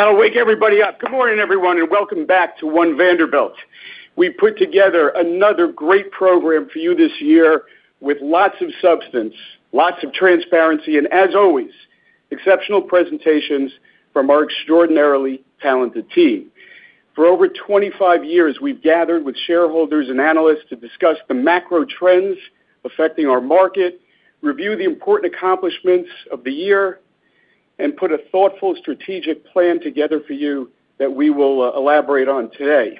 I'll wake everybody up. Good morning, everyone, and welcome back to One Vanderbilt. We've put together another great program for you this year with lots of substance, lots of transparency, and, as always, exceptional presentations from our extraordinarily talented team. For over 25 years, we've gathered with shareholders and analysts to discuss the macro trends affecting our market, review the important accomplishments of the year, and put a thoughtful strategic plan together for you that we will elaborate on today.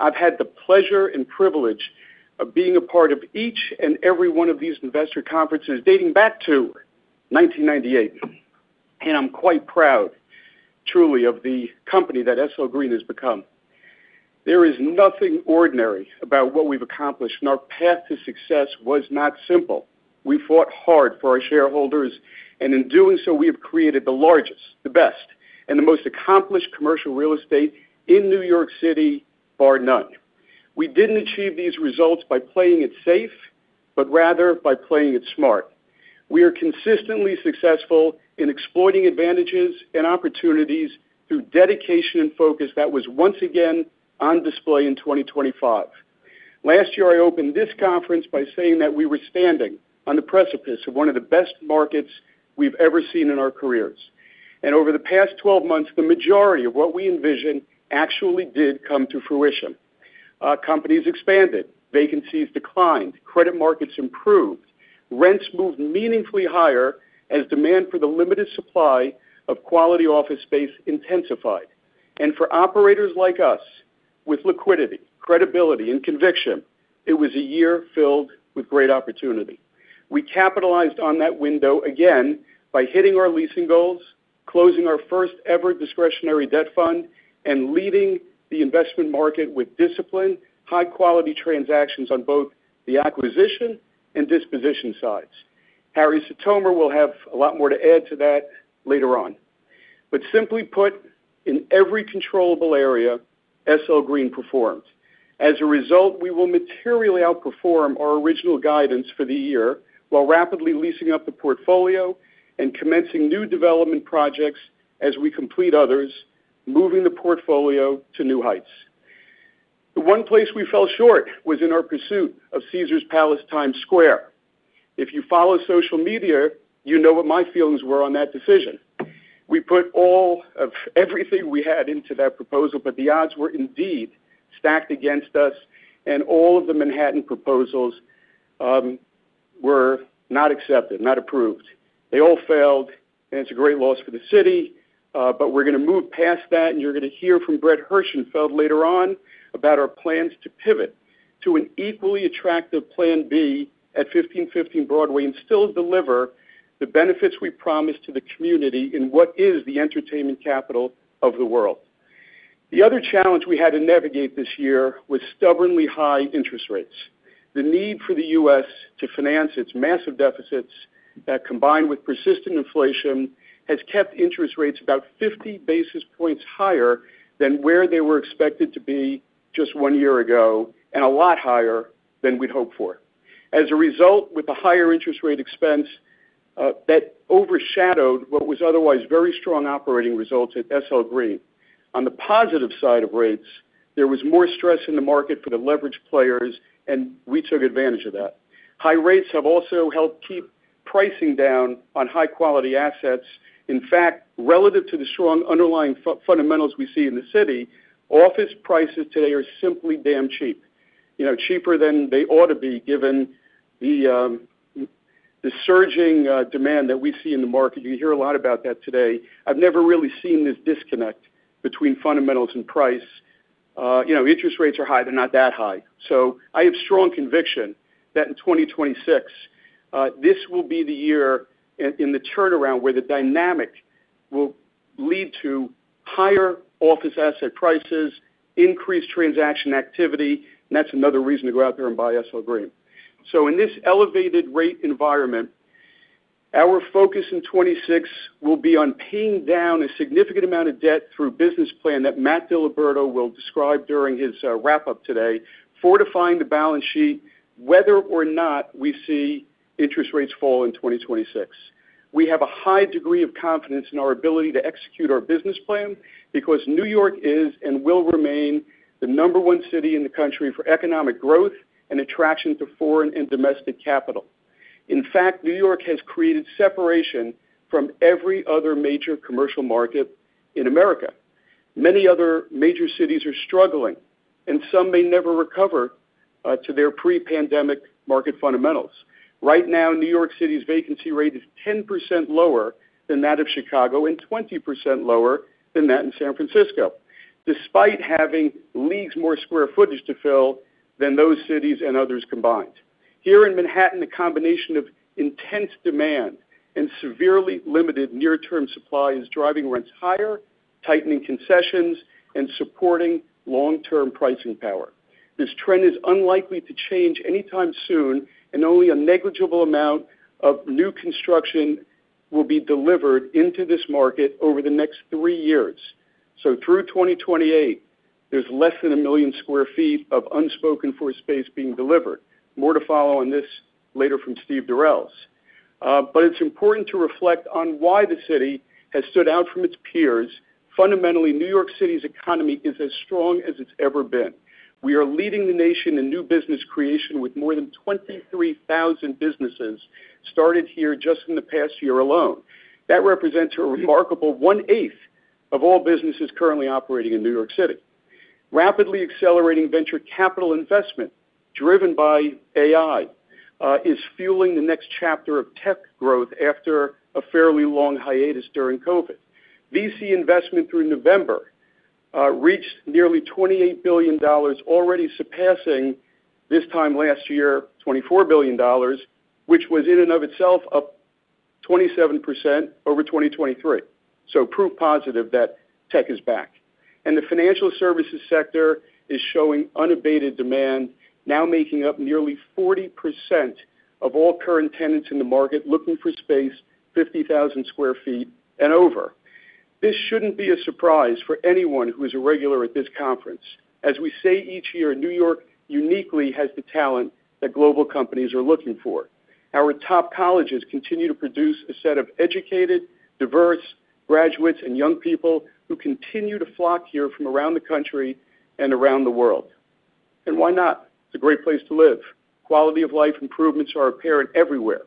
I've had the pleasure and privilege of being a part of each and every one of these investor conferences dating back to 1998, and I'm quite proud, truly, of the company that SL Green has become. There is nothing ordinary about what we've accomplished, and our path to success was not simple. We fought hard for our shareholders, and in doing so, we have created the largest, the best, and the most accomplished commercial real estate in New York City, bar none. We didn't achieve these results by playing it safe, but rather by playing it smart. We are consistently successful in exploiting advantages and opportunities through dedication and focus that was once again on display in 2025. Last year, I opened this conference by saying that we were standing on the precipice of one of the best markets we've ever seen in our careers, and over the past 12 months, the majority of what we envisioned actually did come to fruition. Companies expanded, vacancies declined, credit markets improved, rents moved meaningfully higher as demand for the limited supply of quality office space intensified, and for operators like us, with liquidity, credibility, and conviction, it was a year filled with great opportunity. We capitalized on that window again by hitting our leasing goals, closing our first-ever discretionary debt fund, and leading the investment market with discipline, high-quality transactions on both the acquisition and disposition sides. Harrison Sitomer will have a lot more to add to that later on. But simply put, in every controllable area, SL Green performed. As a result, we will materially outperform our original guidance for the year while rapidly leasing up the portfolio and commencing new development projects as we complete others, moving the portfolio to new heights. The one place we fell short was in our pursuit of Caesars Palace Times Square. If you follow social media, you know what my feelings were on that decision. We put all of everything we had into that proposal, but the odds were indeed stacked against us, and all of the Manhattan proposals were not accepted, not approved. They all failed, and it's a great loss for the city, but we're going to move past that, and you're going to hear from Brett Herschenfeld later on about our plans to pivot to an equally attractive Plan B at 1515 Broadway and still deliver the benefits we promised to the community in what is the entertainment capital of the world. The other challenge we had to navigate this year was stubbornly high interest rates. The need for the U.S. to finance its massive deficits, combined with persistent inflation, has kept interest rates about 50 basis points higher than where they were expected to be just one year ago and a lot higher than we'd hoped for. As a result, with the higher interest rate expense, that overshadowed what was otherwise very strong operating results at SL Green. On the positive side of rates, there was more stress in the market for the leveraged players, and we took advantage of that. High rates have also helped keep pricing down on high-quality assets. In fact, relative to the strong underlying fundamentals we see in the city, office prices today are simply damn cheap, cheaper than they ought to be given the surging demand that we see in the market. You hear a lot about that today. I've never really seen this disconnect between fundamentals and price. Interest rates are high. They're not that high. So I have strong conviction that in 2026, this will be the year in the turnaround where the dynamic will lead to higher office asset prices, increased transaction activity, and that's another reason to go out there and buy SL Green. So in this elevated rate environment, our focus in 2026 will be on paying down a significant amount of debt through a business plan that Matt DiLiberto will describe during his wrap-up today, fortifying the balance sheet, whether or not we see interest rates fall in 2026. We have a high degree of confidence in our ability to execute our business plan because New York is and will remain the number one city in the country for economic growth and attraction to foreign and domestic capital. In fact, New York has created separation from every other major commercial market in America. Many other major cities are struggling, and some may never recover to their pre-pandemic market fundamentals. Right now, New York City's vacancy rate is 10% lower than that of Chicago and 20% lower than that in San Francisco, despite having leagues more square footage to fill than those cities and others combined. Here in Manhattan, the combination of intense demand and severely limited near-term supply is driving rents higher, tightening concessions, and supporting long-term pricing power. This trend is unlikely to change anytime soon, and only a negligible amount of new construction will be delivered into this market over the next three years. So through 2028, there's less than a million sq ft of unspoken-for space being delivered. More to follow on this later from Steve Durels. But it's important to reflect on why the city has stood out from its peers. Fundamentally, New York City's economy is as strong as it's ever been. We are leading the nation in new business creation with more than 23,000 businesses started here just in the past year alone. That represents a remarkable one-eighth of all businesses currently operating in New York City. Rapidly accelerating venture capital investment driven by AI is fueling the next chapter of tech growth after a fairly long hiatus during COVID. VC investment through November reached nearly $28 billion, already surpassing this time last year $24 billion, which was in and of itself a 27% over 2023. So proof positive that tech is back. And the financial services sector is showing unabated demand, now making up nearly 40% of all current tenants in the market looking for space, 50,000 sq ft and over. This shouldn't be a surprise for anyone who is a regular at this conference. As we say each year, New York uniquely has the talent that global companies are looking for. Our top colleges continue to produce a set of educated, diverse graduates and young people who continue to flock here from around the country and around the world. And why not? It's a great place to live. Quality of life improvements are apparent everywhere.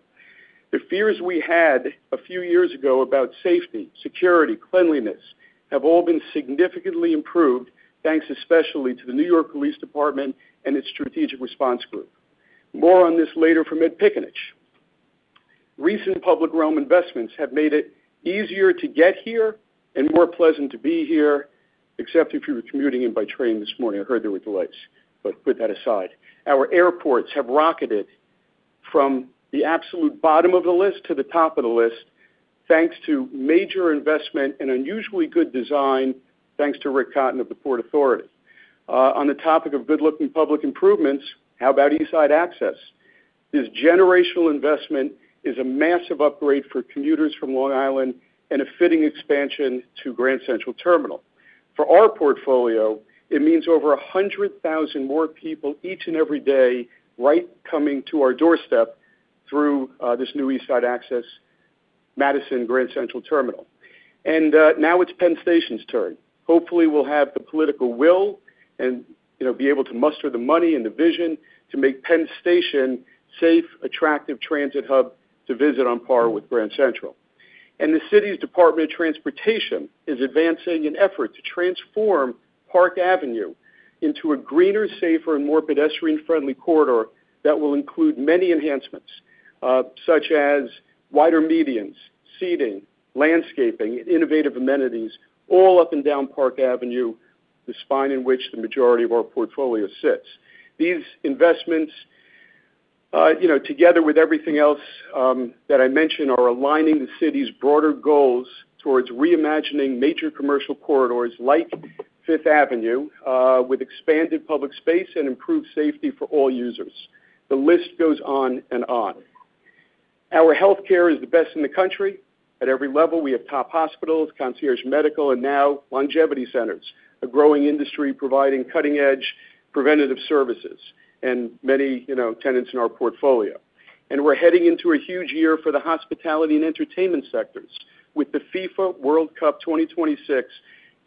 The fears we had a few years ago about safety, security, cleanliness have all been significantly improved, thanks especially to the New York Police Department and its Strategic Response Group. More on this later from Ed Piccinich. Recent public realm investments have made it easier to get here and more pleasant to be here, except if you were commuting in by train this morning. I heard there were delays, but put that aside. Our airports have rocketed from the absolute bottom of the list to the top of the list, thanks to major investment and unusually good design, thanks to Rick Cotton of the Port Authority. On the topic of good-looking public improvements, how about East Side Access? This generational investment is a massive upgrade for commuters from Long Island and a fitting expansion to Grand Central Terminal. For our portfolio, it means over 100,000 more people each and every day right coming to our doorstep through this new East Side Access, Grand Central Madison. Terminal, and now it's Penn Station's turn. Hopefully, we'll have the political will and be able to muster the money and the vision to make Penn Station a safe, attractive transit hub to visit on par with Grand Central. The city's Department of Transportation is advancing an effort to transform Park Avenue into a greener, safer, and more pedestrian-friendly corridor that will include many enhancements, such as wider medians, seating, landscaping, innovative amenities, all up and down Park Avenue, the spine in which the majority of our portfolio sits. These investments, together with everything else that I mentioned, are aligning the city's broader goals towards reimagining major commercial corridors like Fifth Avenue with expanded public space and improved safety for all users. The list goes on and on. Our healthcare is the best in the country. At every level, we have top hospitals, concierge medical, and now longevity centers, a growing industry providing cutting-edge preventative services and many tenants in our portfolio. We're heading into a huge year for the hospitality and entertainment sectors, with the FIFA World Cup 2026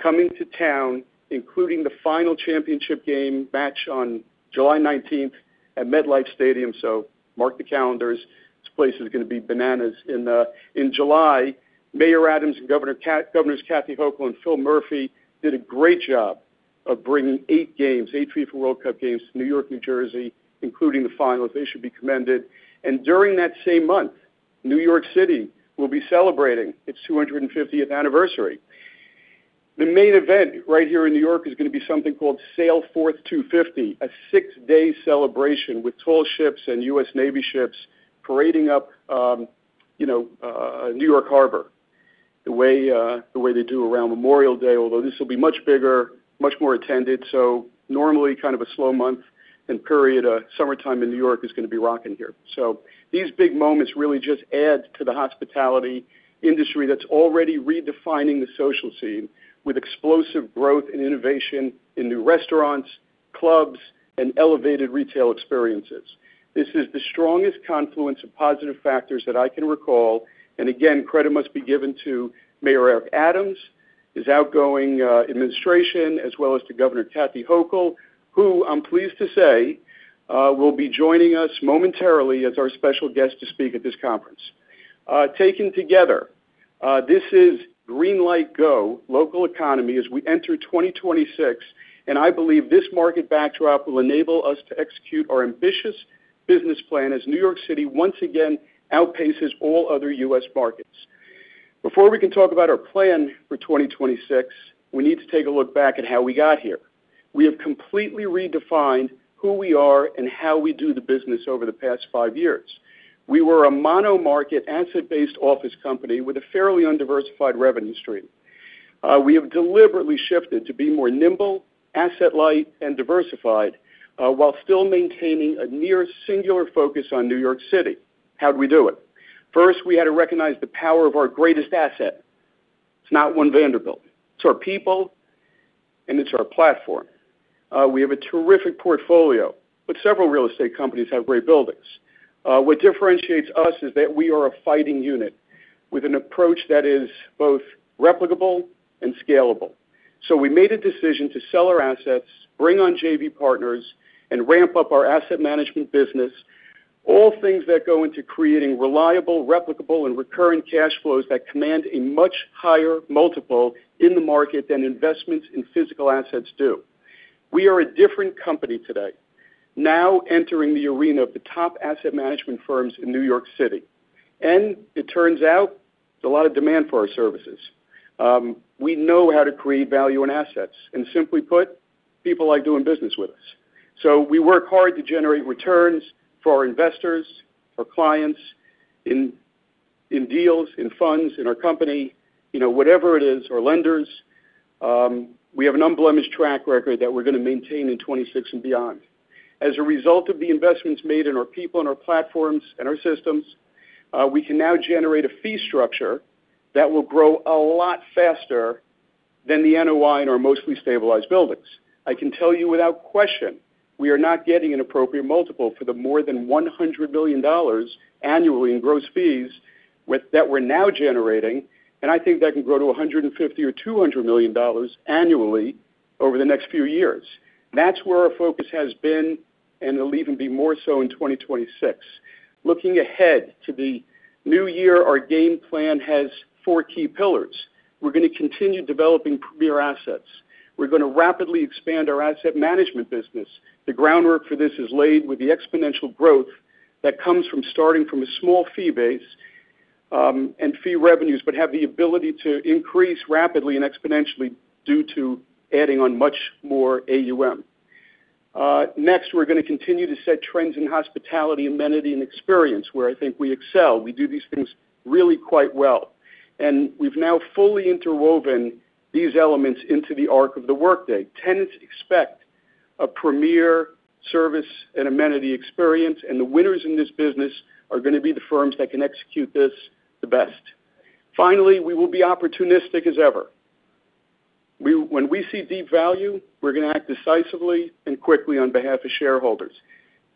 coming to town, including the final championship game match on July 19th at MetLife Stadium. So mark the calendars. This place is going to be bananas in July. Mayor Adams and Governors Kathy Hochul and Phil Murphy did a great job of bringing eight games, eight FIFA World Cup games to New York, New Jersey, including the final. They should be commended. During that same month, New York City will be celebrating its 250th anniversary. The main event right here in New York is going to be something called Sail Forth 250, a six-day celebration with tall ships and U.S. Navy ships parading up New York Harbor the way they do around Memorial Day, although this will be much bigger, much more attended. So normally kind of a slow month and period, summertime in New York is going to be rocking here. So these big moments really just add to the hospitality industry that's already redefining the social scene with explosive growth and innovation in new restaurants, clubs, and elevated retail experiences. This is the strongest confluence of positive factors that I can recall. And again, credit must be given to Mayor Eric Adams, his outgoing administration, as well as to Governor Kathy Hochul, who I'm pleased to say will be joining us momentarily as our special guest to speak at this conference. Taken together, this is green light go local economy as we enter 2026, and I believe this market backdrop will enable us to execute our ambitious business plan as New York City once again outpaces all other U.S. markets. Before we can talk about our plan for 2026, we need to take a look back at how we got here. We have completely redefined who we are and how we do the business over the past five years. We were a mono market asset-based office company with a fairly undiversified revenue stream. We have deliberately shifted to be more nimble, asset-light, and diversified while still maintaining a near singular focus on New York City. How did we do it? First, we had to recognize the power of our greatest asset. It's not One Vanderbilt. It's our people, and it's our platform. We have a terrific portfolio, but several real estate companies have great buildings. What differentiates us is that we are a fighting unit with an approach that is both replicable and scalable. So we made a decision to sell our assets, bring on JV partners, and ramp up our asset management business, all things that go into creating reliable, replicable, and recurring cash flows that command a much higher multiple in the market than investments in physical assets do. We are a different company today, now entering the arena of the top asset management firms in New York City. And it turns out there's a lot of demand for our services. We know how to create value in assets. And simply put, people like doing business with us. So we work hard to generate returns for our investors, our clients, in deals, in funds, in our company, whatever it is, our lenders. We have an unblemished track record that we're going to maintain in 2026 and beyond. As a result of the investments made in our people and our platforms and our systems, we can now generate a fee structure that will grow a lot faster than the NOI in our mostly stabilized buildings. I can tell you without question, we are not getting an appropriate multiple for the more than $100 billion annually in gross fees that we're now generating, and I think that can grow to $150 or $200 million annually over the next few years. That's where our focus has been, and it'll even be more so in 2026. Looking ahead to the new year, our game plan has four key pillars. We're going to continue developing premier assets. We're going to rapidly expand our asset management business. The groundwork for this is laid with the exponential growth that comes from starting from a small fee base and fee revenues, but have the ability to increase rapidly and exponentially due to adding on much more AUM. Next, we're going to continue to set trends in hospitality, amenity, and experience, where I think we excel. We do these things really quite well. And we've now fully interwoven these elements into the arc of the workday. Tenants expect a premier service and amenity experience, and the winners in this business are going to be the firms that can execute this the best. Finally, we will be opportunistic as ever. When we see deep value, we're going to act decisively and quickly on behalf of shareholders.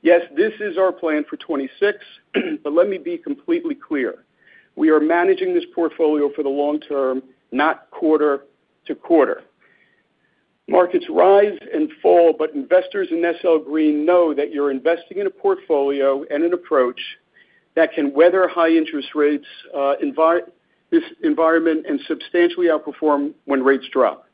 Yes, this is our plan for 2026, but let me be completely clear. We are managing this portfolio for the long term, not quarter to quarter. Marcets rise and fall, but investors in SL Green know that you're investing in a portfolio and an approach that can weather high interest rates environment and substantially outperform when rates drop.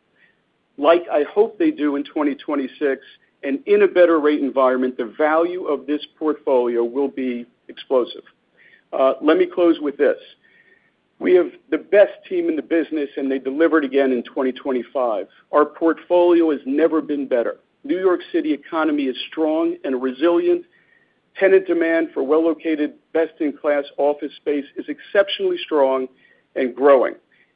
Like I hope they do in 2026, and in a better rate environment, the value of this portfolio will be explosive. Let me close with this. We have the best team in the business, and they delivered again in 2025. Our portfolio has never been better. New York City economy is strong and resilient. Tenant demand for well-located, best-in-class office space is exceptionally strong and growing,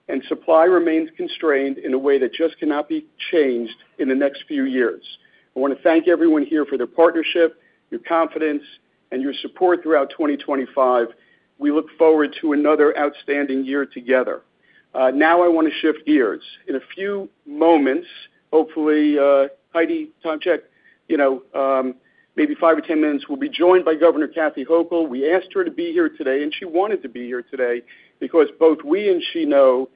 and supply remains constrained in a way that just cannot be changed in the next few years. I want to thank everyone here for their partnership, your confidence, and your support throughout 2025. We look forward to another outstanding year together. Now I want to shift gears. In a few moments, hopefully, Heidi Tomic, maybe five or 10 minutes, will be joined by Governor Kathy Hochul. We asked her to be here today, and she wanted to be here today because both we and she know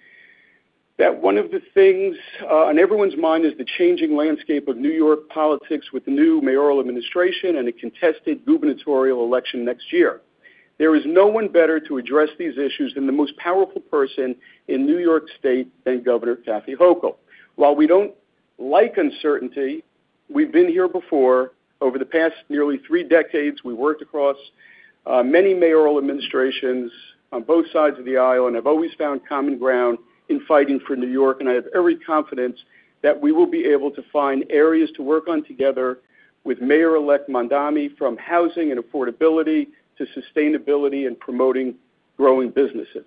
that one of the things on everyone's mind is the changing landscape of New York politics with the new mayoral administration and a contested gubernatorial election next year. There is no one better to address these issues than the most powerful person in New York State, Governor Kathy Hochul. While we don't like uncertainty, we've been here before. Over the past nearly three decades, we worked across many mayoral administrations on both sides of the aisle and have always found common ground in fighting for New York. And I have every confidence that we will be able to find areas to work on together with Mayor-elect Mamdani from housing and affordability to sustainability and promoting growing businesses.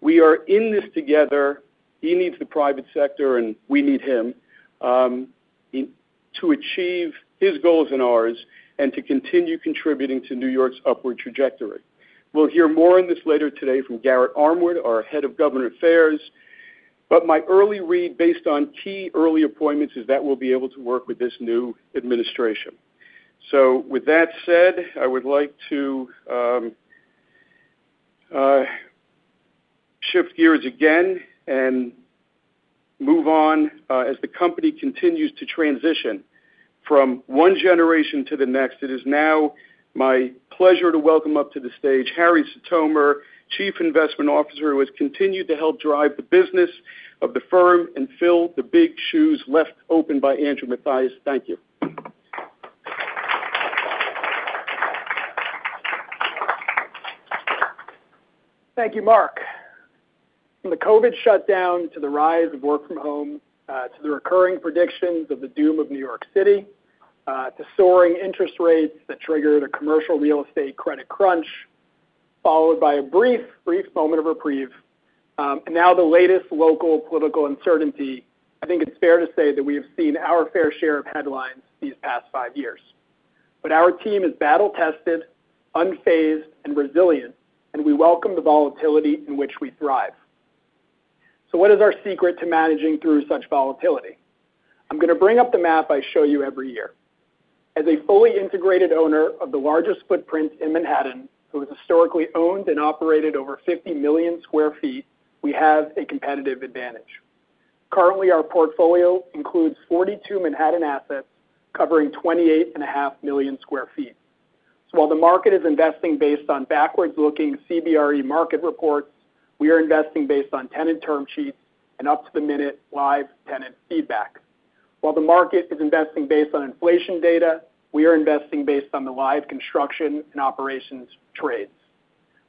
We are in this together. He needs the private sector, and we need him to achieve his goals and ours and to continue contributing to New York's upward trajectory. We'll hear more on this later today from Garrett Armwood, our head of government affairs. But my early read based on key early appointments is that we'll be able to work with this new administration. So with that said, I would like to shift gears again and move on as the company continues to transition from one generation to the next. It is now my pleasure to welcome up to the stage Harrison Sitomer, Chief Investment Officer, who has continued to help drive the business of the firm and fill the big shoes left open by Andrew Mathias. Thank you. Thank you, Marc. From the COVID shutdown to the rise of work from home, to the recurring predictions of the doom of New York City, to soaring interest rates that triggered a commercial real estate credit crunch, followed by a brief, brief moment of reprieve, and now the latest local political uncertainty, I think it's fair to say that we have seen our fair share of headlines these past five years. But our team is battle-tested, unfazed, and resilient, and we welcome the volatility in which we thrive. So what is our secret to managing through such volatility? I'm going to bring up the map I show you every year. As a fully integrated owner of the largest footprint in Manhattan, who has historically owned and operated over 50 million sq ft, we have a competitive advantage. Currently, our portfolio includes 42 Manhattan assets covering 28.5 million sq ft. So while the market is investing based on backwards-looking CBRE market reports, we are investing based on tenant term sheets and up-to-the-minute live tenant feedback. While the market is investing based on inflation data, we are investing based on the live construction and operations trades.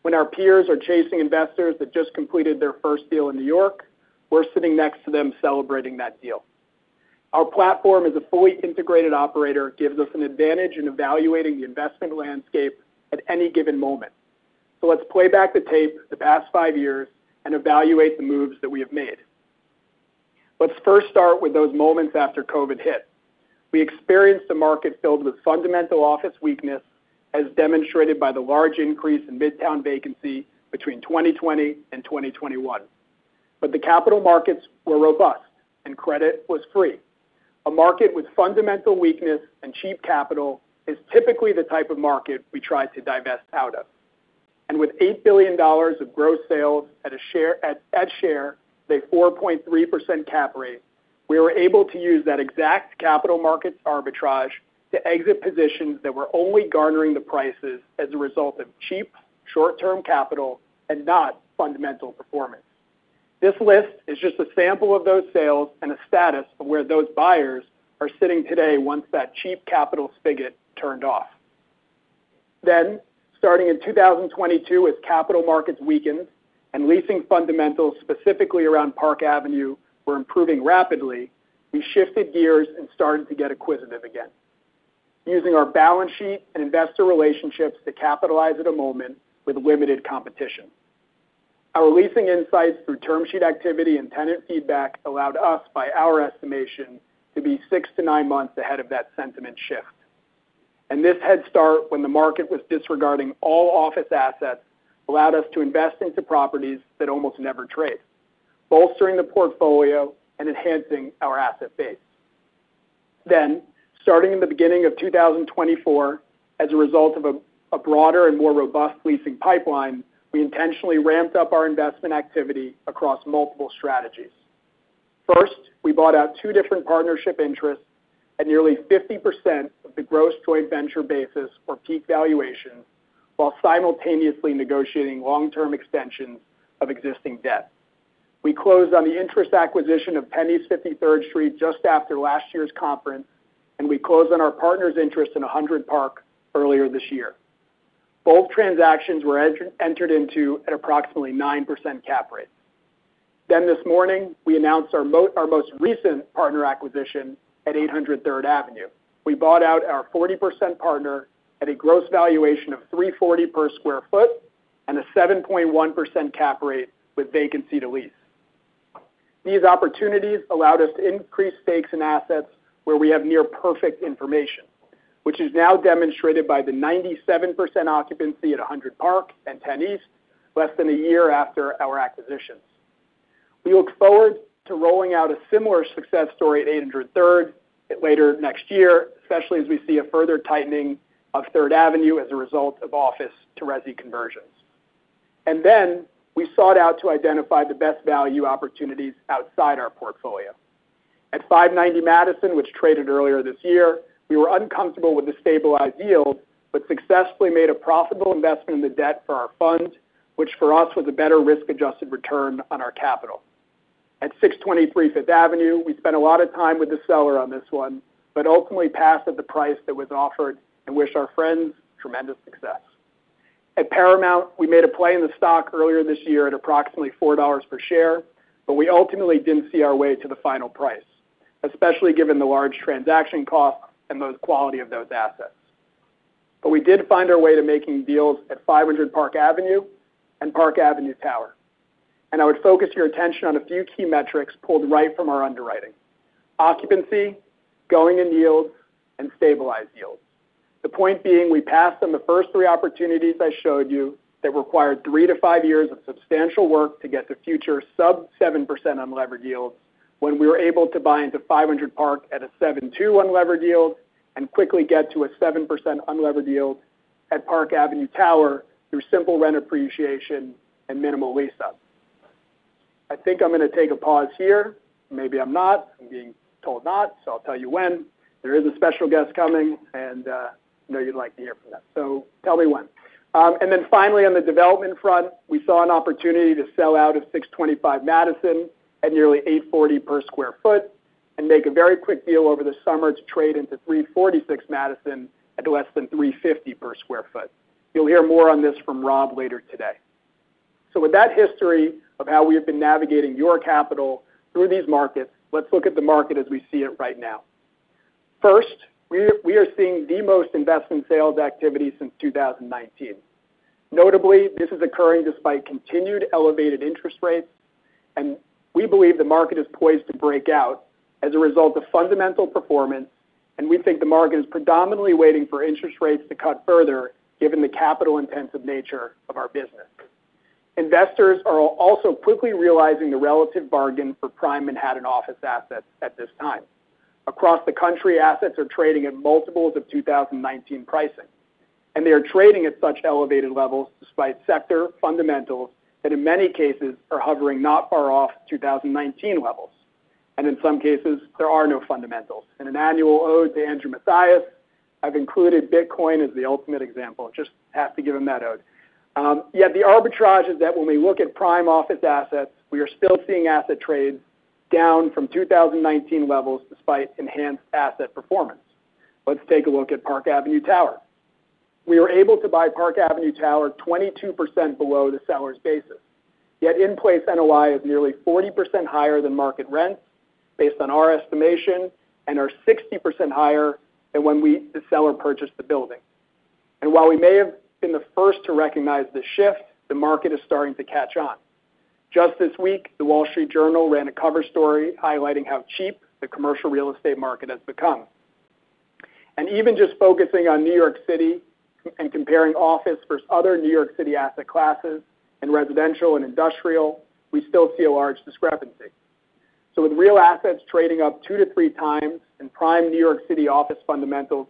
When our peers are chasing investors that just completed their first deal in New York, we're sitting next to them celebrating that deal. Our platform as a fully integrated operator gives us an advantage in evaluating the investment landscape at any given moment. So let's play back the tape, the past five years, and evaluate the moves that we have made. Let's first start with those moments after COVID hit. We experienced a market filled with fundamental office weakness, as demonstrated by the large increase in midtown vacancy between 2020 and 2021. But the capital markets were robust, and credit was free. A market with fundamental weakness and cheap capital is typically the type of market we try to divest out of. And with $8 billion of gross sales at a share at a 4.3% cap rate, we were able to use that exact capital markets arbitrage to exit positions that were only garnering the prices as a result of cheap short-term capital and not fundamental performance. This list is just a sample of those sales and a status of where those buyers are sitting today once that cheap capital spigot turned off. Then, starting in 2022, as capital markets weakened and leasing fundamentals specifically around Park Avenue were improving rapidly, we shifted gears and started to get acquisitive again, using our balance sheet and investor relationships to capitalize at a moment with limited competition. Our leasing insights through term sheet activity and tenant feedback allowed us, by our estimation, to be six to nine months ahead of that sentiment shift. And this head start, when the market was disregarding all office assets, allowed us to invest into properties that almost never trade, bolstering the portfolio and enhancing our asset base. Then, starting in the beginning of 2024, as a result of a broader and more robust leasing pipeline, we intentionally ramped up our investment activity across multiple strategies. First, we bought out two different partnership interests at nearly 50% of the gross joint venture basis or peak valuation, while simultaneously negotiating long-term extensions of existing debt. We closed on the interest acquisition of 10 East 53rd Street just after last year's conference, and we closed on our partner's interest in 100 Park Avenue earlier this year. Both transactions were entered into at approximately 9% cap rate. Then this morning, we announced our most recent partner acquisition at 803 Third Avenue. We bought out our 40% partner at a gross valuation of $340 per sq ft and a 7.1% cap rate with vacancy to lease. These opportunities allowed us to increase stakes in assets where we have near perfect information, which is now demonstrated by the 97% occupancy at 100 Park Avenue and 10 East 53rd Street, less than a year after our acquisitions. We look forward to rolling out a similar success story at 803 Third Avenue later next year, especially as we see a further tightening of Third Avenue as a result of office-to-resi conversions. And then we sought out to identify the best value opportunities outside our portfolio. At 590 Madison Avenue, which traded earlier this year, we were uncomfortable with the stabilized yield, but successfully made a profitable investment in the debt for our fund, which for us was a better risk-adjusted return on our capital. At 623 Fifth Avenue, we spent a lot of time with the seller on this one, but ultimately passed at the price that was offered and wished our friends tremendous success. At Paramount, we made a play in the stock earlier this year at approximately $4 per share, but we ultimately didn't see our way to the final price, especially given the large transaction costs and the quality of those assets. But we did find our way to making deals at 500 Park Avenue and Park Avenue Tower. And I would focus your attention on a few key metrics pulled right from our underwriting: occupancy, going in yields, and stabilized yields. The point being, we passed on the first three opportunities I showed you that required three to five years of substantial work to get to future sub-7% unleveraged yields when we were able to buy into 500 Park at a 7.2 unleveraged yield and quickly get to a 7% unleveraged yield at Park Avenue Tower through simple rent appreciation and minimal lease-up. I think I'm going to take a pause here. Maybe I'm not. I'm being told not, so I'll tell you when. There is a special guest coming, and I know you'd like to hear from them, so tell me when, and then finally, on the development front, we saw an opportunity to sell out of 625 Madison at nearly $840 per sq ft and make a very quick deal over the summer to trade into 346 Madison at less than $350 per sq ft. You'll hear more on this from Rob later today, so with that history of how we have been navigating your capital through these markets, let's look at the market as we see it right now. First, we are seeing the most investment sales activity since 2019. Notably, this is occurring despite continued elevated interest rates, and we believe the market is poised to break out as a result of fundamental performance, and we think the market is predominantly waiting for interest rates to cut further given the capital-intensive nature of our business. Investors are also quickly realizing the relative bargain for prime Manhattan office assets at this time. Across the country, assets are trading at multiples of 2019 pricing, and they are trading at such elevated levels despite sector fundamentals that in many cases are hovering not far off 2019 levels. And in some cases, there are no fundamentals. In an annual ode to Andrew Mathias, I've included Bitcoin as the ultimate example. Just have to give him that ode. Yet the arbitrage is that when we look at prime office assets, we are still seeing asset trades down from 2019 levels despite enhanced asset performance. Let's take a look at Park Avenue Tower. We were able to buy Park Avenue Tower 22% below the seller's basis. Yet in-place NOI is nearly 40% higher than market rents based on our estimation and are 60% higher than when the seller purchased the building. And while we may have been the first to recognize the shift, the market is starting to catch on. Just this week, the Wall Street Journal ran a cover story highlighting how cheap the commercial real estate market has become. And even just focusing on New York City and comparing office versus other New York City asset classes and residential and industrial, we still see a large discrepancy. So with real assets trading up two to three times and prime New York City office fundamentals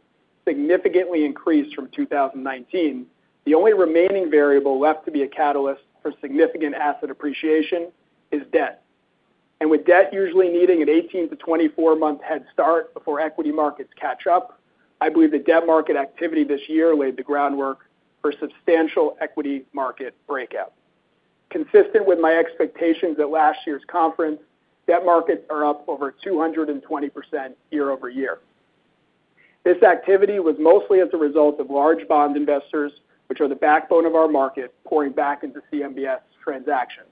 significantly increased from 2019, the only remaining variable left to be a catalyst for significant asset appreciation is debt. And with debt usually needing an 18- to 24-month head start before equity markets catch up, I believe the debt market activity this year laid the groundwork for substantial equity market breakout. Consistent with my expectations at last year's conference, debt markets are up over 220% year over year. This activity was mostly as a result of large bond investors, which are the backbone of our market, pouring back into CMBS transactions.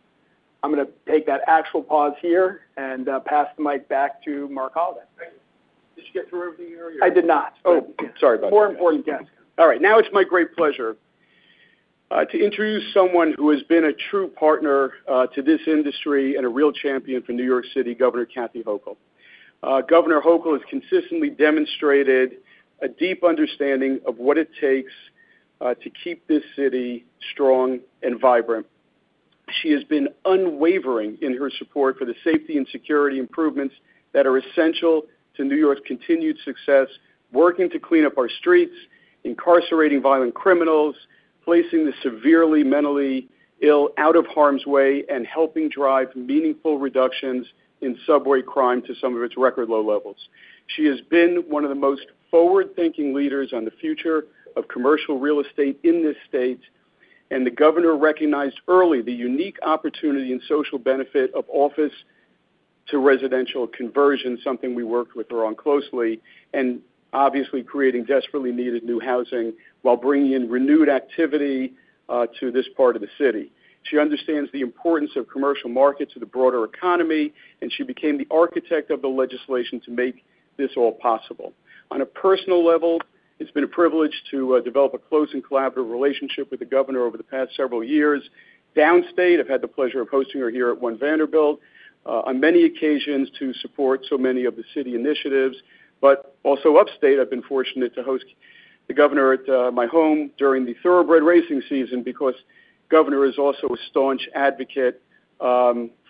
I'm going to take that actual pause here and pass the mic back to Marc Holliday. Thank you. Did you get through everything earlier? I did not. Oh, sorry about that. More important guest. All right. Now it's my great pleasure to introduce someone who has been a true partner to this industry and a real champion for New York City, Governor Kathy Hochul. Governor Hochul has consistently demonstrated a deep understanding of what it takes to keep this city strong and vibrant. She has been unwavering in her support for the safety and security improvements that are essential to New York's continued success, working to clean up our streets, incarcerating violent criminals, placing the severely mentally ill out of harm's way, and helping drive meaningful reductions in subway crime to some of its record low levels. She has been one of the most forward-thinking leaders on the future of commercial real estate in this state, and the governor recognized early the unique opportunity and social benefit of office to residential conversion, something we worked with her on closely, and obviously creating desperately needed new housing while bringing in renewed activity to this part of the city. She understands the importance of commercial markets to the broader economy, and she became the architect of the legislation to make this all possible. On a personal level, it's been a privilege to develop a close and collaborative relationship with the governor over the past several years. Downstate, I've had the pleasure of hosting her here at One Vanderbilt on many occasions to support so many of the city initiatives. But also upstate, I've been fortunate to host the governor at my home during the thoroughbred racing season because the governor is also a staunch advocate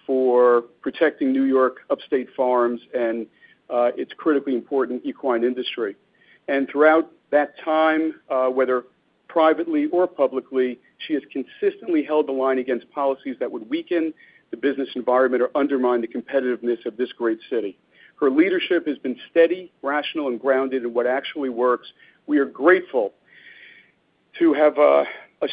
for protecting New York's upstate farms and its critically important equine industry. And throughout that time, whether privately or publicly, she has consistently held the line against policies that would weaken the business environment or undermine the competitiveness of this great city. Her leadership has been steady, rational, and grounded in what actually works. We are grateful to have a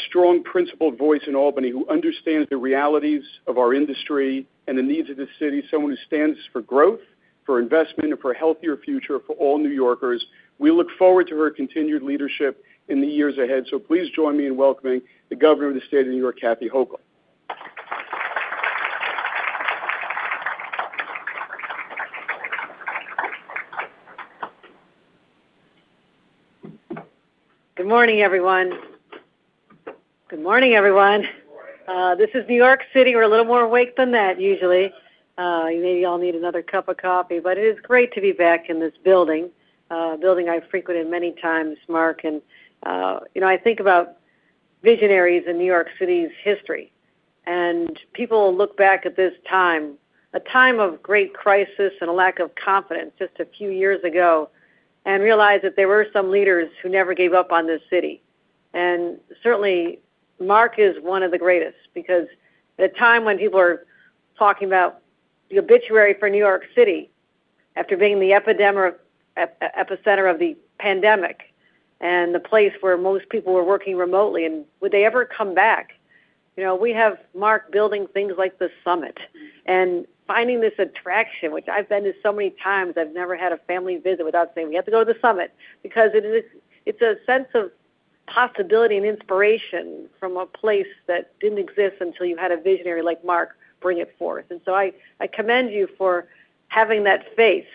strong principled voice in Albany who understands the realities of our industry and the needs of the city, someone who stands for growth, for investment, and for a healthier future for all New Yorkers. We look forward to her continued leadership in the years ahead. So please join me in welcoming the governor of the state of New York, Kathy Hochul. Good morning, everyone. Good morning, everyone. This is New York City. We're a little more awake than that usually. Maybe you all need another cup of coffee, but it is great to be back in this building, a building I've frequented many times, Marc, and I think about visionaries in New York City's history, and people look back at this time, a time of great crisis and a lack of confidence just a few years ago, and realize that there were some leaders who never gave up on this city, and certainly, Marc is one of the greatest because at a time when people are talking about the obituary for New York City after being the epicenter of the pandemic and the place where most people were working remotely, and would they ever come back? We have Marc building things like the Summit and finding this attraction, which I've been to so many times. I've never had a family visit without saying, "We have to go to the Summit," because it's a sense of possibility and inspiration from a place that didn't exist until you had a visionary like Marc bring it forth. So I commend you for having that faith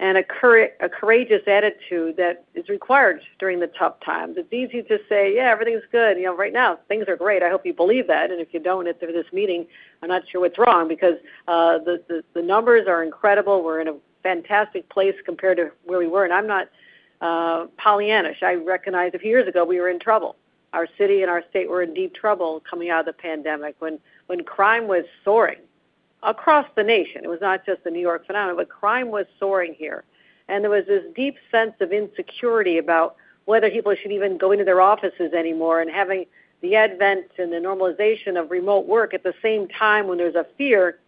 and a courageous attitude that is required during the tough times. It's easy to say, "Yeah, everything's good. Right now, things are great." I hope you believe that. And if you don't, after this meeting, I'm not sure what's wrong because the numbers are incredible. We're in a fantastic place compared to where we were. And I'm not Pollyannish. I recognize a few years ago we were in trouble. Our city and our state were in deep trouble coming out of the pandemic when crime was soaring across the nation. It was not just the New York phenomenon, but crime was soaring here. And there was this deep sense of insecurity about whether people should even go into their offices anymore. And having the advent and the normalization of remote work at the same time when there's a fear,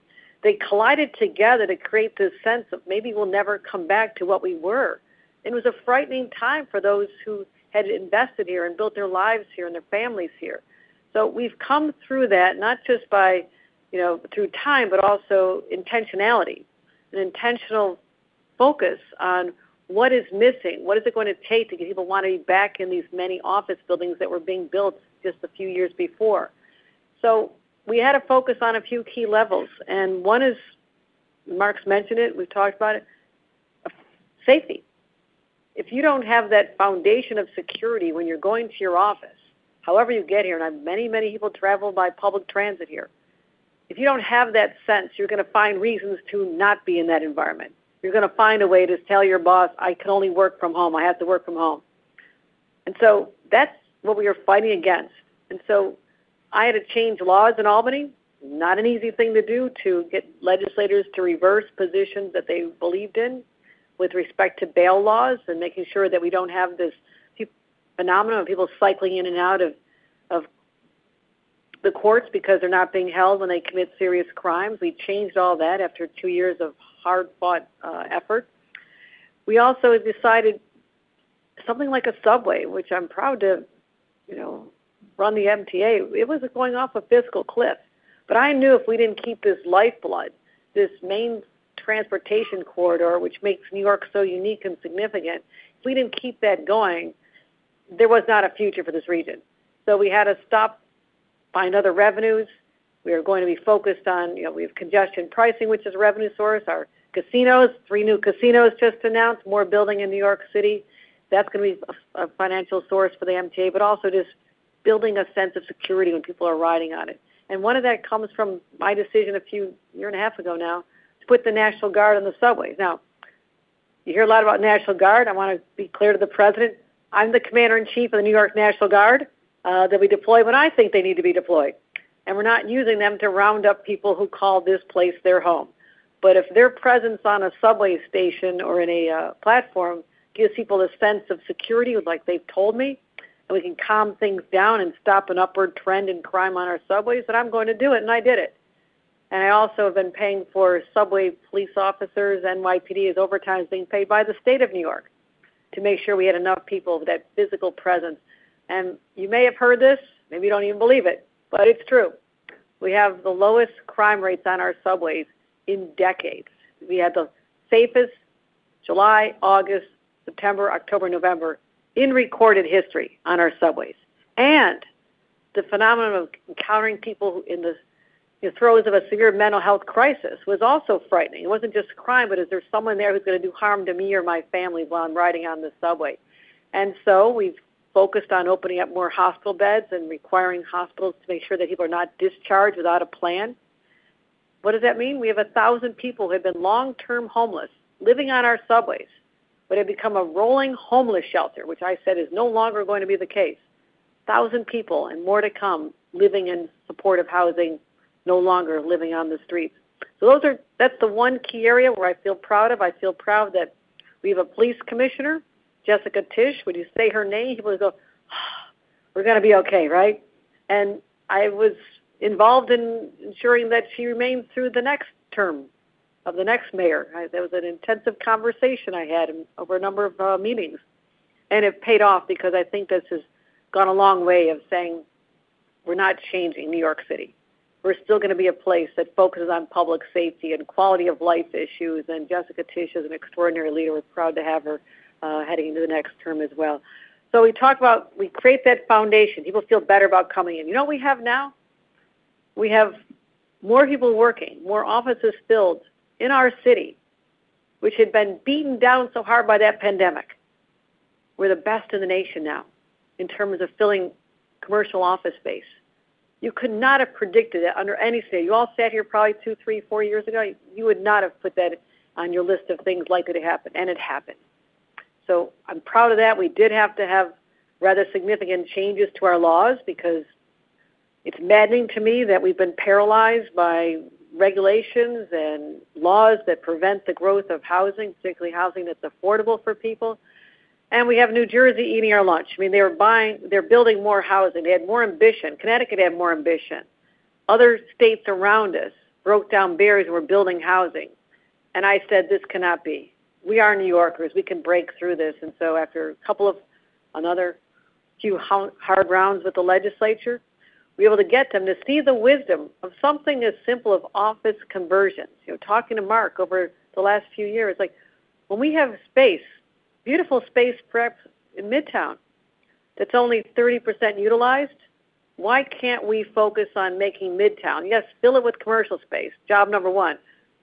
they collided together to create this sense of maybe we'll never come back to what we were. And it was a frightening time for those who had invested here and built their lives here and their families here. So we've come through that not just by time, but also intentionality, an intentional focus on what is missing. What is it going to take to get people wanting to be back in these many office buildings that were being built just a few years before? So we had a focus on a few key levels. And one is, Marc's mentioned it, we've talked about it, safety. If you don't have that foundation of security when you're going to your office, however you get here, and many, many people travel by public transit here, if you don't have that sense, you're going to find reasons to not be in that environment. You're going to find a way to tell your boss, "I can only work from home. I have to work from home." And so that's what we are fighting against. And so I had to change laws in Albany. Not an easy thing to do to get legislators to reverse positions that they believed in with respect to bail laws and making sure that we don't have this phenomenon of people cycling in and out of the courts because they're not being held when they commit serious crimes. We changed all that after two years of hard-fought effort. We also decided something like a subway, which I'm proud to run the MTA. It was going off a fiscal cliff. But I knew if we didn't keep this lifeblood, this main transportation corridor, which makes New York so unique and significant, if we didn't keep that going, there was not a future for this region. So we had to stop buying other revenues. We are going to be focused on we have congestion pricing, which is a revenue source. Our casinos, three new casinos just announced, more building in New York City. That's going to be a financial source for the MTA, but also just building a sense of security when people are riding on it, and one of that comes from my decision a year and a half ago now to put the National Guard on the subways. Now, you hear a lot about National Guard. I want to be clear to the president. I'm the Commander in Chief of the New York National Guard that we deploy when I think they need to be deployed, and we're not using them to round up people who call this place their home. But if their presence on a subway station or in a platform gives people a sense of security like they've told me, and we can calm things down and stop an upward trend in crime on our subways, then I'm going to do it. And I did it. And I also have been paying for subway police officers. NYPD is overtimes being paid by the state of New York to make sure we had enough people with that physical presence. And you may have heard this. Maybe you don't even believe it, but it's true. We have the lowest crime rates on our subways in decades. We had the safest July, August, September, October, November in recorded history on our subways. And the phenomenon of encountering people in the throes of a severe mental health crisis was also frightening. It wasn't just crime, but is there someone there who's going to do harm to me or my family while I'm riding on the subway? And so we've focused on opening up more hospital beds and requiring hospitals to make sure that people are not discharged without a plan. What does that mean? We have 1,000 people who have been long-term homeless living on our subways, but have become a rolling homeless shelter, which I said is no longer going to be the case. 1,000 people and more to come living in supportive housing, no longer living on the streets. So that's the one key area where I feel proud of. I feel proud that we have a police commissioner, Jessica Tisch. When you say her name, people go, "We're going to be okay," right? I was involved in ensuring that she remained through the next term of the next mayor. That was an intensive conversation I had over a number of meetings. It paid off because I think this has gone a long way of saying, "We're not changing New York City. We're still going to be a place that focuses on public safety and quality of life issues." Jessica Tisch is an extraordinary leader. We're proud to have her heading into the next term as well. We talked about we create that foundation. People feel better about coming in. You know what we have now? We have more people working, more offices filled in our city, which had been beaten down so hard by that pandemic. We're the best in the nation now in terms of filling commercial office space. You could not have predicted that under any state. You all sat here probably two, three, four years ago. You would not have put that on your list of things likely to happen. And it happened. So I'm proud of that. We did have to have rather significant changes to our laws because it's maddening to me that we've been paralyzed by regulations and laws that prevent the growth of housing, particularly housing that's affordable for people. And we have New Jersey eating our lunch. I mean, they're building more housing. They had more ambition. Connecticut had more ambition. Other states around us broke down barriers and were building housing. And I said, "This cannot be. We are New Yorkers. We can break through this." And so after a couple of another few hard rounds with the legislature, we were able to get them to see the wisdom of something as simple as office conversions. Talking to Marc over the last few years, when we have space, beautiful space prepped in Midtown that's only 30% utilized, why can't we focus on making Midtown? Yes, fill it with commercial space, job number one.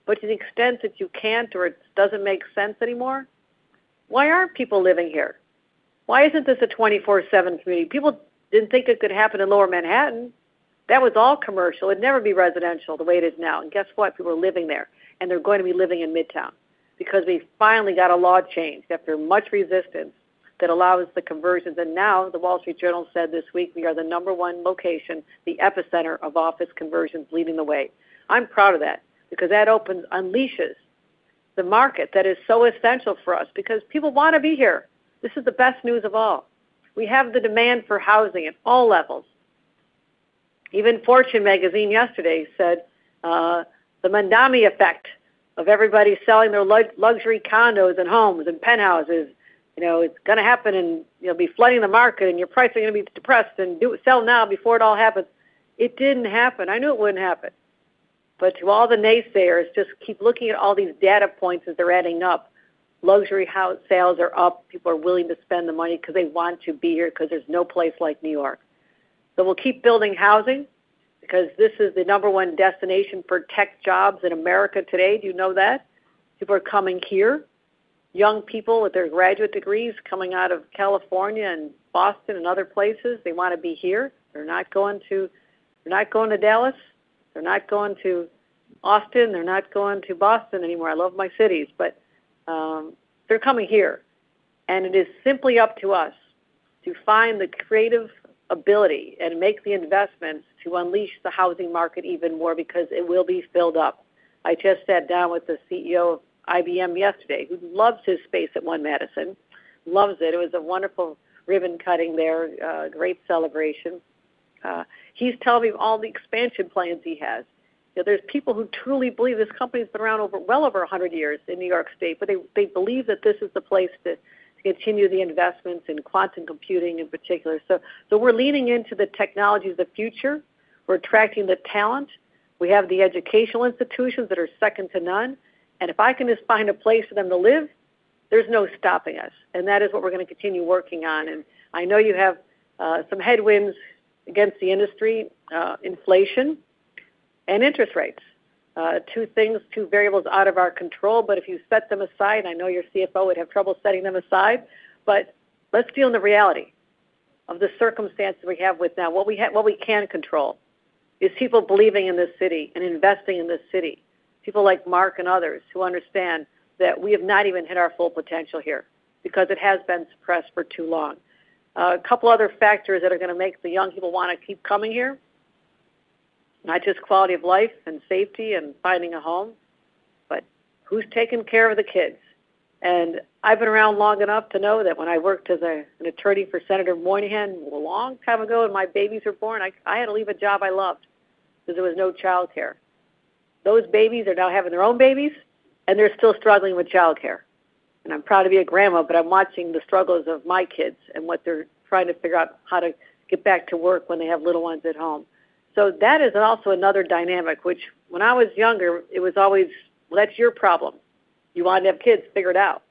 But to the extent that you can't or it doesn't make sense anymore, why aren't people living here? Why isn't this a 24/7 community? People didn't think it could happen in Lower Manhattan. That was all commercial. It'd never be residential the way it is now. And guess what? People are living there. And they're going to be living in Midtown because we finally got a law changed after much resistance that allows the conversions. Now the Wall Street Journal said this week, "We are the number one location, the epicenter of office conversions leading the way." I'm proud of that because that unleashes the market that is so essential for us because people want to be here. This is the best news of all. We have the demand for housing at all levels. Even Fortune Magazine yesterday said the Mamdani effect of everybody selling their luxury condos and homes and penthouses is going to happen and you'll be flooding the market and your prices are going to be depressed and sell now before it all happens. It didn't happen. I knew it wouldn't happen, but to all the naysayers, just keep looking at all these data points as they're adding up. Luxury house sales are up. People are willing to spend the money because they want to be here because there's no place like New York. So we'll keep building housing because this is the number one destination for tech jobs in America today. Do you know that? People are coming here. Young people with their graduate degrees coming out of California and Boston and other places, they want to be here. They're not going to Dallas. They're not going to Austin. They're not going to Boston anymore. I love my cities, but they're coming here. And it is simply up to us to find the creative ability and make the investments to unleash the housing market even more because it will be filled up. I just sat down with the CEO of IBM yesterday who loves his space at One Madison. Loves it. It was a wonderful ribbon cutting there. Great celebration. He's telling me all the expansion plans he has. There's people who truly believe this company's been around well over 100 years in New York State, but they believe that this is the place to continue the investments in quantum computing in particular. So we're leaning into the technologies of the future. We're attracting the talent. We have the educational institutions that are second to none. And if I can just find a place for them to live, there's no stopping us. And that is what we're going to continue working on. And I know you have some headwinds against the industry, inflation and interest rates. Two things, two variables out of our control, but if you set them aside, and I know your CFO would have trouble setting them aside, but let's deal in the reality of the circumstances we have with now. What we can control is people believing in this city and investing in this city. People like Marc and others who understand that we have not even hit our full potential here because it has been suppressed for too long. A couple of other factors that are going to make the young people want to keep coming here, not just quality of life and safety and finding a home, but who's taking care of the kids, and I've been around long enough to know that when I worked as an attorney for Senator Moynihan a long time ago and my babies were born, I had to leave a job I loved because there was no childcare. Those babies are now having their own babies and they're still struggling with childcare. And I'm proud to be a grandma, but I'm watching the struggles of my kids and what they're trying to figure out how to get back to work when they have little ones at home. So that is also another dynamic, which when I was younger, it was always, "Well, that's your problem. You want to have kids, figure it out."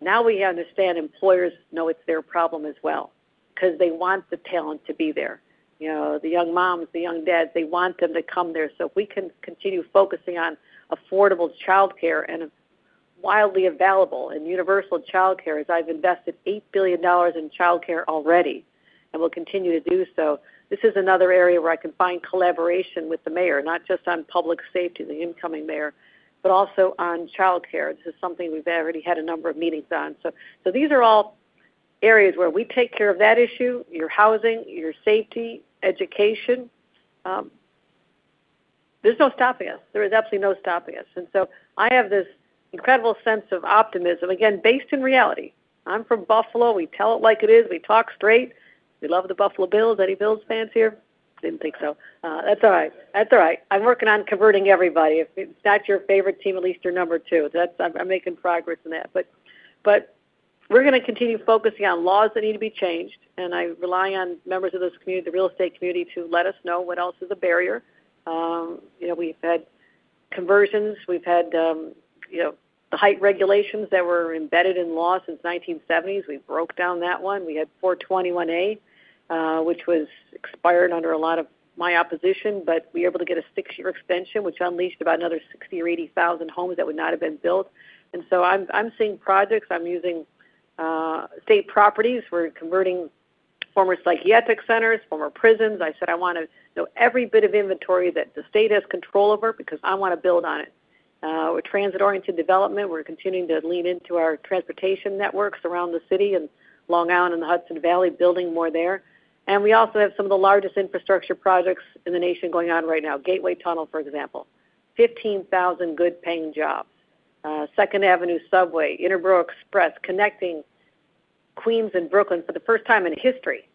Now we understand employers know it's their problem as well because they want the talent to be there. The young moms, the young dads, they want them to come there. So if we can continue focusing on affordable childcare and widely available and universal childcare, as I've invested $8 billion in childcare already and will continue to do so, this is another area where I can find collaboration with the mayor, not just on public safety, the incoming mayor, but also on childcare. This is something we've already had a number of meetings on. So these are all areas where we take care of that issue, your housing, your safety, education. There's no stopping us. There is absolutely no stopping us, and so I have this incredible sense of optimism, again, based in reality. I'm from Buffalo. We tell it like it is. We talk straight. We love the Buffalo Bills. Any Bills fans here? Didn't think so. That's all right. That's all right. I'm working on converting everybody. If it's not your favorite team, at least your number two. I'm making progress in that, but we're going to continue focusing on laws that need to be changed, and I rely on members of this community, the real estate community, to let us know what else is a barrier. We've had conversions. We've had the height regulations that were embedded in law since the 1970s. We broke down that one. We had 421-a, which was expired under a lot of my opposition, but we were able to get a six-year extension, which unleashed about another 60-80,000 homes that would not have been built, and so I'm seeing projects. I'm using state properties. We're converting former psychiatric centers, former prisons. I said I want to know every bit of inventory that the state has control over because I want to build on it. We're transit-oriented development. We're continuing to lean into our transportation networks around the city and Long Island and the Hudson Valley, building more there, and we also have some of the largest infrastructure projects in the nation going on right now. Gateway Tunnel, for example. 15,000 good-paying jobs. Second Avenue Subway, Interborough Express, connecting Queens and Brooklyn for the first time in history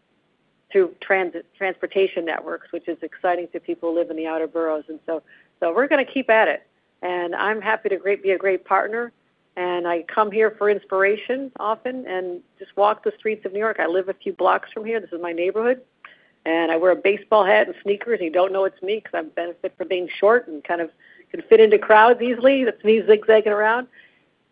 through transportation networks, which is exciting to people who live in the outer boroughs. And so we're going to keep at it. And I'm happy to be a great partner. And I come here for inspiration often and just walk the streets of New York. I live a few blocks from here. This is my neighborhood. And I wear a baseball hat and sneakers. You don't know it's me because I benefit from being short and kind of can fit into crowds easily. That's me zigzagging around.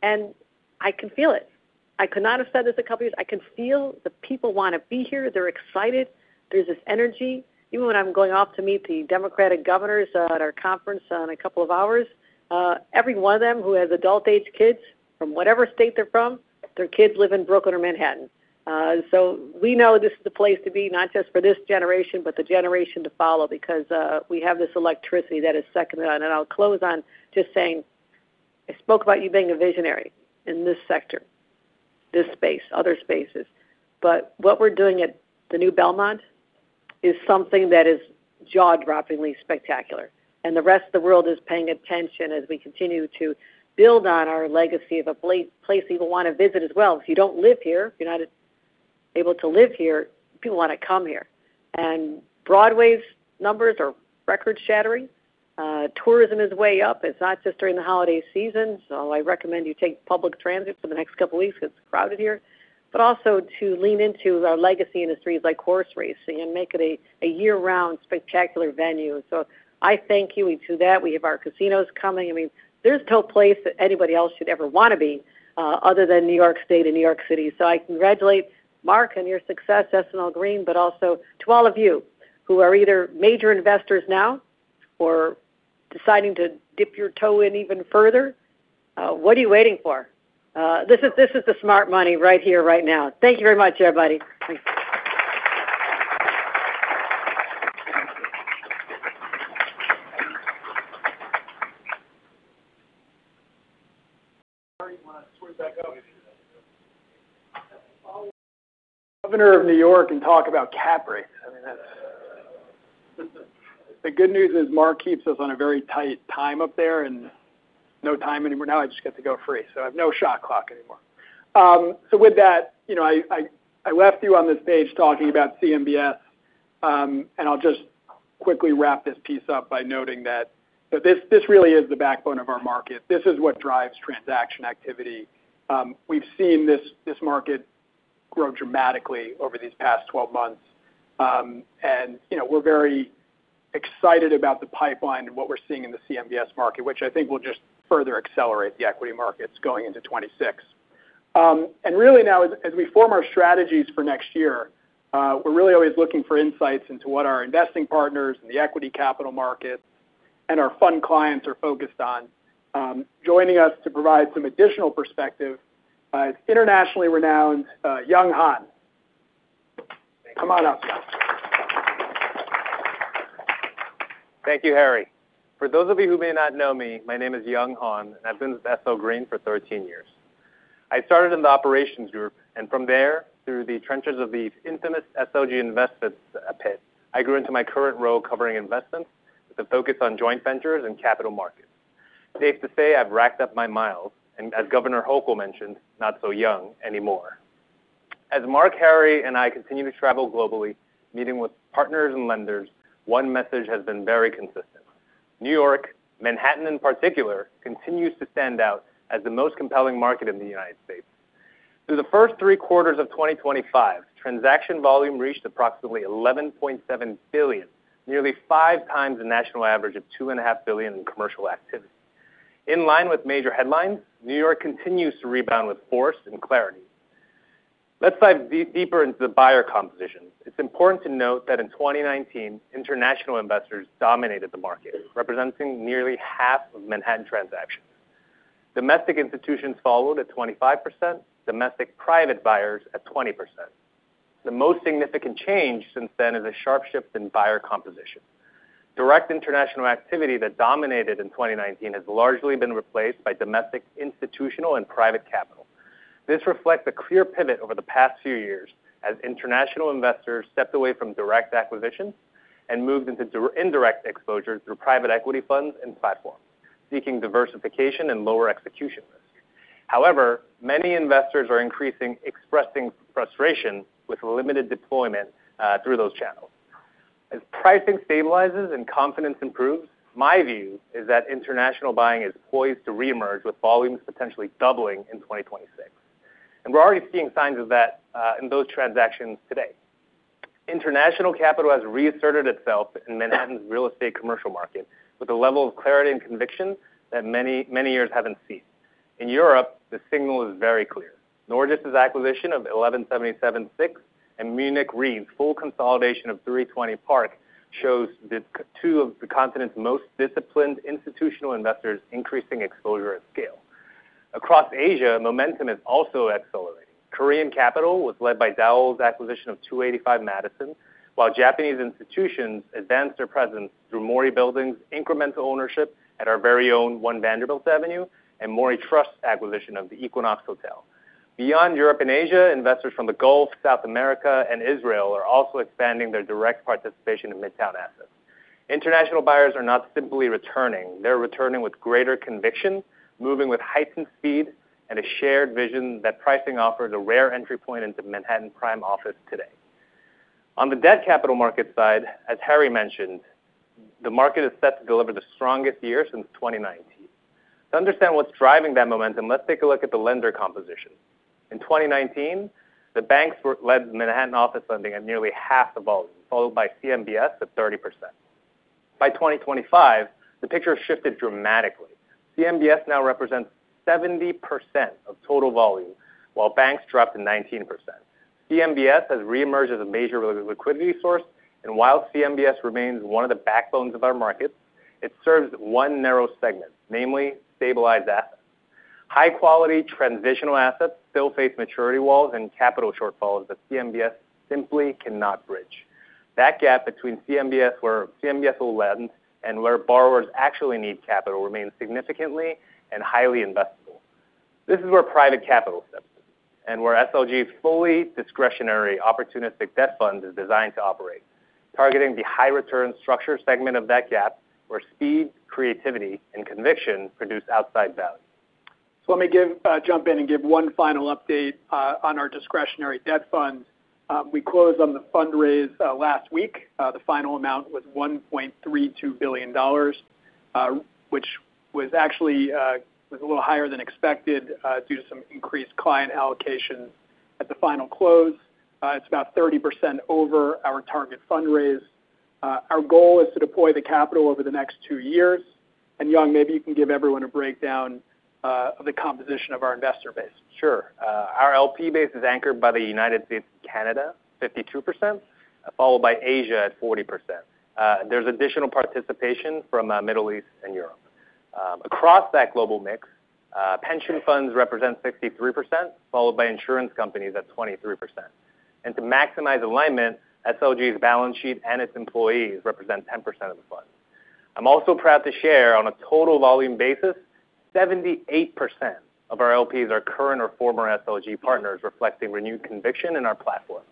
And I can feel it. I could not have said this a couple of years. I can feel the people want to be here. They're excited. There's this energy. Even when I'm going off to meet the Democratic governors at our conference in a couple of hours, every one of them who has adult-age kids from whatever state they're from, their kids live in Brooklyn or Manhattan. So we know this is the place to be, not just for this generation, but the generation to follow because we have this electricity that is second to none. And I'll close on just saying I spoke about you being a visionary in this sector, this space, other spaces. But what we're doing at the new Belmont is something that is jaw-droppingly spectacular. And the rest of the world is paying attention as we continue to build on our legacy of a place people want to visit as well. If you don't live here, if you're not able to live here, people want to come here. And Broadway's numbers are record-shattering. Tourism is way up. It's not just during the holiday season. So I recommend you take public transit for the next couple of weeks because it's crowded here. But also to lean into our legacy in the streets like horse racing and make it a year-round spectacular venue. So I thank you. We do that. We have our casinos coming. I mean, there's no place that anybody else should ever want to be other than New York State and New York City. So I congratulate Marc on your success, SL Green, but also to all of you who are either major investors now or deciding to dip your toe in even further. What are you waiting for? This is the smart money right here, right now. Thank you very much, everybody. Governor of New York and talk about Capri. I mean, the good news is Marc keeps us on a very tight time up there and no time anymore. Now I just get to go free. So I have no shot clock anymore. So with that, I left you on this page talking about CMBS. And I'll just quickly wrap this piece up by noting that this really is the backbone of our market. This is what drives transaction activity. We've seen this market grow dramatically over these past 12 months. And we're very excited about the pipeline and what we're seeing in the CMBS market, which I think will just further accelerate the equity markets going into 2026. And really now, as we form our strategies for next year, we're really always looking for insights into what our investing partners and the equity capital markets and our fund clients are focused on. Joining us to provide some additional perspective is internationally renowned Young Hahn. Come on up. Thank you, Harry. For those of you who may not know me, my name is Young Hahn, and I've been with SL Green for 13 years. I started in the operations group, and from there, through the trenches of the infamous SLG investment pit, I grew into my current role covering investments with a focus on joint ventures and capital markets. Safe to say I've racked up my miles, and as Governor Hochul mentioned, not so young anymore. As Marc, Harry, and I continue to travel globally, meeting with partners and lenders, one message has been very consistent. New York, Manhattan in particular, continues to stand out as the most compelling market in the United States. Through the first three quarters of 2025, transaction volume reached approximately $11.7 billion, nearly five times the national average of $2.5 billion in commercial activity. In line with major headlines, New York continues to rebound with force and clarity. Let's dive deeper into the buyer composition. It's important to note that in 2019, international investors dominated the market, representing nearly half of Manhattan transactions. Domestic institutions followed at 25%, domestic private buyers at 20%. The most significant change since then is a sharp shift in buyer composition. Direct international activity that dominated in 2019 has largely been replaced by domestic institutional and private capital. This reflects a clear pivot over the past few years as international investors stepped away from direct acquisitions and moved into indirect exposure through private equity funds and platforms, seeking diversification and lower execution risk. However, many investors are increasingly expressing frustration with limited deployment through those channels. As pricing stabilizes and confidence improves, my view is that international buying is poised to reemerge with volumes potentially doubling in 2026, and we're already seeing signs of that in those transactions today. International capital has reasserted itself in Manhattan's commercial real estate market with a level of clarity and conviction that many years haven't seen. In Europe, the signal is very clear. Norges's acquisition of 1177 Avenue of the Americas and Munich Re's full consolidation of 320 Park Avenue shows two of the continent's most disciplined institutional investors increasing exposure at scale. Across Asia, momentum is also accelerating. Korean capital was led by Daol's acquisition of 285 Madison Avenue, while Japanese institutions advanced their presence through Mori Building's incremental ownership at our very own One Vanderbilt, and Mori Trust's acquisition of the Equinox Hotel. Beyond Europe and Asia, investors from the Gulf, South America, and Israel are also expanding their direct participation in Midtown Assets. International buyers are not simply returning. They're returning with greater conviction, moving with heightened speed, and a shared vision that pricing offers a rare entry point into Manhattan Prime Office today. On the debt capital market side, as Harry mentioned, the market is set to deliver the strongest year since 2019. To understand what's driving that momentum, let's take a look at the lender composition. In 2019, the banks led Manhattan Office lending at nearly half the volume, followed by CMBS at 30%. By 2025, the picture shifted dramatically. CMBS now represents 70% of total volume, while banks dropped to 19%. CMBS has reemerged as a major liquidity source, and while CMBS remains one of the backbones of our markets, it serves one narrow segment, namely stabilized assets. High-quality transitional assets still face maturity walls and capital shortfalls that CMBS simply cannot bridge. That gap between CMBS, where CMBS will lend, and where borrowers actually need capital remains significantly and highly investable. This is where private capital steps in, and where SLG's fully discretionary opportunistic debt fund is designed to operate, targeting the high-return structure segment of that gap where speed, creativity, and conviction produce outside value. So let me jump in and give one final update on our discretionary debt fund. We closed on the fundraise last week. The final amount was $1.32 billion, which was actually a little higher than expected due to some increased client allocation at the final close. It's about 30% over our target fundraise. Our goal is to deploy the capital over the next two years. And Young, maybe you can give everyone a breakdown of the composition of our investor base. Sure. Our LP base is anchored by the United States and Canada, 52%, followed by Asia at 40%. There's additional participation from the Middle East and Europe. Across that global mix, pension funds represent 63%, followed by insurance companies at 23%. And to maximize alignment, SLG's balance sheet and its employees represent 10% of the fund. I'm also proud to share on a total volume basis, 78% of our LPs are current or former SLG partners, reflecting renewed conviction in our platform.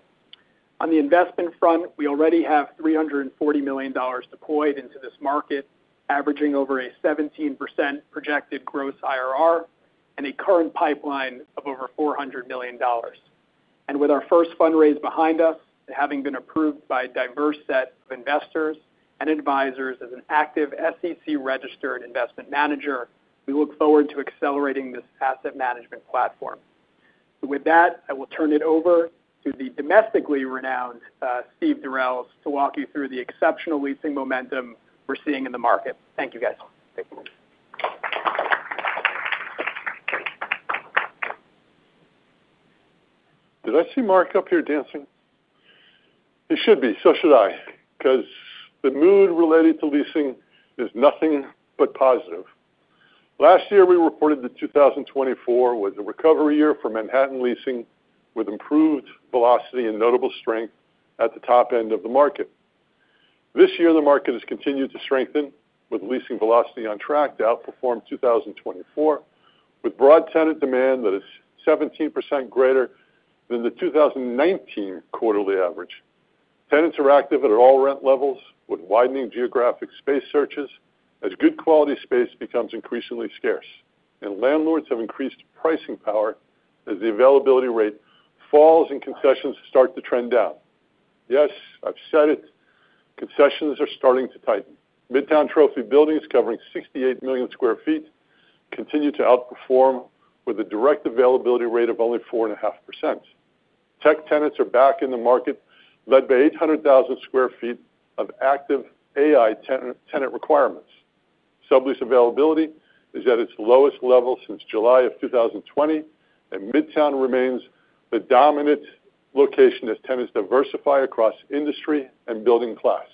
On the investment front, we already have $340 million deployed into this market, averaging over a 17% projected gross IRR and a current pipeline of over $400 million. And with our first fundraise behind us and having been approved by a diverse set of investors and advisors as an active SEC-registered investment manager, we look forward to accelerating this asset management platform. With that, I will turn it over to the domestically renowned Steve Durels to walk you through the exceptional leasing momentum we're seeing in the market. Thank you, guys. Did I see Marc up here dancing? He should be, so should I, because the mood related to leasing is nothing but positive. Last year, we reported that 2024 was a recovery year for Manhattan leasing with improved velocity and notable strength at the top end of the market. This year, the market has continued to strengthen with leasing velocity on track to outperform 2024, with broad tenant demand that is 17% greater than the 2019 quarterly average. Tenants are active at all rent levels with widening geographic space searches as good quality space becomes increasingly scarce, and landlords have increased pricing power as the availability rate falls and concessions start to trend down. Yes, I've said it. Concessions are starting to tighten. Midtown Trophy Buildings covering 68 million sq ft continue to outperform with a direct availability rate of only 4.5%. Tech tenants are back in the market led by 800,000 sq ft of active AI tenant requirements. Sublease availability is at its lowest level since July of 2020, and Midtown remains the dominant location as tenants diversify across industry and building class.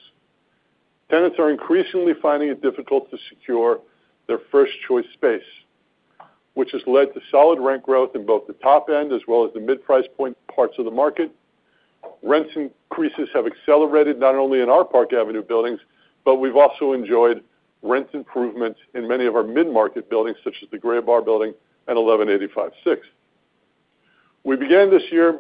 Tenants are increasingly finding it difficult to secure their first choice space, which has led to solid rent growth in both the top end as well as the mid-price point parts of the market. Rent increases have accelerated not only in our Park Avenue buildings, but we've also enjoyed rent improvements in many of our mid-market buildings, such as the Graybar Building and 1185 Avenue of the Americas. We began this year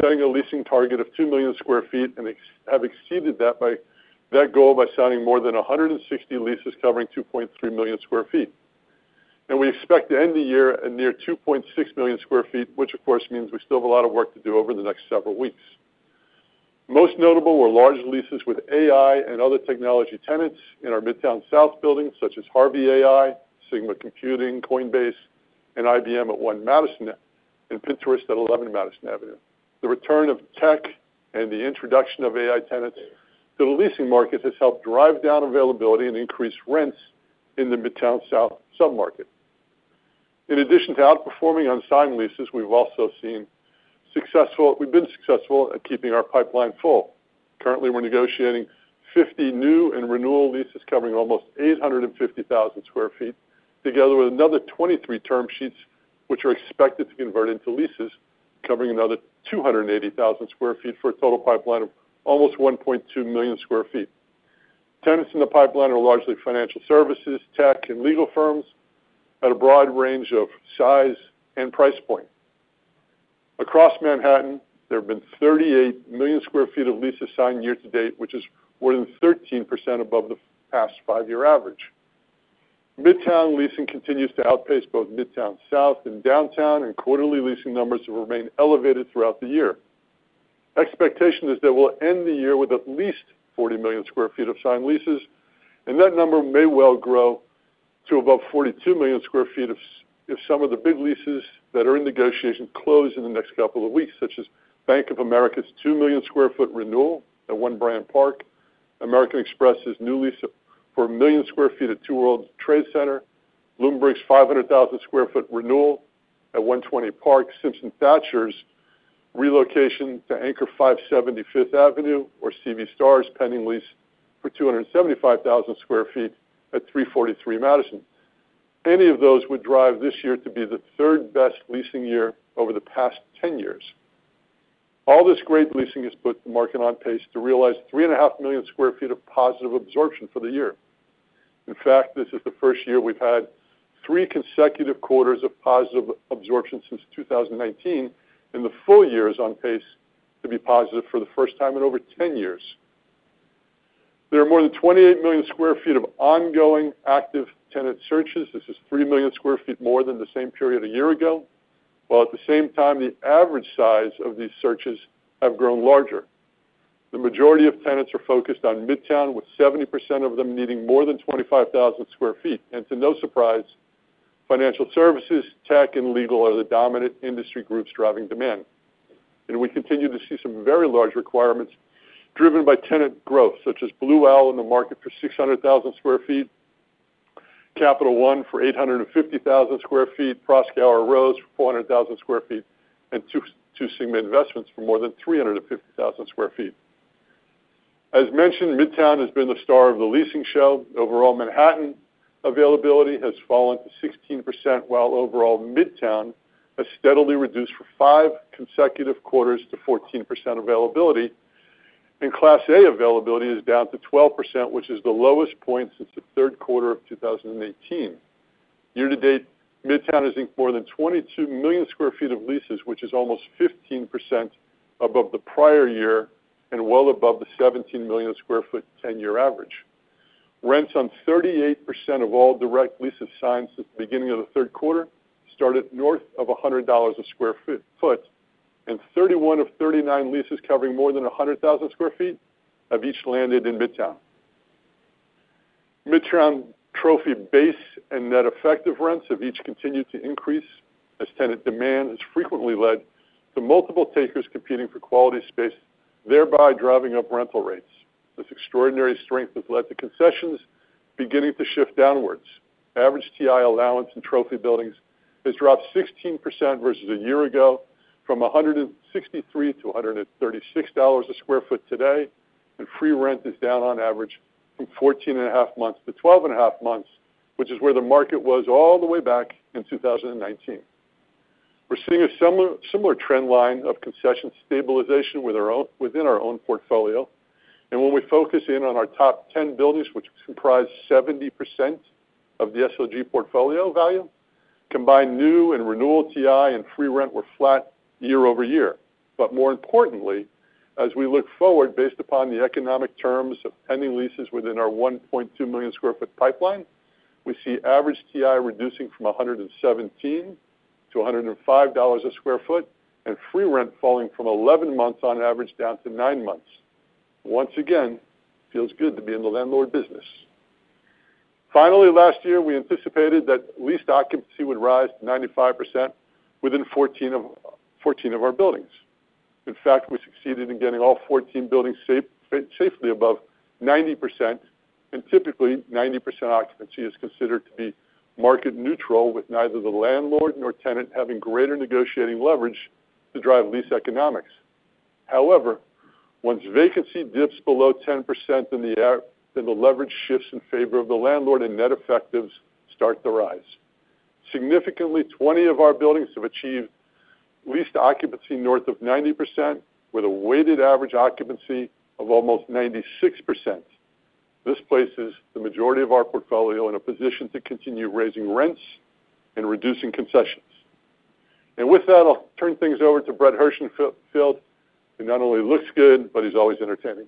setting a leasing target of two million sq ft and have exceeded that goal by signing more than 160 leases covering 2.3 million sq ft. And we expect to end the year at near 2.6 million sq ft, which, of course, means we still have a lot of work to do over the next several weeks. Most notable were large leases with AI and other technology tenants in our Midtown South buildings, such as Harvey AI, Sigma Computing, Coinbase, and IBM at 1 Madison and Pinterest at 11 Madison Avenue. The return of tech and the introduction of AI tenants to the leasing market has helped drive down availability and increase rents in the Midtown South submarket. In addition to outperforming on signed leases, we've also been successful at keeping our pipeline full. Currently, we're negotiating 50 new and renewal leases covering almost 850,000 sq ft, together with another 23 term sheets, which are expected to convert into leases covering another 280,000 sq ft for a total pipeline of almost 1.2 million sq ft. Tenants in the pipeline are largely financial services, tech, and legal firms at a broad range of size and price point. Across Manhattan, there have been 38 million sq ft of leases signed year to date, which is more than 13% above the past five-year average. Midtown leasing continues to outpace both Midtown South and downtown, and quarterly leasing numbers have remained elevated throughout the year. expectation is that we'll end the year with at least 40 million sq ft of signed leases, and that number may well grow to above 42 million sq ft if some of the big leases that are in negotiation close in the next couple of weeks, such as Bank of America's 2 million sq ft renewal at 1 Bryant Park, American Express's new lease for 1 million sq ft at 2 World Trade Center, Bloomberg's 500,000 sq ft renewal at 120 Park, Simpson Thacher's relocation to 575 Fifth Avenue, or C.V. Starr's pending lease for 275,000 sq ft at 343 Madison. Any of those would drive this year to be the third best leasing year over the past 10 years. All this great leasing has put the market on pace to realize 3.5 million sq ft of positive absorption for the year. In fact, this is the first year we've had three consecutive quarters of positive absorption since 2019, and the full year is on pace to be positive for the first time in over 10 years. There are more than 28 million sq ft of ongoing active tenant searches. This is 3 million sq ft more than the same period a year ago, while at the same time, the average size of these searches has grown larger. The majority of tenants are focused on Midtown, with 70% of them needing more than 25,000 sq ft, and to no surprise, financial services, tech, and legal are the dominant industry groups driving demand. We continue to see some very large requirements driven by tenant growth, such as Blue Owl in the market for 600,000 sq ft, Capital One for 850,000 sq ft, Proskauer Rose for 400,000 sq ft, and Two Sigma Investments for more than 350,000 sq ft. As mentioned, Midtown has been the star of the leasing show. Overall, Manhattan availability has fallen to 16%, while overall Midtown has steadily reduced for five consecutive quarters to 14% availability. Class A availability is down to 12%, which is the lowest point since the third quarter of 2018. Year to date, Midtown has inked more than 22 million sq ft of leases, which is almost 15% above the prior year and well above the 17 million sq ft 10-year average. Rents on 38% of all direct leases signed since the beginning of the third quarter started north of $100 a sq ft, and 31 of 39 leases covering more than 100,000 sq ft have each landed in Midtown. Midtown Trophy base and net effective rents have each continued to increase as tenant demand has frequently led to multiple takers competing for quality space, thereby driving up rental rates. This extraordinary strength has led to concessions beginning to shift downwards. Average TI allowance in Trophy buildings has dropped 16% versus a year ago from $163 to $136 a sq ft today, and free rent is down on average from 14.5 months to 12.5 months, which is where the market was all the way back in 2019. We're seeing a similar trend line of concession stabilization within our own portfolio. When we focus in on our top 10 buildings, which comprise 70% of the SLG portfolio value, combined new and renewal TI and free rent were flat year over year. More importantly, as we look forward based upon the economic terms of pending leases within our 1.2 million sq ft pipeline, we see average TI reducing from $117 to $105 a sq ft and free rent falling from 11 months on average down to nine months. Once again, feels good to be in the landlord business. Finally, last year, we anticipated that lease occupancy would rise to 95% within 14 of our buildings. In fact, we succeeded in getting all 14 buildings safely above 90%. Typically, 90% occupancy is considered to be market neutral, with neither the landlord nor tenant having greater negotiating leverage to drive lease economics. However, once vacancy dips below 10%, then the leverage shifts in favor of the landlord, and net effectives start to rise. Significantly, 20 of our buildings have achieved lease occupancy north of 90%, with a weighted average occupancy of almost 96%. This places the majority of our portfolio in a position to continue raising rents and reducing concessions. And with that, I'll turn things over to Brett Herschenfeld. He not only looks good, but he's always entertaining.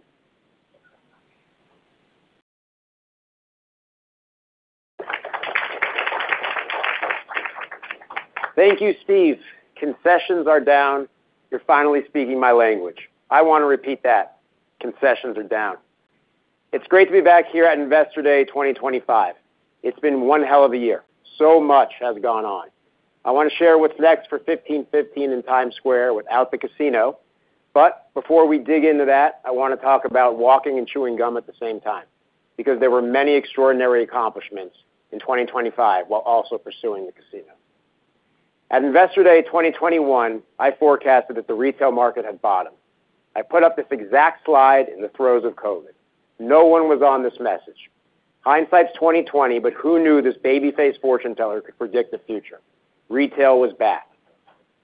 Thank you, Steve. Concessions are down. You're finally speaking my language. I want to repeat that. Concessions are down. It's great to be back here at Investor Day 2025. It's been one hell of a year. So much has gone on. I want to share what's next for 1515 in Times Square without the casino. But before we dig into that, I want to talk about walking and chewing gum at the same time because there were many extraordinary accomplishments in 2025 while also pursuing the casino. At Investor Day 2021, I forecasted that the retail market had bottomed. I put up this exact slide in the throes of COVID. No one was on this message. Hindsight's 2020, but who knew this baby-faced fortune teller could predict the future? Retail was back.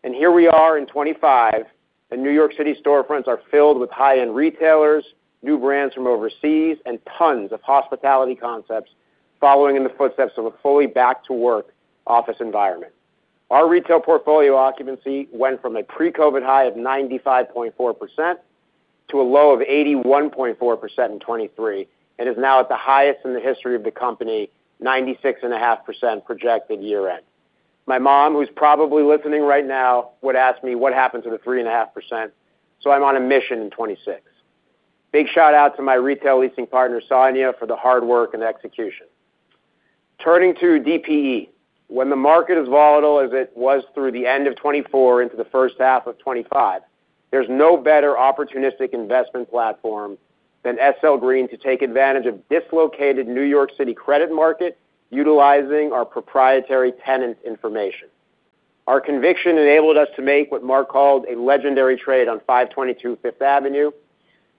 And here we are in 2025, and New York City storefronts are filled with high-end retailers, new brands from overseas, and tons of hospitality concepts following in the footsteps of a fully back-to-work office environment. Our retail portfolio occupancy went from a pre-COVID high of 95.4% to a low of 81.4% in 2023 and is now at the highest in the history of the company, 96.5% projected year-end. My mom, who's probably listening right now, would ask me, "What happened to the 3.5%?" So I'm on a mission in 2026. Big shout-out to my retail leasing partner, Sonia, for the hard work and execution. Turning to DPE, when the market is volatile as it was through the end of 2024 into the first half of 2025, there's no better opportunistic investment platform than SL Green to take advantage of dislocated New York City credit market utilizing our proprietary tenant information. Our conviction enabled us to make what Marc called a legendary trade on 522 Fifth Avenue.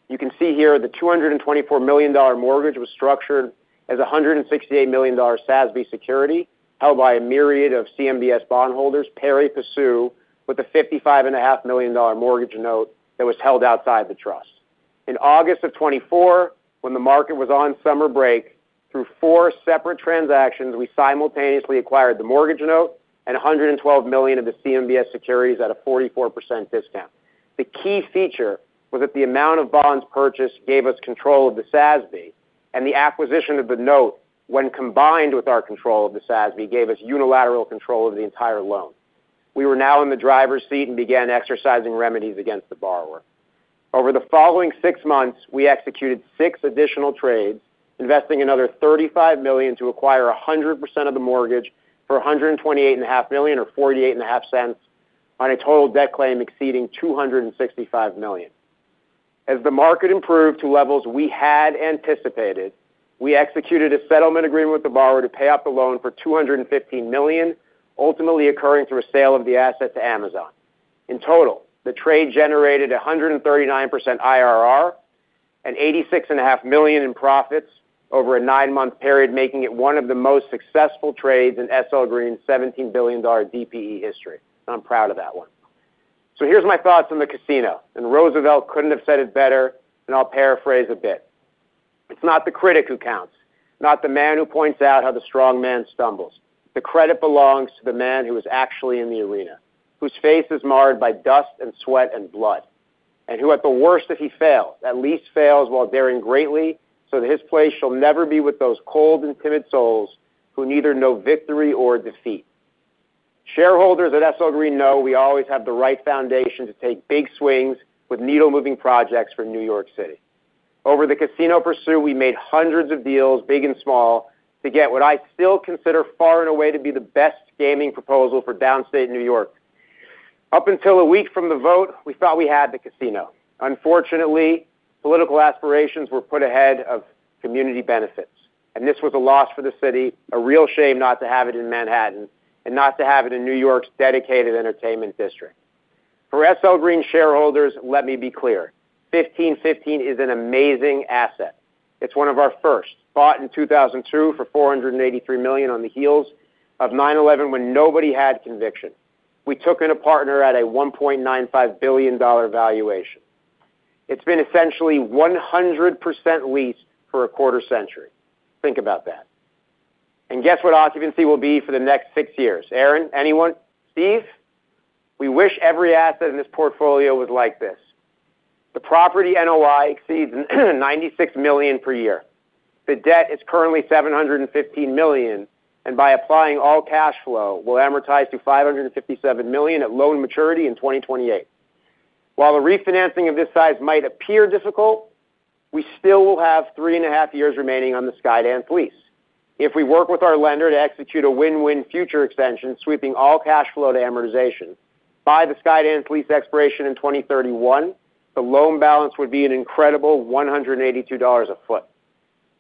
You can see here the $224 million mortgage was structured as a $168 million SASB security held by a myriad of CMBS bondholders, pari passu, with a $55.5 million mortgage note that was held outside the trust. In August of 2024, when the market was on summer break, through four separate transactions, we simultaneously acquired the mortgage note and $112 million of the CMBS securities at a 44% discount. The key feature was that the amount of bonds purchased gave us control of the SASB, and the acquisition of the note, when combined with our control of the SASB, gave us unilateral control of the entire loan. We were now in the driver's seat and began exercising remedies against the borrower. Over the following six months, we executed six additional trades, investing another $35 million to acquire 100% of the mortgage for $128.5 million, or $0.485, on a total debt claim exceeding $265 million. As the market improved to levels we had anticipated, we executed a settlement agreement with the borrower to pay off the loan for $215 million, ultimately occurring through a sale of the asset to Amazon. In total, the trade generated 139% IRR and $86.5 million in profits over a nine-month period, making it one of the most successful trades in SL Green's $17 billion DPE history. I'm proud of that one. So here's my thoughts on the casino. And Roosevelt couldn't have said it better, and I'll paraphrase a bit. It's not the critic who counts, not the man who points out how the strong man stumbles. The credit belongs to the man who is actually in the arena, whose face is marred by dust and sweat and blood, and who, at the worst, if he fails, at least fails while daring greatly, so that his place shall never be with those cold and timid souls who neither know victory nor defeat. Shareholders at SL Green know we always have the right foundation to take big swings with needle-moving projects for New York City. Over the casino pursuit, we made hundreds of deals, big and small, to get what I still consider far and away to be the best gaming proposal for downstate New York. Up until a week from the vote, we thought we had the casino. Unfortunately, political aspirations were put ahead of community benefits, and this was a loss for the city, a real shame not to have it in Manhattan and not to have it in New York's dedicated entertainment district. For SL Green shareholders, let me be clear. 1515 is an amazing asset. It's one of our first. Bought in 2002 for $483 million on the heels of 9/11 when nobody had conviction. We took in a partner at a $1.95 billion valuation. It's been essentially 100% leased for a quarter century. Think about that. And guess what occupancy will be for the next six years? Aaron, anyone? Steve? We wish every asset in this portfolio was like this. The property NOI exceeds $96 million per year. The debt is currently $715 million, and by applying all cash flow, we'll amortize to $557 million at loan maturity in 2028. While a refinancing of this size might appear difficult, we still will have three and a half years remaining on the Skydance lease. If we work with our lender to execute a win-win future extension, sweeping all cash flow to amortization, by the Skydance lease expiration in 2031, the loan balance would be an incredible $182 a foot.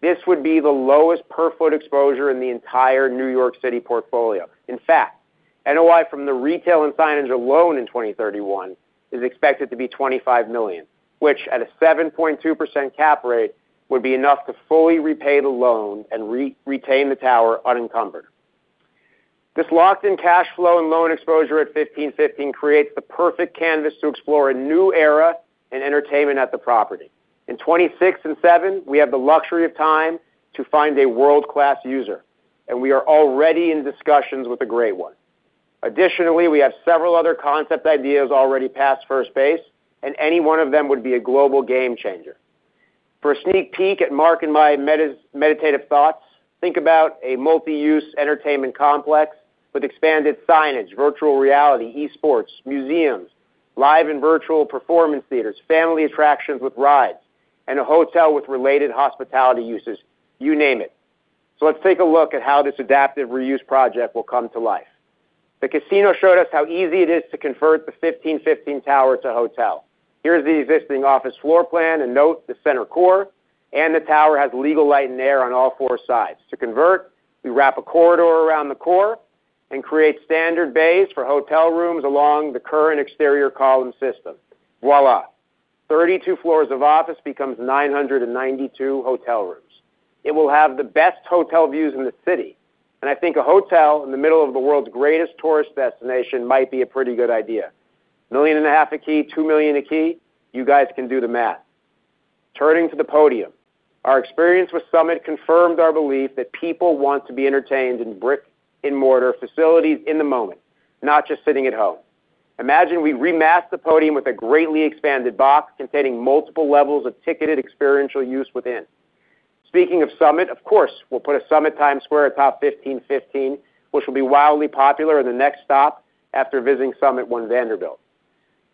This would be the lowest per-foot exposure in the entire New York City portfolio. In fact, NOI from the retail and signage alone in 2031 is expected to be $25 million, which, at a 7.2% cap rate, would be enough to fully repay the loan and retain the tower unencumbered. This locked-in cash flow and loan exposure at 1515 creates the perfect canvas to explore a new era in entertainment at the property. In 2026 and 2027, we have the luxury of time to find a world-class user, and we are already in discussions with a great one. Additionally, we have several other concept ideas already past first base, and any one of them would be a global game changer. For a sneak peek at Marc and my meditative thoughts, think about a multi-use entertainment complex with expanded signage, virtual reality, esports, museums, live and virtual performance theaters, family attractions with rides, and a hotel with related hospitality uses. You name it. So let's take a look at how this adaptive reuse project will come to life. The casino showed us how easy it is to convert the 1515 tower to hotel. Here's the existing office floor plan, and note the center core, and the tower has legal light and air on all four sides. To convert, we wrap a corridor around the core and create standard bays for hotel rooms along the current exterior column system. Voilà. 32 floors of office becomes 992 hotel rooms. It will have the best hotel views in the city, and I think a hotel in the middle of the world's greatest tourist destination might be a pretty good idea. $1.5 million a key, $2 million a key, you guys can do the math. Turning to the podium, our experience with Summit confirmed our belief that people want to be entertained in brick-and-mortar facilities in the moment, not just sitting at home. Imagine we remastered the podium with a greatly expanded box containing multiple levels of ticketed experiential use within. Speaking of Summit, of course, we'll put a Summit Times Square atop 1515, which will be wildly popular in the next stop after visiting Summit One Vanderbilt.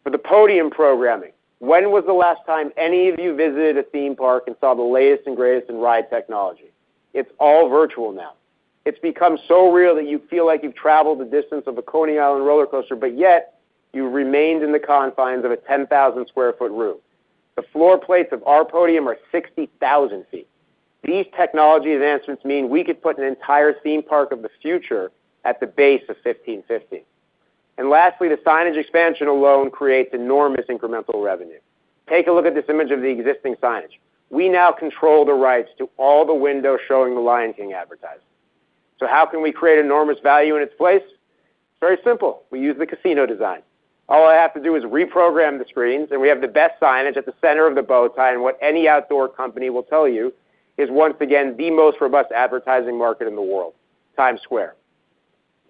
For the podium programming, when was the last time any of you visited a theme park and saw the latest and greatest in ride technology? It's all virtual now. It's become so real that you feel like you've traveled the distance of a Coney Island roller coaster, but yet you remained in the confines of a 10,000 sq ft room. The floor plates of our podium are 60,000 sq ft. These technology advancements mean we could put an entire theme park of the future at the base of 1515. And lastly, the signage expansion alone creates enormous incremental revenue. Take a look at this image of the existing signage. We now control the rights to all the windows showing the Lion King advertisement. So how can we create enormous value in its place? It's very simple. We use the casino design. All I have to do is reprogram the screens, and we have the best signage at the center of the bowtie, and what any outdoor company will tell you is, once again, the most robust advertising market in the world, Times Square.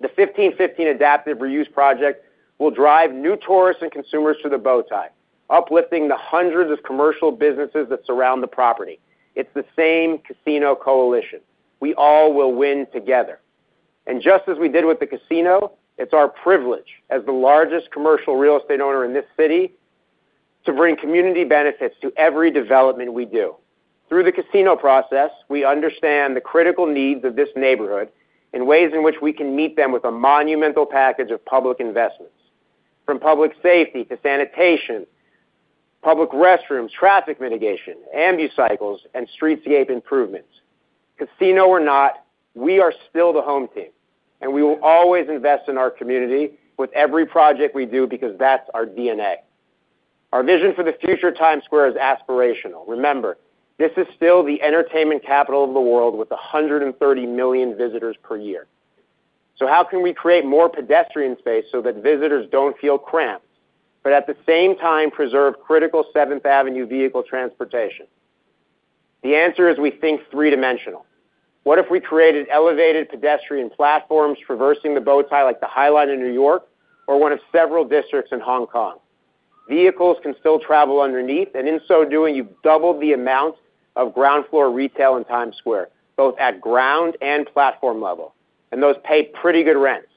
The 1515 adaptive reuse project will drive new tourists and consumers to the bowtie, uplifting the hundreds of commercial businesses that surround the property. It's the same casino coalition. We all will win together, and just as we did with the casino, it's our privilege as the largest commercial real estate owner in this city to bring community benefits to every development we do. Through the casino process, we understand the critical needs of this neighborhood in ways in which we can meet them with a monumental package of public investments, from public safety to sanitation, public restrooms, traffic mitigation, e-bikes and e-scooters, and streetscape improvements. Casino or not, we are still the home team, and we will always invest in our community with every project we do because that's our DNA. Our vision for the future of Times Square is aspirational. Remember, this is still the entertainment capital of the world with 130 million visitors per year. So how can we create more pedestrian space so that visitors don't feel cramped, but at the same time preserve critical Seventh Avenue vehicle transportation? The answer is we think three-dimensional. What if we created elevated pedestrian platforms traversing the bowtie like the High Line in New York or one of several districts in Hong Kong? Vehicles can still travel underneath, and in so doing, you've doubled the amount of ground floor retail in Times Square, both at ground and platform level, and those pay pretty good rents.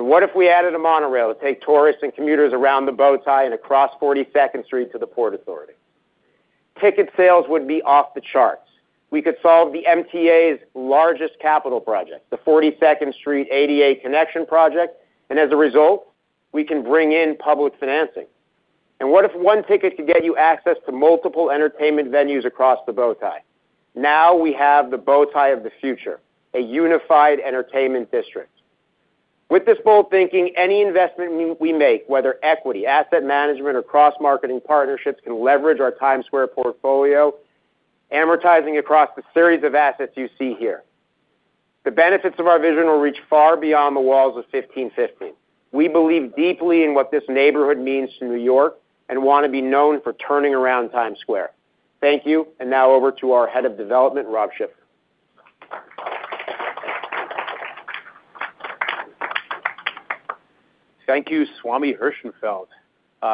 What if we added a monorail to take tourists and commuters around the bowtie and across 42nd Street to the Port Authority? Ticket sales would be off the charts. We could solve the MTA's largest capital project, the 42nd Street ADA connection project, and as a result, we can bring in public financing. What if one ticket could get you access to multiple entertainment venues across the bowtie? Now we have the bowtie of the future, a unified entertainment district. With this bold thinking, any investment we make, whether equity, asset management, or cross-marketing partnerships, can leverage our Times Square portfolio, amortizing across the series of assets you see here. The benefits of our vision will reach far beyond the walls of 1515. We believe deeply in what this neighborhood means to New York and want to be known for turning around Times Square. Thank you, and now over to our head of development, Rob Schiffer. Thank you, Brett Herschenfeld.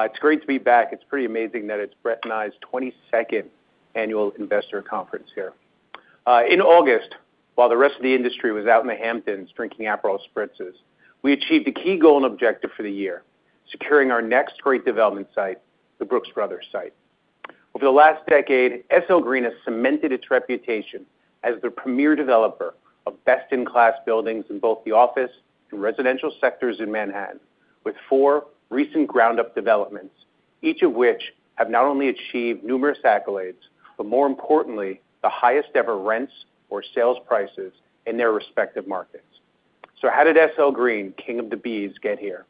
It's great to be back. It's pretty amazing that it's Brett and I's 22nd annual investor conference here. In August, while the rest of the industry was out in the Hamptons drinking Aperol spritzes, we achieved a key goal and objective for the year, securing our next great development site, the Brooks Brothers site. Over the last decade, SL Green has cemented its reputation as the premier developer of best-in-class buildings in both the office and residential sectors in Manhattan, with four recent ground-up developments, each of which have not only achieved numerous accolades, but more importantly, the highest-ever rents or sales prices in their respective markets. So how did SL Green, king of the bees, get here?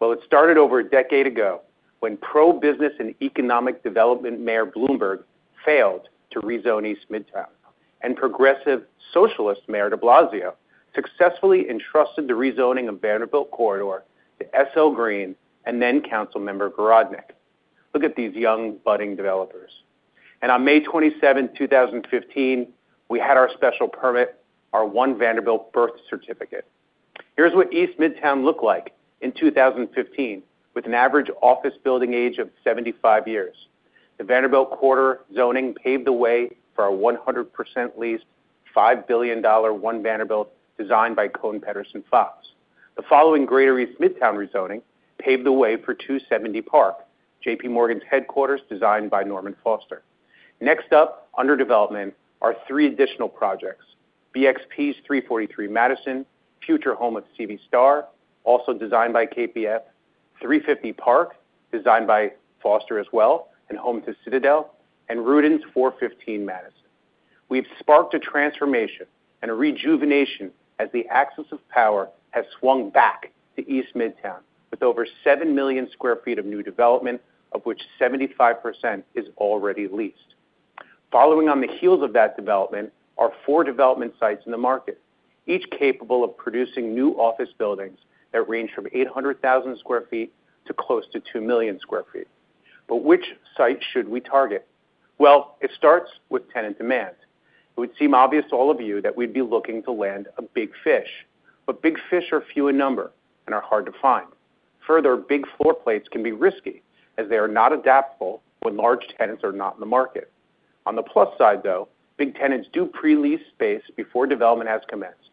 It started over a decade ago when pro-business and economic development Mayor Bloomberg failed to rezone East Midtown, and progressive socialist Mayor de Blasio successfully entrusted the rezoning of Vanderbilt Corridor to SL Green and then council member Garodnick. Look at these young, budding developers. On May 27, 2015, we had our special permit, our One Vanderbilt Birth Certificate. Here's what East Midtown looked like in 2015, with an average office building age of 75 years. The Vanderbilt Corridor zoning paved the way for our 100% leased, $5 billion One Vanderbilt designed by Kohn Pedersen Fox. The following greater East Midtown rezoning paved the way for 270 Park, JPMorgan's headquarters designed by Norman Foster. Next up, under development are three additional projects: BXP's 343 Madison, future home of C.V. Starr, also designed by KPF, 350 Park, designed by Foster as well, and home to Citadel, and Rudin's 415 Madison. We've sparked a transformation and a rejuvenation as the axis of power has swung back to East Midtown with over 7 million sq ft of new development, of which 75% is already leased. Following on the heels of that development are four development sites in the market, each capable of producing new office buildings that range from 800,000 sq ft to close to 2 million sq ft. But which site should we target? Well, it starts with tenant demand. It would seem obvious to all of you that we'd be looking to land a big fish, but big fish are few in number and are hard to find. Further, big floor plates can be risky as they are not adaptable when large tenants are not in the market. On the plus side, though, big tenants do pre-lease space before development has commenced,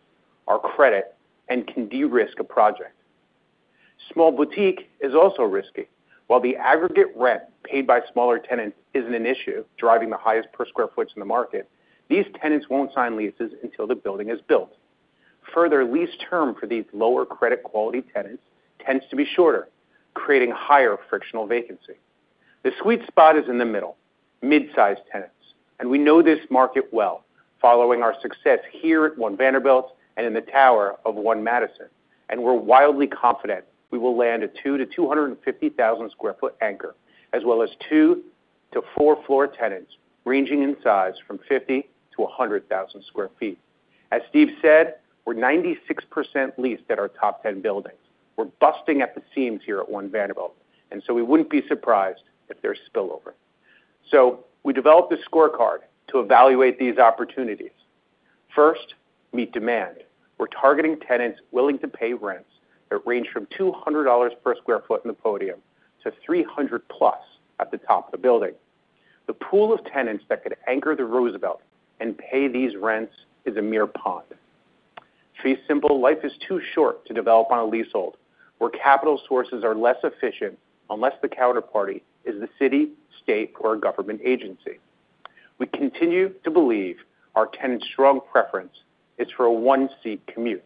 are credit, and can de-risk a project. Small boutique is also risky. While the aggregate rent paid by smaller tenants isn't an issue driving the highest per sq ft in the market, these tenants won't sign leases until the building is built. Further, lease term for these lower credit quality tenants tends to be shorter, creating higher frictional vacancy. The sweet spot is in the middle, mid-size tenants, and we know this market well, following our success here at One Vanderbilt and in the tower of One Madison, and we're wildly confident we will land a two- to 250,000-sq ft anchor, as well as two- to four-floor tenants ranging in size from 50- to 100,000-sq ft. As Steve said, we're 96% leased at our top 10 buildings. We're busting at the seams here at One Vanderbilt, and so we wouldn't be surprised if there's spillover. So we developed a scorecard to evaluate these opportunities. First, meet demand. We're targeting tenants willing to pay rents that range from $200 per sq ft in the podium to 300-plus at the top of the building. The pool of tenants that could anchor the Roosevelt and pay these rents is a mere pond. To be simple, life is too short to develop on a leasehold where capital sources are less efficient unless the counterparty is the city, state, or government agency. We continue to believe our tenant's strong preference is for a one-seat commute.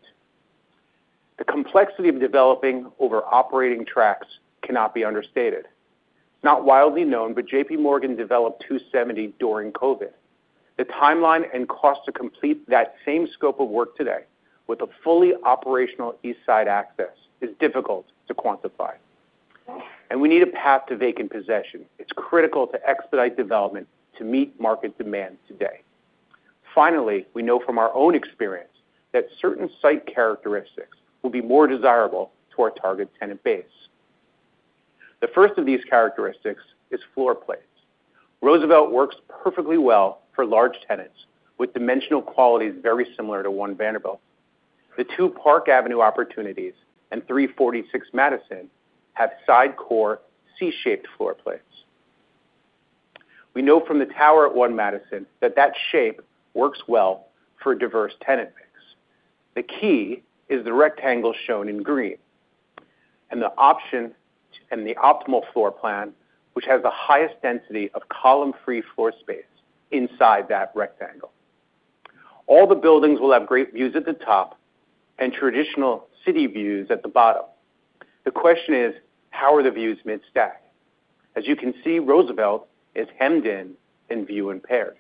The complexity of developing over operating tracks cannot be understated. It's not widely known, but JPMorgan developed 270 during COVID. The timeline and cost to complete that same scope of work today with a fully operational East Side Access is difficult to quantify, and we need a path to vacant possession. It's critical to expedite development to meet market demand today. Finally, we know from our own experience that certain site characteristics will be more desirable to our target tenant base. The first of these characteristics is floor plates. Roosevelt works perfectly well for large tenants with dimensional qualities very similar to One Vanderbilt. The two Park Avenue opportunities and 346 Madison have side-core, C-shaped floor plates. We know from the tower at One Madison that that shape works well for a diverse tenant mix. The key is the rectangle shown in green and the optimal floor plan, which has the highest density of column-free floor space inside that rectangle. All the buildings will have great views at the top and traditional city views at the bottom. The question is, how are the views mid-stack? As you can see, Roosevelt is hemmed in and view impaired.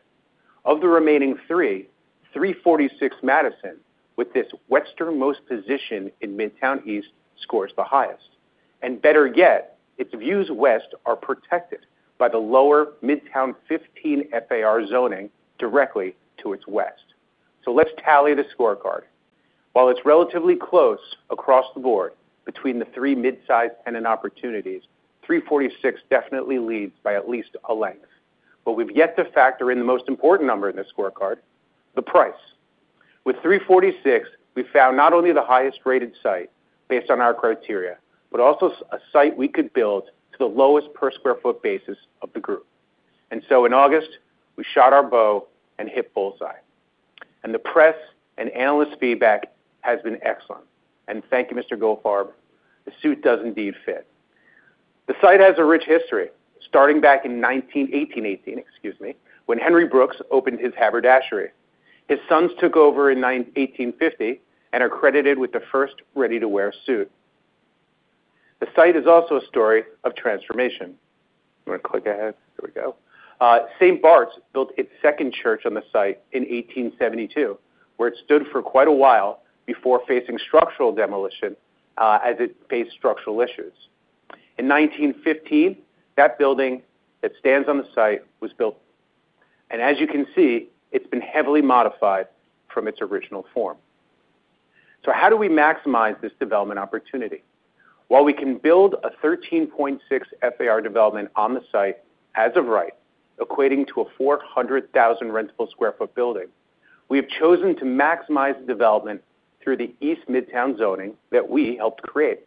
Of the remaining three, 346 Madison, with this westernmost position in Midtown East, scores the highest. And better yet, its views west are protected by the lower Midtown 15 FAR zoning directly to its west. So let's tally the scorecard. While it's relatively close across the board between the three mid-size tenant opportunities, 346 definitely leads by at least a length. But we've yet to factor in the most important number in the scorecard, the price. With 346, we found not only the highest-rated site based on our criteria, but also a site we could build to the lowest per square foot basis of the group. And so in August, we shot our bow and hit bullseye. And the press and analyst feedback has been excellent. And thank you, Mr. Gulfarb. The suit does indeed fit. The site has a rich history, starting back in 1818, excuse me, when Henry Brooks opened his Haberdashery. His sons took over in 1850 and are credited with the first ready-to-wear suit. The site is also a story of transformation. I'm going to click ahead. Here we go. St. Bart's built its second church on the site in 1872, where it stood for quite a while before facing structural demolition as it faced structural issues. In 1915, that building that stands on the site was built. As you can see, it's been heavily modified from its original form. How do we maximize this development opportunity? While we can build a 13.6 FAR development on the site as of right, equating to a 400,000 rentable sq ft building, we have chosen to maximize development through the East Midtown zoning that we helped create,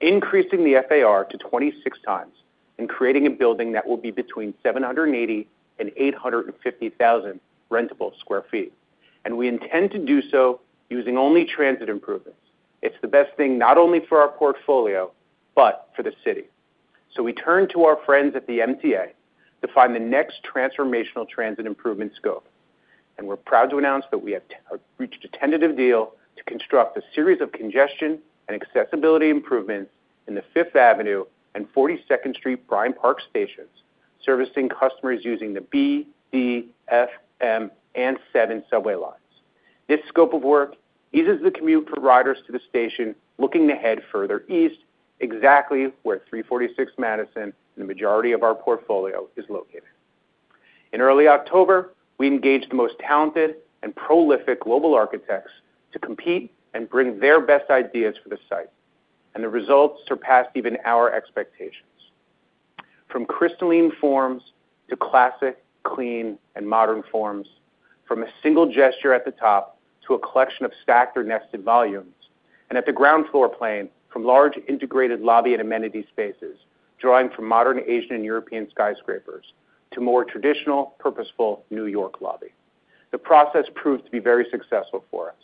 increasing the FAR to 26 times and creating a building that will be between 780,000 and 850,000 rentable sq ft. We intend to do so using only transit improvements. It's the best thing not only for our portfolio, but for the city. We turned to our friends at the MTA to find the next transformational transit improvement scope. We are proud to announce that we have reached a tentative deal to construct a series of congestion and accessibility improvements in the Fifth Avenue and 42nd Street Bryant Park stations, servicing customers using the B, D, F, M, and 7 subway lines. This scope of work eases the commute for riders to the station looking ahead further east, exactly where 346 Madison Avenue and the majority of our portfolio is located. In early October, we engaged the most talented and prolific global architects to compete and bring their best ideas for the site. The results surpassed even our expectations. From crystalline forms to classic, clean, and modern forms, from a single gesture at the top to a collection of stacked or nested volumes, and at the ground floor plane from large integrated lobby and amenity spaces, drawing from modern Asian and European skyscrapers to more traditional, purposeful New York lobby. The process proved to be very successful for us.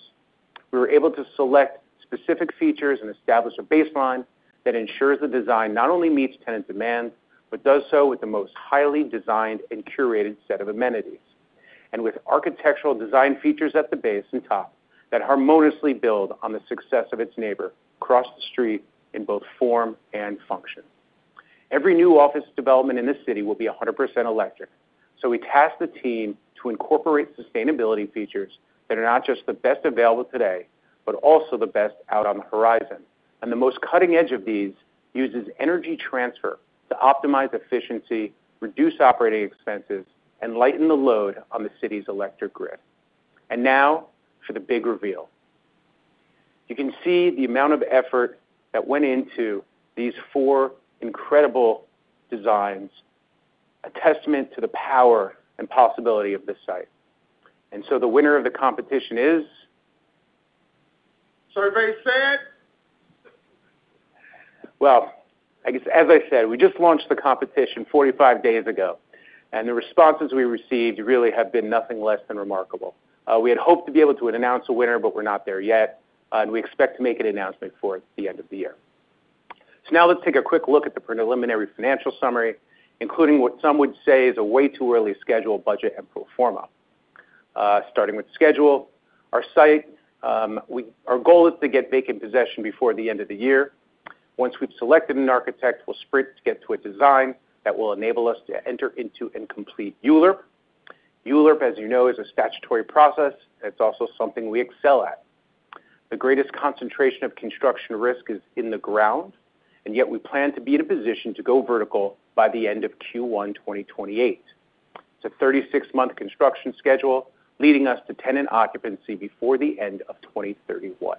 We were able to select specific features and establish a baseline that ensures the design not only meets tenant demand, but does so with the most highly designed and curated set of amenities, and with architectural design features at the base and top that harmoniously build on the success of its neighbor across the street in both form and function. Every new office development in the city will be 100% electric. We tasked the team to incorporate sustainability features that are not just the best available today, but also the best out on the horizon. The most cutting edge of these uses energy transfer to optimize efficiency, reduce operating expenses, and lighten the load on the city's electric grid. Now for the big reveal. You can see the amount of effort that went into these four incredible designs, a testament to the power and possibility of this site. The winner of the competition is Survey said. I guess, as I said, we just launched the competition 45 days ago, and the responses we received really have been nothing less than remarkable. We had hoped to be able to announce a winner, but we're not there yet, and we expect to make an announcement for the end of the year. So now let's take a quick look at the preliminary financial summary, including what some would say is a way too early schedule, budget, and pro forma. Starting with schedule, our goal is to get vacant possession before the end of the year. Once we've selected an architect, we'll sprint to get to a design that will enable us to enter into and complete ULURP. ULURP, as you know, is a statutory process. It's also something we excel at. The greatest concentration of construction risk is in the ground, and yet we plan to be in a position to go vertical by the end of Q1 2028. It's a 36-month construction schedule, leading us to tenant occupancy before the end of 2031.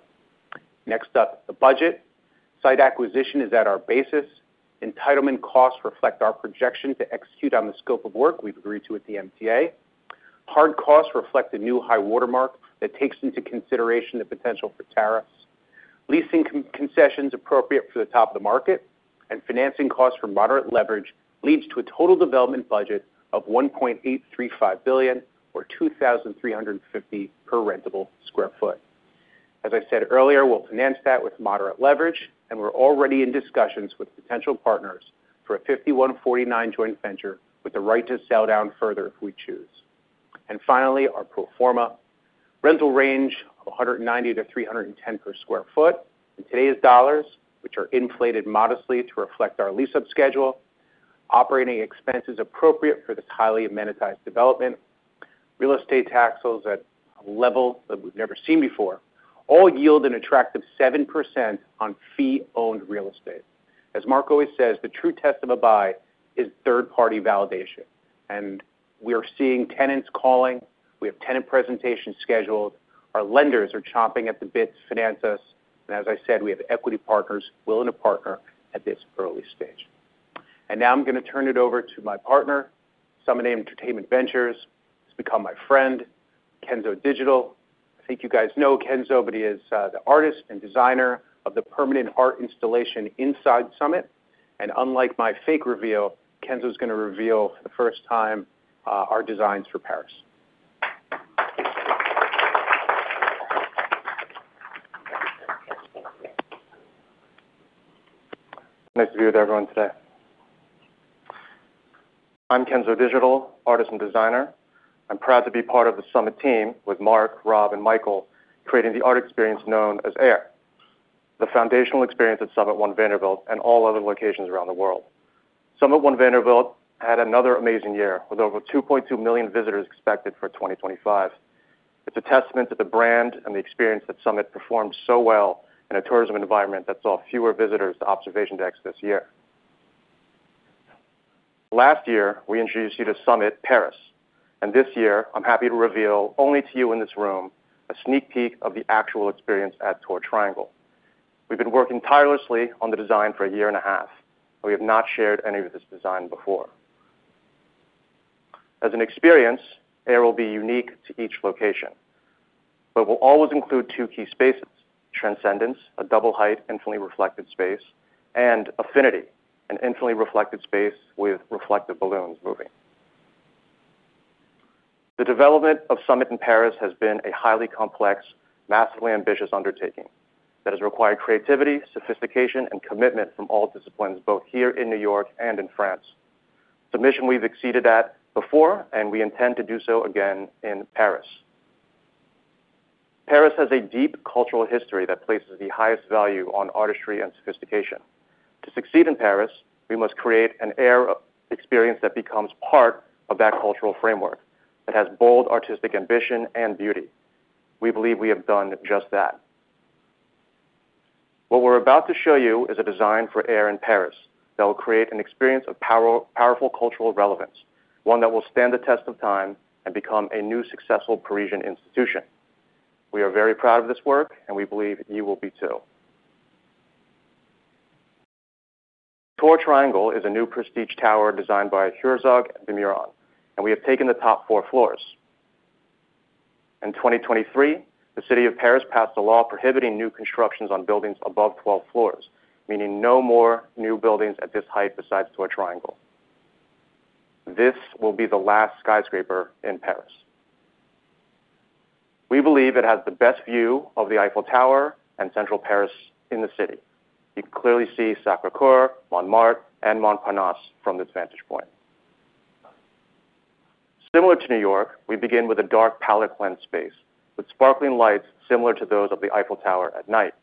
Next up, the budget. Site acquisition is at our basis. Entitlement costs reflect our projection to execute on the scope of work we've agreed to at the MTA. Hard costs reflect a new high watermark that takes into consideration the potential for tariffs. Leasing concessions appropriate for the top of the market and financing costs for moderate leverage leads to a total development budget of $1.835 billion, or $2,350 per rentable sq ft. As I said earlier, we'll finance that with moderate leverage, and we're already in discussions with potential partners for a 51-49 joint venture with the right to sell down further if we choose, and finally, our pro forma rental range of $190-$310 per sq ft in today's dollars, which are inflated modestly to reflect our lease-up schedule, operating expenses appropriate for this highly amenitized development, real estate taxes at a level that we've never seen before, all yield an attractive 7% on fee-owned real estate. As Marc always says, the true test of a buy is third-party validation. We are seeing tenants calling. We have tenant presentations scheduled. Our lenders are chomping at the bit to finance us. And as I said, we have equity partners willing to partner at this early stage. And now I'm going to turn it over to my partner, Summit Entertainment Ventures. He's become my friend, Kenzo Digital. I think you guys know Kenzo, but he is the artist and designer of the permanent art installation inside Summit. And unlike my fake reveal, Kenzo is going to reveal for the first time our designs for Paris. Nice to be with everyone today. I'm Kenzo Digital, artist and designer. I'm proud to be part of the Summit team with Marc, Rob, and Michael creating the art experience known as Air, the foundational experience at Summit One Vanderbilt and all other locations around the world. Summit One Vanderbilt had another amazing year with over 2.2 million visitors expected for 2025. It's a testament to the brand and the experience that Summit performed so well in a tourism environment that saw fewer visitors to observation decks this year. Last year, we introduced you to Summit Paris. And this year, I'm happy to reveal only to you in this room a sneak peek of the actual experience at Tour Triangle. We've been working tirelessly on the design for a year and a half, and we have not shared any of this design before. As an experience, AIR will be unique to each location, but we'll always include two key spaces: Transcendence, a double-height, infinitely reflected space, and Affinity, an infinitely reflected space with reflective balloons moving. The development of Summit in Paris has been a highly complex, massively ambitious undertaking that has required creativity, sophistication, and commitment from all disciplines, both here in New York and in France. It's a mission we've exceeded at before, and we intend to do so again in Paris. Paris has a deep cultural history that places the highest value on artistry and sophistication. To succeed in Paris, we must create an AIR experience that becomes part of that cultural framework that has bold artistic ambition and beauty. We believe we have done just that. What we're about to show you is a design for AIR in Paris that will create an experience of powerful cultural relevance, one that will stand the test of time and become a new successful Parisian institution. We are very proud of this work, and we believe you will be too. Tour Triangle is a new prestige tower designed by Herzog & de Meuron, and we have taken the top four floors. In 2023, the city of Paris passed a law prohibiting new constructions on buildings above 12 floors, meaning no more new buildings at this height besides Tour Triangle. This will be the last skyscraper in Paris. We believe it has the best view of the Eiffel Tower and central Paris in the city. You can clearly see Sacré-Cœur, Montmartre, and Montparnasse from this vantage point. Similar to New York, we begin with a dark palette cleanse space with sparkling lights similar to those of the Eiffel Tower at night.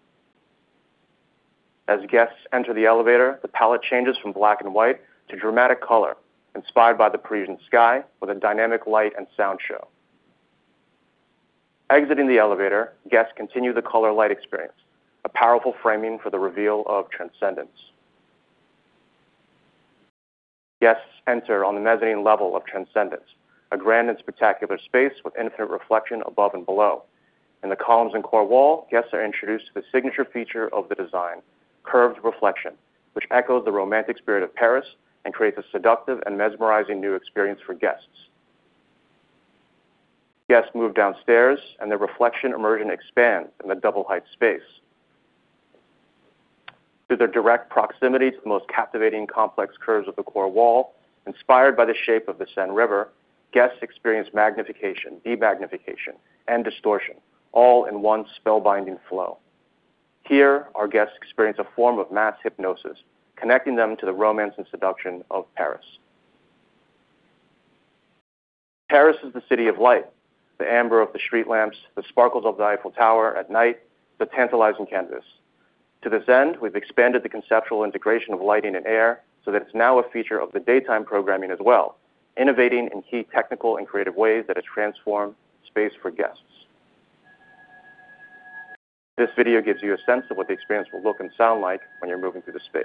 As guests enter the elevator, the palette changes from black and white to dramatic color, inspired by the Parisian sky with a dynamic light and sound show. Exiting the elevator, guests continue the color light experience, a powerful framing for the reveal of Transcendence. Guests enter on the mezzanine level of Transcendence, a grand and spectacular space with infinite reflection above and below. In the columns and core wall, guests are introduced to the signature feature of the design, curved reflection, which echoes the romantic spirit of Paris and creates a seductive and mesmerizing new experience for guests. Guests move downstairs, and the reflection emergent expands in the double-height space. Through their direct proximity to the most captivating complex curves of the core wall, inspired by the shape of the Seine River, guests experience magnification, demagnification, and distortion, all in one spellbinding flow. Here, our guests experience a form of mass hypnosis, connecting them to the romance and seduction of Paris. Paris is the city of light, the amber of the street lamps, the sparkles of the Eiffel Tower at night, the tantalizing canvas. To this end, we've expanded the conceptual integration of lighting and air so that it's now a feature of the daytime programming as well, innovating in key technical and creative ways that has transformed space for guests. This video gives you a sense of what the experience will look and sound like when you're moving through the space.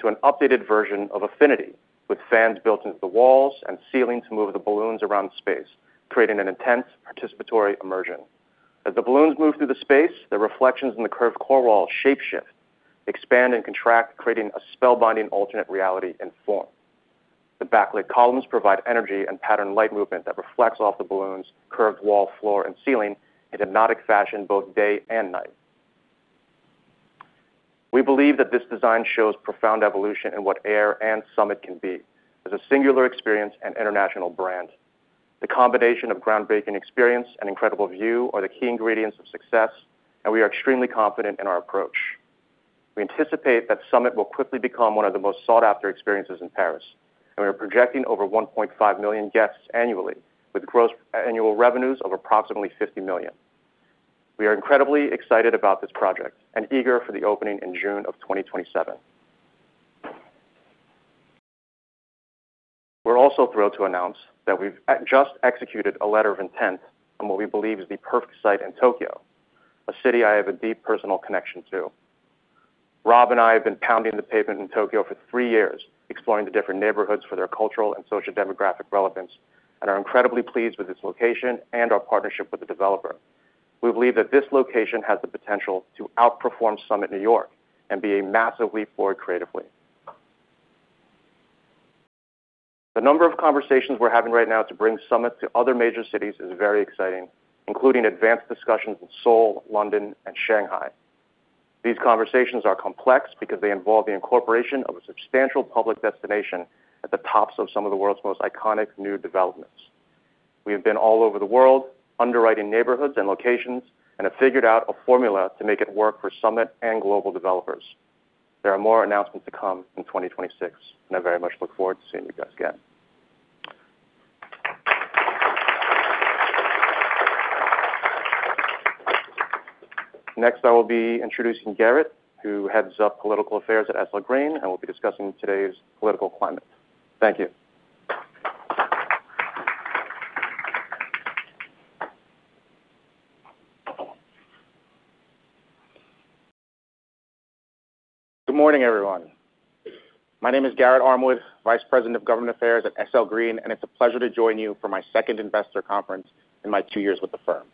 Guests move into an updated version of Affinity with fans built into the walls and ceiling to move the balloons around space, creating an intense participatory immersion. As the balloons move through the space, the reflections in the curved core wall shape-shift, expand, and contract, creating a spellbinding alternate reality and form. The backlit columns provide energy and pattern light movement that reflects off the balloons' curved wall, floor, and ceiling in hypnotic fashion both day and night. We believe that this design shows profound evolution in what Air and Summit can be as a singular experience and international brand. The combination of groundbreaking experience and incredible view are the key ingredients of success, and we are extremely confident in our approach. We anticipate that Summit will quickly become one of the most sought-after experiences in Paris, and we are projecting over 1.5 million guests annually with gross annual revenues of approximately $50 million. We are incredibly excited about this project and eager for the opening in June of 2027. We're also thrilled to announce that we've just executed a letter of intent on what we believe is the perfect site in Tokyo, a city I have a deep personal connection to. Rob and I have been pounding the pavement in Tokyo for three years, exploring the different neighborhoods for their cultural and sociodemographic relevance, and are incredibly pleased with this location and our partnership with the developer. We believe that this location has the potential to outperform Summit New York and be a massive leap forward creatively. The number of conversations we're having right now to bring Summit to other major cities is very exciting, including advanced discussions in Seoul, London, and Shanghai. These conversations are complex because they involve the incorporation of a substantial public destination at the tops of some of the world's most iconic new developments. We have been all over the world underwriting neighborhoods and locations and have figured out a formula to make it work for Summit and global developers. There are more announcements to come in 2026, and I very much look forward to seeing you guys again. Next, I will be introducing Garrett, who heads up Government Affairs at SL Green, and we'll be discussing today's political climate. Thank you. Good morning, everyone. My name is Garrett Armwood, Vice President of Government Affairs at SL Green, and it's a pleasure to join you for my second investor conference in my two years with the firm.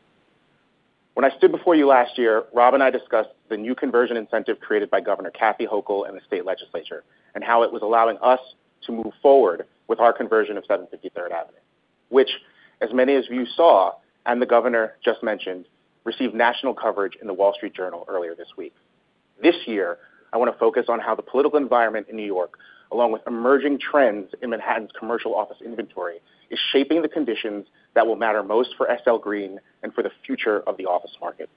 When I stood before you last year, Rob and I discussed the new conversion incentive created by Governor Kathy Hochul and the state legislature and how it was allowing us to move forward with our conversion of 750 Third Avenue, which, as many of you saw and the governor just mentioned, received national coverage in the Wall Street Journal earlier this week. This year, I want to focus on how the political environment in New York, along with emerging trends in Manhattan's commercial office inventory, is shaping the conditions that will matter most for SL Green and for the future of the office market.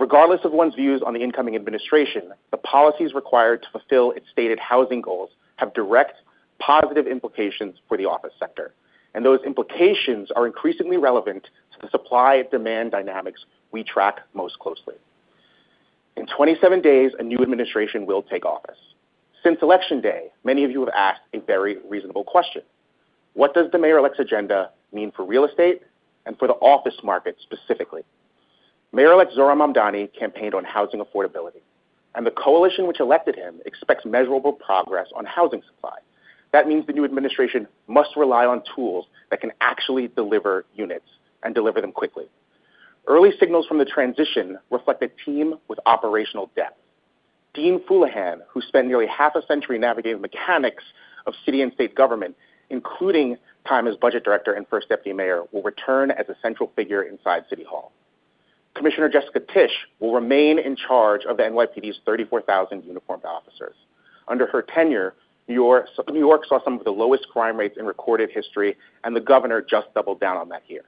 Regardless of one's views on the incoming administration, the policies required to fulfill its stated housing goals have direct positive implications for the office sector, and those implications are increasingly relevant to the supply-demand dynamics we track most closely. In 27 days, a new administration will take office. Since election day, many of you have asked a very reasonable question: What does the Mayor-elect's agenda mean for real estate and for the office market specifically? Mayor-elect Zohran Mamdani campaigned on housing affordability, and the coalition which elected him expects measurable progress on housing supply. That means the new administration must rely on tools that can actually deliver units and deliver them quickly. Early signals from the transition reflect a team with operational depth. Dean Fuleihan, who spent nearly half a century navigating the mechanics of city and state government, including time as budget director and first deputy mayor, will return as a central figure inside City Hall. Commissioner Jessica Tisch will remain in charge of the NYPD's 34,000 uniformed officers. Under her tenure, New York saw some of the lowest crime rates in recorded history, and the governor just doubled down on that here.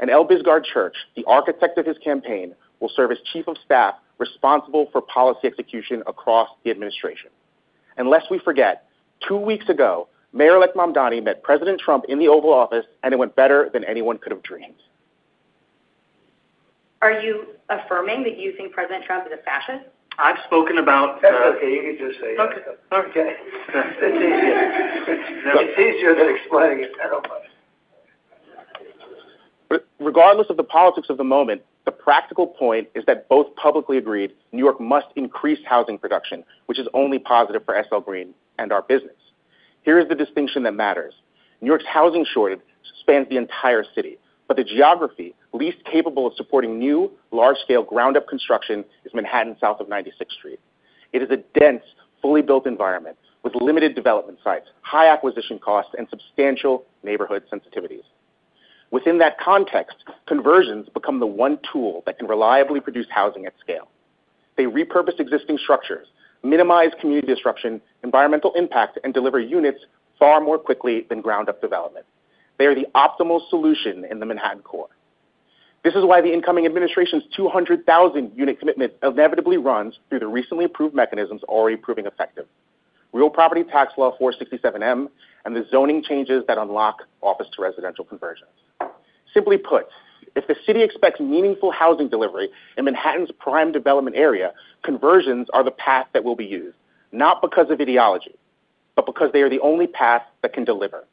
And Elbisgarde Church, the architect of his campaign, will serve as chief of staff responsible for policy execution across the administration. And lest we forget, two weeks ago, Mayor-elect Mamdani met President Trump in the Oval Office, and it went better than anyone could have dreamed. Are you affirming that you think President Trump is a fascist? I've spoken about that. Okay, you can just say it. Okay. Okay. It's easier than explaining it. Regardless of the politics of the moment, the practical point is that both publicly agreed New York must increase housing production, which is only positive for SL Green and our business. Here is the distinction that matters. New York's housing shortage spans the entire city, but the geography least capable of supporting new, large-scale ground-up construction is Manhattan south of 96th Street. It is a dense, fully built environment with limited development sites, high acquisition costs, and substantial neighborhood sensitivities. Within that context, conversions become the one tool that can reliably produce housing at scale. They repurpose existing structures, minimize community disruption, environmental impact, and deliver units far more quickly than ground-up development. They are the optimal solution in the Manhattan core. This is why the incoming administration's 200,000-unit commitment inevitably runs through the recently approved mechanisms already proving effective: Real Property Tax Law 467-m and the zoning changes that unlock office to residential conversions. Simply put, if the city expects meaningful housing delivery in Manhattan's prime development area, conversions are the path that will be used, not because of ideology, but because they are the only path that can deliver,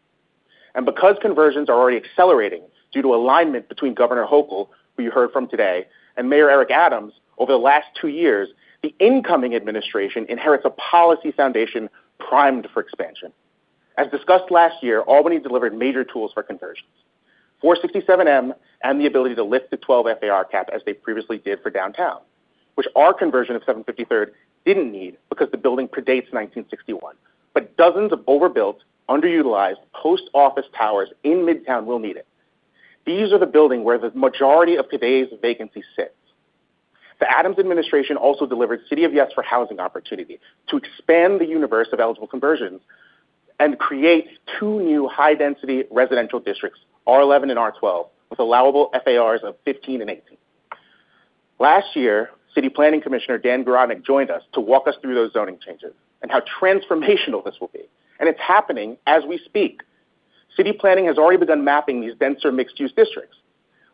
and because conversions are already accelerating due to alignment between Governor Hochul, who you heard from today, and Mayor Eric Adams, over the last two years, the incoming administration inherits a policy foundation primed for expansion. As discussed last year, Albany delivered major tools for conversions: 467-m and the ability to lift the 12 FAR cap as they previously did for downtown, which our conversion of 753rd didn't need because the building predates 1961, but dozens of overbuilt, underutilized post-office towers in Midtown will need it. These are the buildings where the majority of today's vacancy sits. The Adams administration also delivered City of Yes for Housing Opportunity to expand the universe of eligible conversions and create two new high-density residential districts, R11 and R12, with allowable FARs of 15 and 18. Last year, City Planning Commissioner Dan Garodnick joined us to walk us through those zoning changes and how transformational this will be. It's happening as we speak. City Planning has already begun mapping these denser mixed-use districts.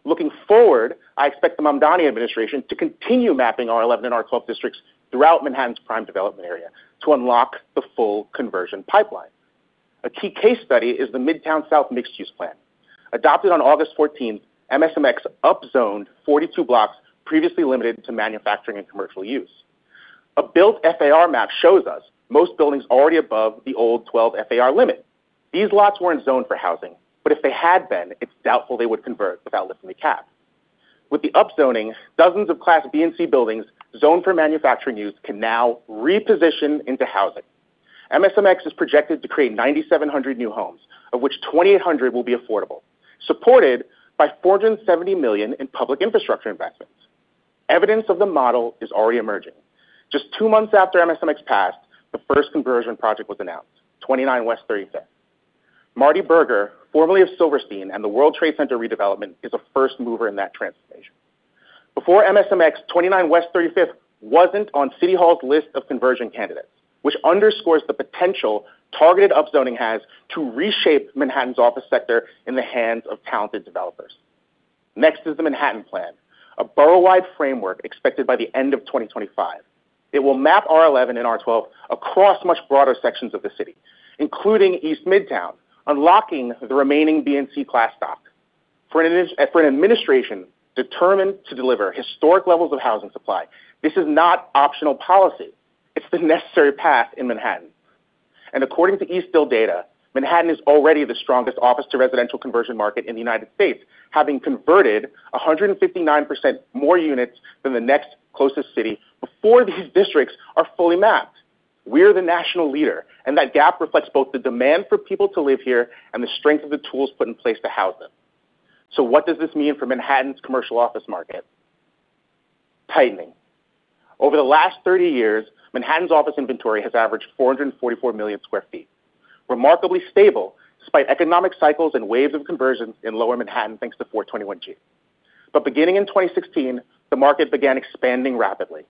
Looking forward, I expect the Mamdani administration to continue mapping R11 and R12 districts throughout Manhattan's prime development area to unlock the full conversion pipeline. A key case study is the Midtown South Mixed-Use Plan. Adopted on August 14, MSMX upzoned 42 blocks previously limited to manufacturing and commercial use. A built FAR map shows us most buildings are already above the old 12 FAR limit. These lots weren't zoned for housing, but if they had been, it's doubtful they would convert without lifting the cap. With the upzoning, dozens of Class B and C buildings zoned for manufacturing use can now reposition into housing. MSMX is projected to create 9,700 new homes, of which 2,800 will be affordable, supported by $470 million in public infrastructure investments. Evidence of the model is already emerging. Just two months after MSMX passed, the first conversion project was announced: 29 West 35th. Marty Berger, formerly of Silverstein and the World Trade Center redevelopment, is a first mover in that transformation. Before MSMX, 29 West 35th wasn't on City Hall's list of conversion candidates, which underscores the potential targeted upzoning has to reshape Manhattan's office sector in the hands of talented developers. Next is the Manhattan Plan, a borough-wide framework expected by the end of 2025. It will map R11 and R12 across much broader sections of the city, including East Midtown, unlocking the remaining B and C class stock. For an administration determined to deliver historic levels of housing supply, this is not optional policy. It's the necessary path in Manhattan. And according to Eastville data, Manhattan is already the strongest office to residential conversion market in the United States, having converted 159% more units than the next closest city before these districts are fully mapped. We are the national leader, and that gap reflects both the demand for people to live here and the strength of the tools put in place to house them. So what does this mean for Manhattan's commercial office market? Tightening. Over the last 30 years, Manhattan's office inventory has averaged 444 million sq ft, remarkably stable despite economic cycles and waves of conversions in lower Manhattan thanks to 421-g. But beginning in 2016, the market began expanding rapidly.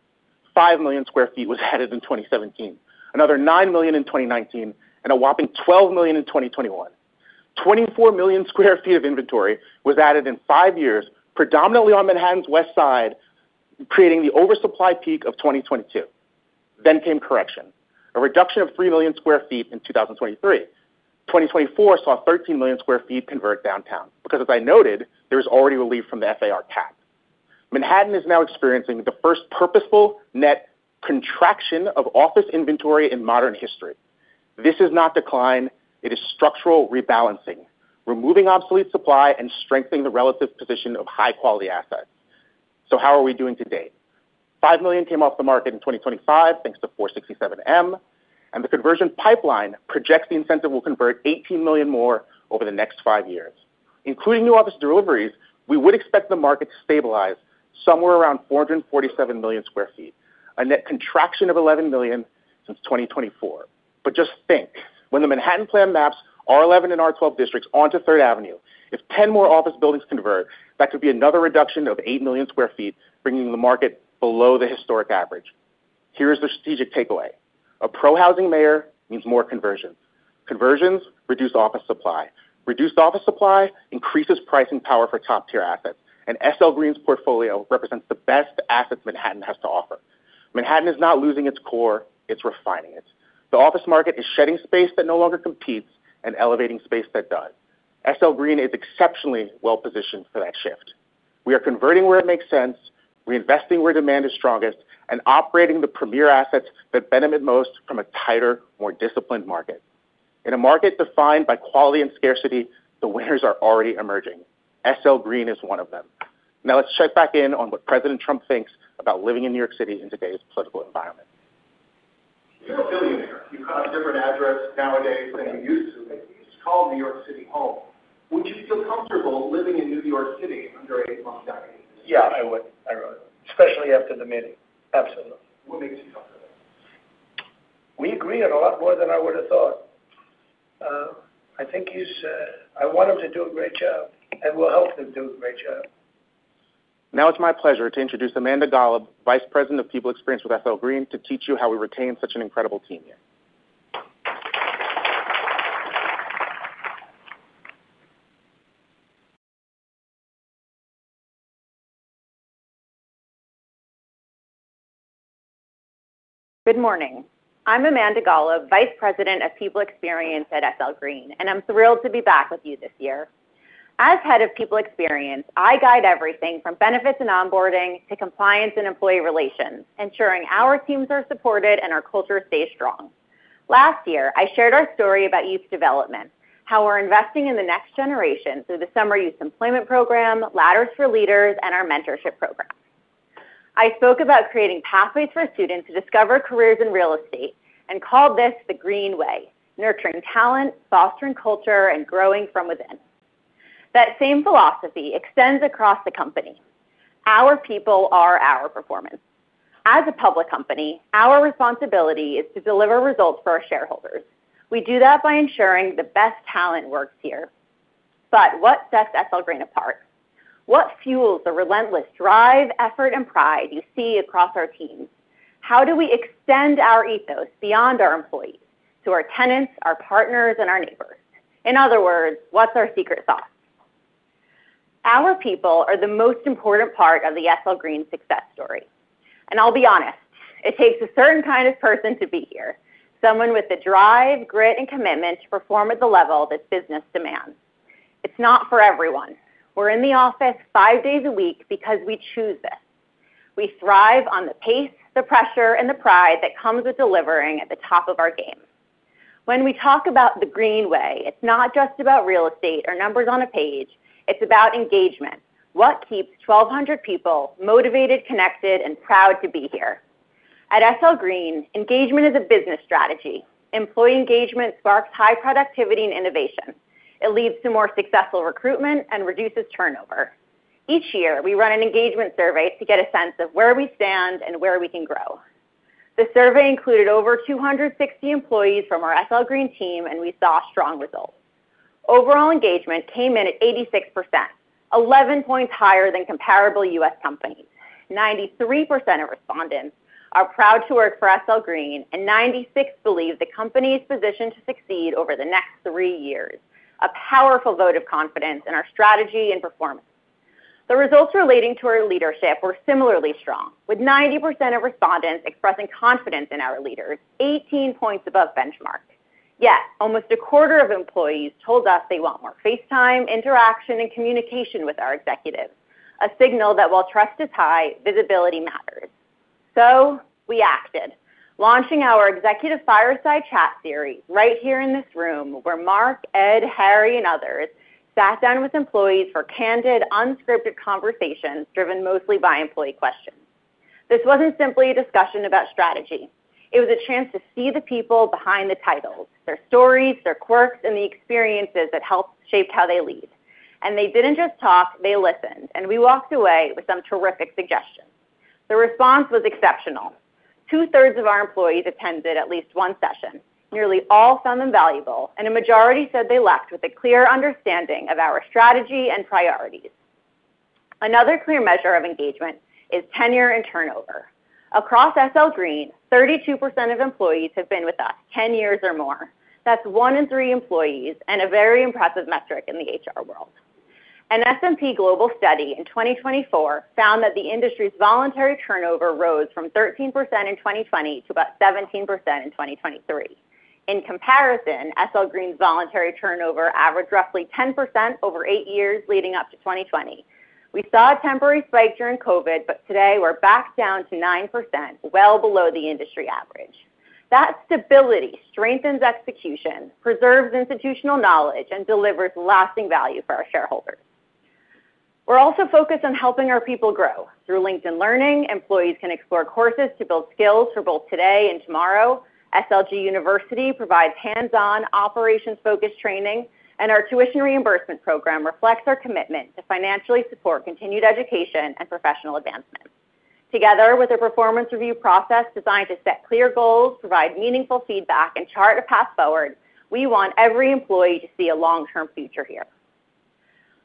5 million sq ft was added in 2017, another 9 million sq ft in 2019, and a whopping 12 million sq ft in 2021. 24 million sq ft of inventory was added in five years, predominantly on Manhattan's west side, creating the oversupply peak of 2022. Then came correction, a reduction of 3 million sq ft in 2023. 2024 saw 13 million sq ft convert downtown because, as I noted, there was already relief from the FAR cap. Manhattan is now experiencing the first purposeful net contraction of office inventory in modern history. This is not decline. It is structural rebalancing, removing obsolete supply and strengthening the relative position of high-quality assets. So how are we doing today? 5 million came off the market in 2025 thanks to 467-m, and the conversion pipeline projects the incentive will convert 18 million more over the next five years. Including new office deliveries, we would expect the market to stabilize somewhere around 447 million sq ft, a net contraction of 11 million since 2024. But just think, when the Manhattan Plan maps R11 and R12 districts onto Third Avenue, if 10 more office buildings convert, that could be another reduction of 8 million sq ft, bringing the market below the historic average. Here is the strategic takeaway. A pro-housing mayor means more conversions. Conversions reduce office supply. Reduced office supply increases pricing power for top-tier assets, and SL Green's portfolio represents the best assets Manhattan has to offer. Manhattan is not losing its core. It's refining it. The office market is shedding space that no longer competes and elevating space that does. SL Green is exceptionally well-positioned for that shift. We are converting where it makes sense, reinvesting where demand is strongest, and operating the premier assets that benefit most from a tighter, more disciplined market. In a market defined by quality and scarcity, the winners are already emerging. SL Green is one of them. Now let's check back in on what President Trump thinks about living in New York City in today's political environment. You're a billionaire. You've got a different address nowadays than you used to. You used to call New York City home. Would you feel comfortable living in New York City under a Mamdani? Yeah, I would. I would. Especially after the meeting. Absolutely. What makes you comfortable? We agree on a lot more than I would have thought. I think he's. I want him to do a great job, and we'll help him do a great job. Now it's my pleasure to introduce Amanda Golub, Vice President of People Experience with SL Green, to teach you how we retain such an incredible team here. Good morning. I'm Amanda Golub, Vice President of People Experience at SL Green, and I'm thrilled to be back with you this year. As head of People Experience, I guide everything from benefits and onboarding to compliance and employee relations, ensuring our teams are supported and our culture stays strong. Last year, I shared our story about youth development, how we're investing in the next generation through the Summer Youth Employment Program, Ladders for Leaders, and our mentorship program. I spoke about creating pathways for students to discover careers in real estate and called this the Green Way, nurturing talent, fostering culture, and growing from within. That same philosophy extends across the company. Our people are our performance. As a public company, our responsibility is to deliver results for our shareholders. We do that by ensuring the best talent works here. But what sets SL Green apart? What fuels the relentless drive, effort, and pride you see across our teams? How do we extend our ethos beyond our employees to our tenants, our partners, and our neighbors? In other words, what's our secret sauce? Our people are the most important part of the SL Green success story. And I'll be honest, it takes a certain kind of person to be here, someone with the drive, grit, and commitment to perform at the level that business demands. It's not for everyone. We're in the office five days a week because we choose this. We thrive on the pace, the pressure, and the pride that comes with delivering at the top of our game. When we talk about the Green Way, it's not just about real estate or numbers on a page. It's about engagement. What keeps 1,200 people motivated, connected, and proud to be here? At SL Green, engagement is a business strategy. Employee engagement sparks high productivity and innovation. It leads to more successful recruitment and reduces turnover. Each year, we run an engagement survey to get a sense of where we stand and where we can grow. The survey included over 260 employees from our SL Green team, and we saw strong results. Overall engagement came in at 86%, 11 points higher than comparable U.S. companies. 93% of respondents are proud to work for SL Green, and 96% believe the company is positioned to succeed over the next three years, a powerful vote of confidence in our strategy and performance. The results relating to our leadership were similarly strong, with 90% of respondents expressing confidence in our leaders, 18 points above benchmark. Yet, almost a quarter of employees told us they want more face time, interaction, and communication with our executives, a signal that while trust is high, visibility matters. So we acted, launching our executive fireside chat series right here in this room where Marc, Ed, Harry, and others sat down with employees for candid, unscripted conversations driven mostly by employee questions. This wasn't simply a discussion about strategy. It was a chance to see the people behind the titles, their stories, their quirks, and the experiences that helped shape how they lead. And they didn't just talk. They listened. And we walked away with some terrific suggestions. The response was exceptional. Two-thirds of our employees attended at least one session. Nearly all found them valuable, and a majority said they left with a clear understanding of our strategy and priorities. Another clear measure of engagement is tenure and turnover. Across SL Green, 32% of employees have been with us 10 years or more. That's one in three employees, and a very impressive metric in the HR world. An S&P Global study in 2024 found that the industry's voluntary turnover rose from 13% in 2020 to about 17% in 2023. In comparison, SL Green's voluntary turnover averaged roughly 10% over eight years, leading up to 2020. We saw a temporary spike during COVID, but today we're back down to 9%, well below the industry average. That stability strengthens execution, preserves institutional knowledge, and delivers lasting value for our shareholders. We're also focused on helping our people grow. Through LinkedIn Learning, employees can explore courses to build skills for both today and tomorrow. SLG University provides hands-on, operations-focused training, and our tuition reimbursement program reflects our commitment to financially support continued education and professional advancement. Together with a performance review process designed to set clear goals, provide meaningful feedback, and chart a path forward, we want every employee to see a long-term future here.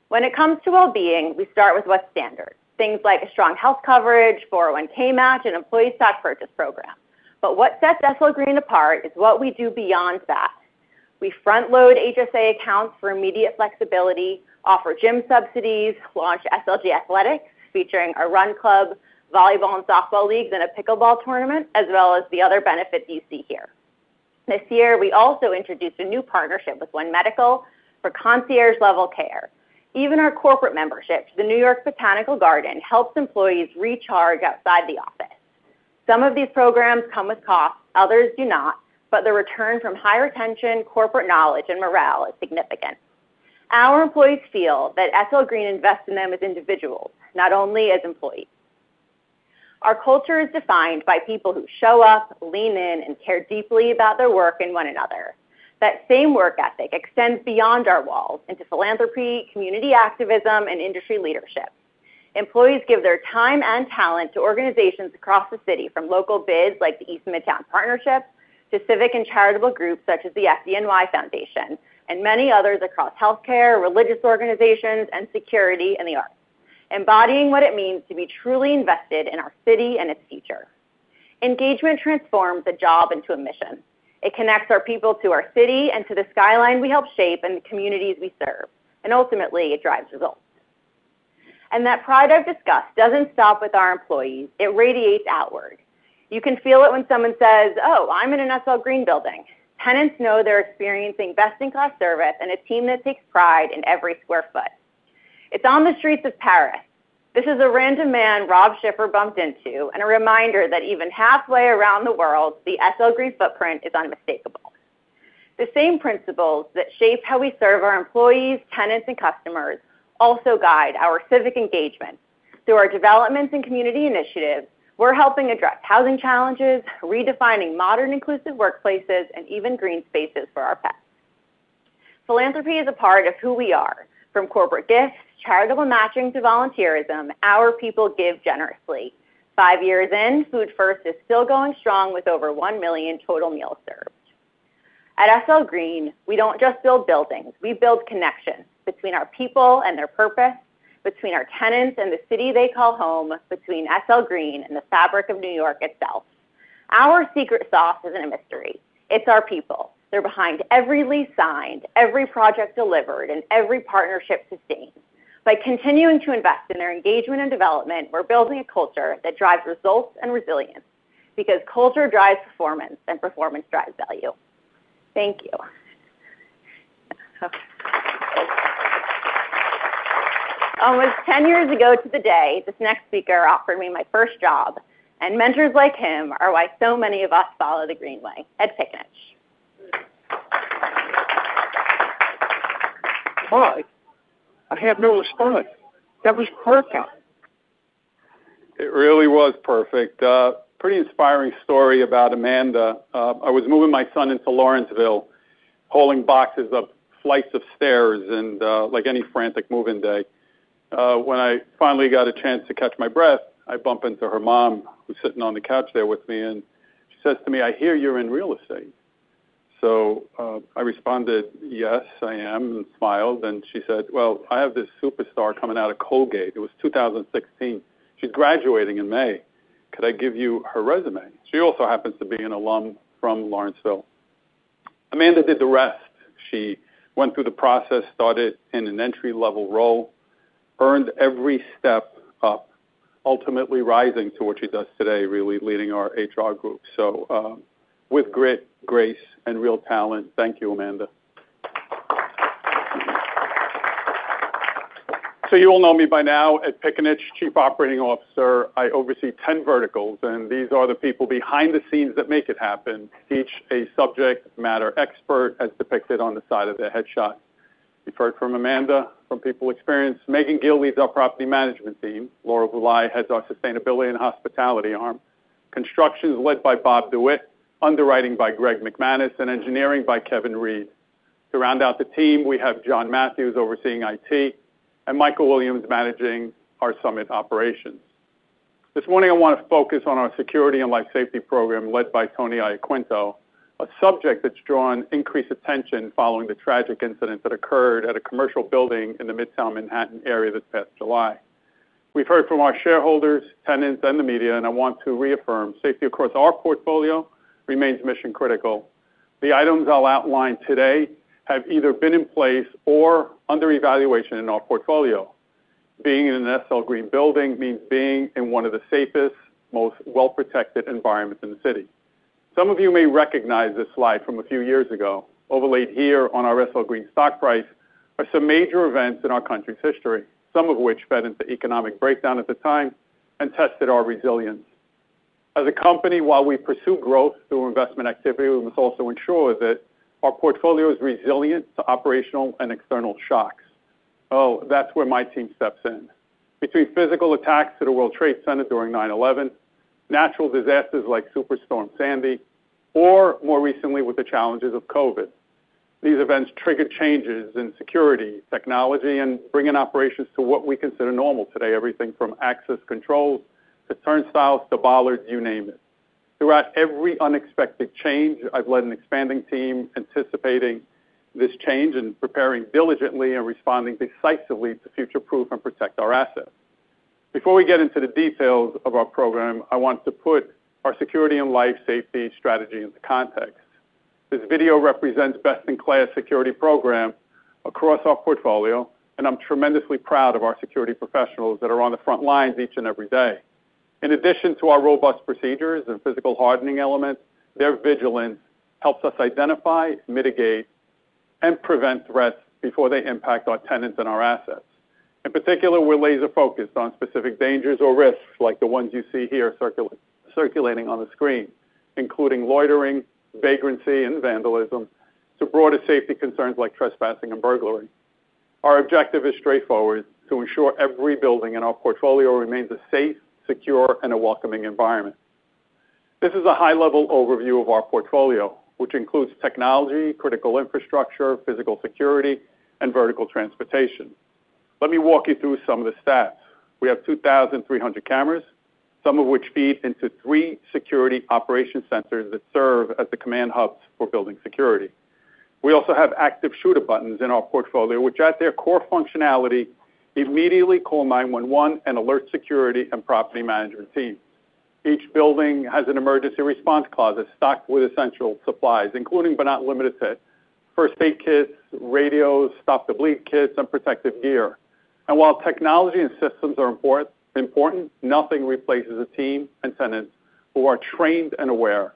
When it comes to well-being, we start with what's standard, things like a strong health coverage, 401(k) match, and employee stock purchase program. But what sets SL Green apart is what we do beyond that. We front-load HSA accounts for immediate flexibility, offer gym subsidies, launch SLG Athletics featuring our run club, volleyball and softball leagues, and a pickleball tournament, as well as the other benefits you see here. This year, we also introduced a new partnership with One Medical for concierge-level care. Even our corporate membership to the New York Botanical Garden helps employees recharge outside the office. Some of these programs come with costs. Others do not, but the return from high retention, corporate knowledge, and morale is significant. Our employees feel that SL Green invests in them as individuals, not only as employees. Our culture is defined by people who show up, lean in, and care deeply about their work and one another. That same work ethic extends beyond our walls into philanthropy, community activism, and industry leadership. Employees give their time and talent to organizations across the city, from local biz like the East Midtown Partnership to civic and charitable groups such as the FDNY Foundation and many others across healthcare, religious organizations, and security and the arts, embodying what it means to be truly invested in our city and its future. Engagement transforms a job into a mission. It connects our people to our city and to the skyline we help shape and the communities we serve. And ultimately, it drives results. And that pride I've discussed doesn't stop with our employees. It radiates outward. You can feel it when someone says, "Oh, I'm in an SL Green building." Tenants know they're experiencing best-in-class service and a team that takes pride in every square foot. It's on the streets of Paris. This is a random man Rob Schiffer bumped into and a reminder that even halfway around the world, the SL Green footprint is unmistakable. The same principles that shape how we serve our employees, tenants, and customers also guide our civic engagement. Through our developments and community initiatives, we're helping address housing challenges, redefining modern inclusive workplaces, and even green spaces for our pets. Philanthropy is a part of who we are. From corporate gifts, charitable matching to volunteerism, our people give generously. Five years in, Food1st is still going strong with over one million total meals served. At SL Green, we don't just build buildings. We build connections between our people and their purpose, between our tenants and the city they call home, between SL Green and the fabric of New York itself. Our secret sauce isn't a mystery. It's our people. They're behind every lease signed, every project delivered, and every partnership sustained. By continuing to invest in their engagement and development, we're building a culture that drives results and resilience because culture drives performance and performance drives value. Thank you. Almost 10 years ago to the day, this next speaker offered me my first job, and mentors like him are why so many of us follow the Green Way. Ed Piccinich. Hi. I have no response. That was perfect. It really was perfect. Pretty inspiring story about Amanda. I was moving my son into Lawrenceville, hauling boxes up flights of stairs and like any frantic moving day. When I finally got a chance to catch my breath, I bump into her mom who's sitting on the couch there with me, and she says to me, "I hear you're in real estate." So I responded, "Yes, I am," and smiled, and she said, "Well, I have this superstar coming out of Colgate." It was 2016. She's graduating in May. Could I give you her resume? She also happens to be an alum from Lawrenceville. Amanda did the rest. She went through the process, started in an entry-level role, earned every step up, ultimately rising to what she does today, really leading our HR group. So with grit, grace, and real talent, thank you, Amanda. So you all know me by now. Ed Piccinich, Chief Operating Officer. I oversee 10 verticals, and these are the people behind the scenes that make it happen, each a subject matter expert as depicted on the side of the headshot. We've heard from Amanda, from People Experience. Megan Gill leads our property management team. Laura Vulaj heads our sustainability and hospitality arm. Construction is led by Bob DeWitt, underwriting by Greg McManus, and engineering by Kevin Reed. To round out the team, we have John Matthews overseeing IT and Michael Williams managing our summit operations. This morning, I want to focus on our security and life safety program led by Tony Iacinto, a subject that's drawn increased attention following the tragic incident that occurred at a commercial building in the Midtown Manhattan area this past July. We've heard from our shareholders, tenants, and the media, and I want to reaffirm safety across our portfolio remains mission-critical. The items I'll outline today have either been in place or under evaluation in our portfolio. Being in an SL Green building means being in one of the safest, most well-protected environments in the city. Some of you may recognize this slide from a few years ago. Overlaid here on our SL Green stock price are some major events in our country's history, some of which fed into economic breakdown at the time and tested our resilience. As a company, while we pursue growth through investment activity, we must also ensure that our portfolio is resilient to operational and external shocks. Oh, that's where my team steps in. Between physical attacks to the World Trade Center during 9/11, natural disasters like Superstorm Sandy, or more recently, with the challenges of COVID, these events triggered changes in security, technology, and bringing operations to what we consider normal today, everything from access controls to turnstiles to bollards, you name it. Throughout every unexpected change, I've led an expanding team anticipating this change and preparing diligently and responding decisively to future-proof and protect our assets. Before we get into the details of our program, I want to put our security and life safety strategy into context. This video represents best-in-class security programs across our portfolio, and I'm tremendously proud of our security professionals that are on the front lines each and every day. In addition to our robust procedures and physical hardening elements, their vigilance helps us identify, mitigate, and prevent threats before they impact our tenants and our assets. In particular, we're laser-focused on specific dangers or risks like the ones you see here circulating on the screen, including loitering, vagrancy, and vandalism, to broader safety concerns like trespassing and burglary. Our objective is straightforward: to ensure every building in our portfolio remains a safe, secure, and welcoming environment. This is a high-level overview of our portfolio, which includes technology, critical infrastructure, physical security, and vertical transportation. Let me walk you through some of the stats. We have 2,300 cameras, some of which feed into three security operation centers that serve as the command hubs for building security. We also have active shooter buttons in our portfolio, which, at their core functionality, immediately call 911 and alert security and property management teams. Each building has an emergency response closet stocked with essential supplies, including but not limited to first-aid kits, radios, stop-the-bleed kits, and protective gear. While technology and systems are important, nothing replaces a team and tenants who are trained and aware.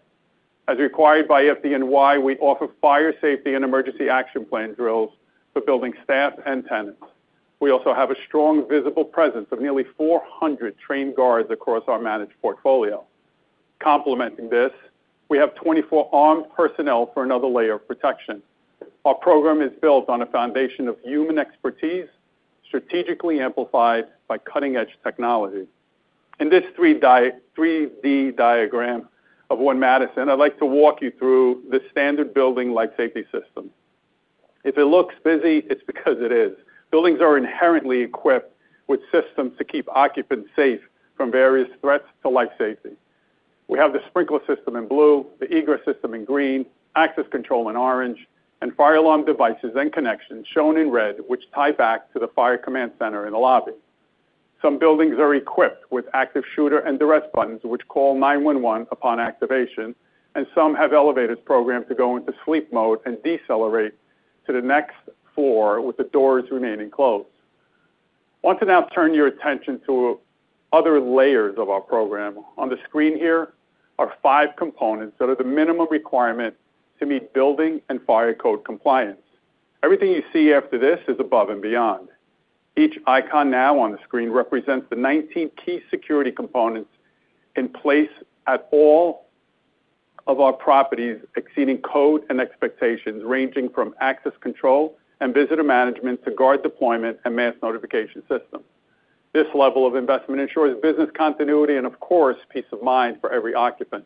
As required by FDNY, we offer fire safety and emergency action plan drills for building staff and tenants. We also have a strong visible presence of nearly 400 trained guards across our managed portfolio. Complementing this, we have 24 armed personnel for another layer of protection. Our program is built on a foundation of human expertise, strategically amplified by cutting-edge technology. In this 3D diagram of One Madison, I'd like to walk you through the standard building life safety system. If it looks busy, it's because it is. Buildings are inherently equipped with systems to keep occupants safe from various threats to life safety. We have the sprinkler system in blue, the egress system in green, access control in orange, and fire alarm devices and connections shown in red, which tie back to the fire command center in the lobby. Some buildings are equipped with active shooter and duress buttons, which call 911 upon activation, and some have elevators programmed to go into sleep mode and decelerate to the next floor with the doors remaining closed. Want to now turn your attention to other layers of our program? On the screen here are five components that are the minimum requirement to meet building and fire code compliance. Everything you see after this is above and beyond. Each icon now on the screen represents the 19 key security components in place at all of our properties exceeding code and expectations, ranging from access control and visitor management to guard deployment and mass notification system. This level of investment ensures business continuity and, of course, peace of mind for every occupant.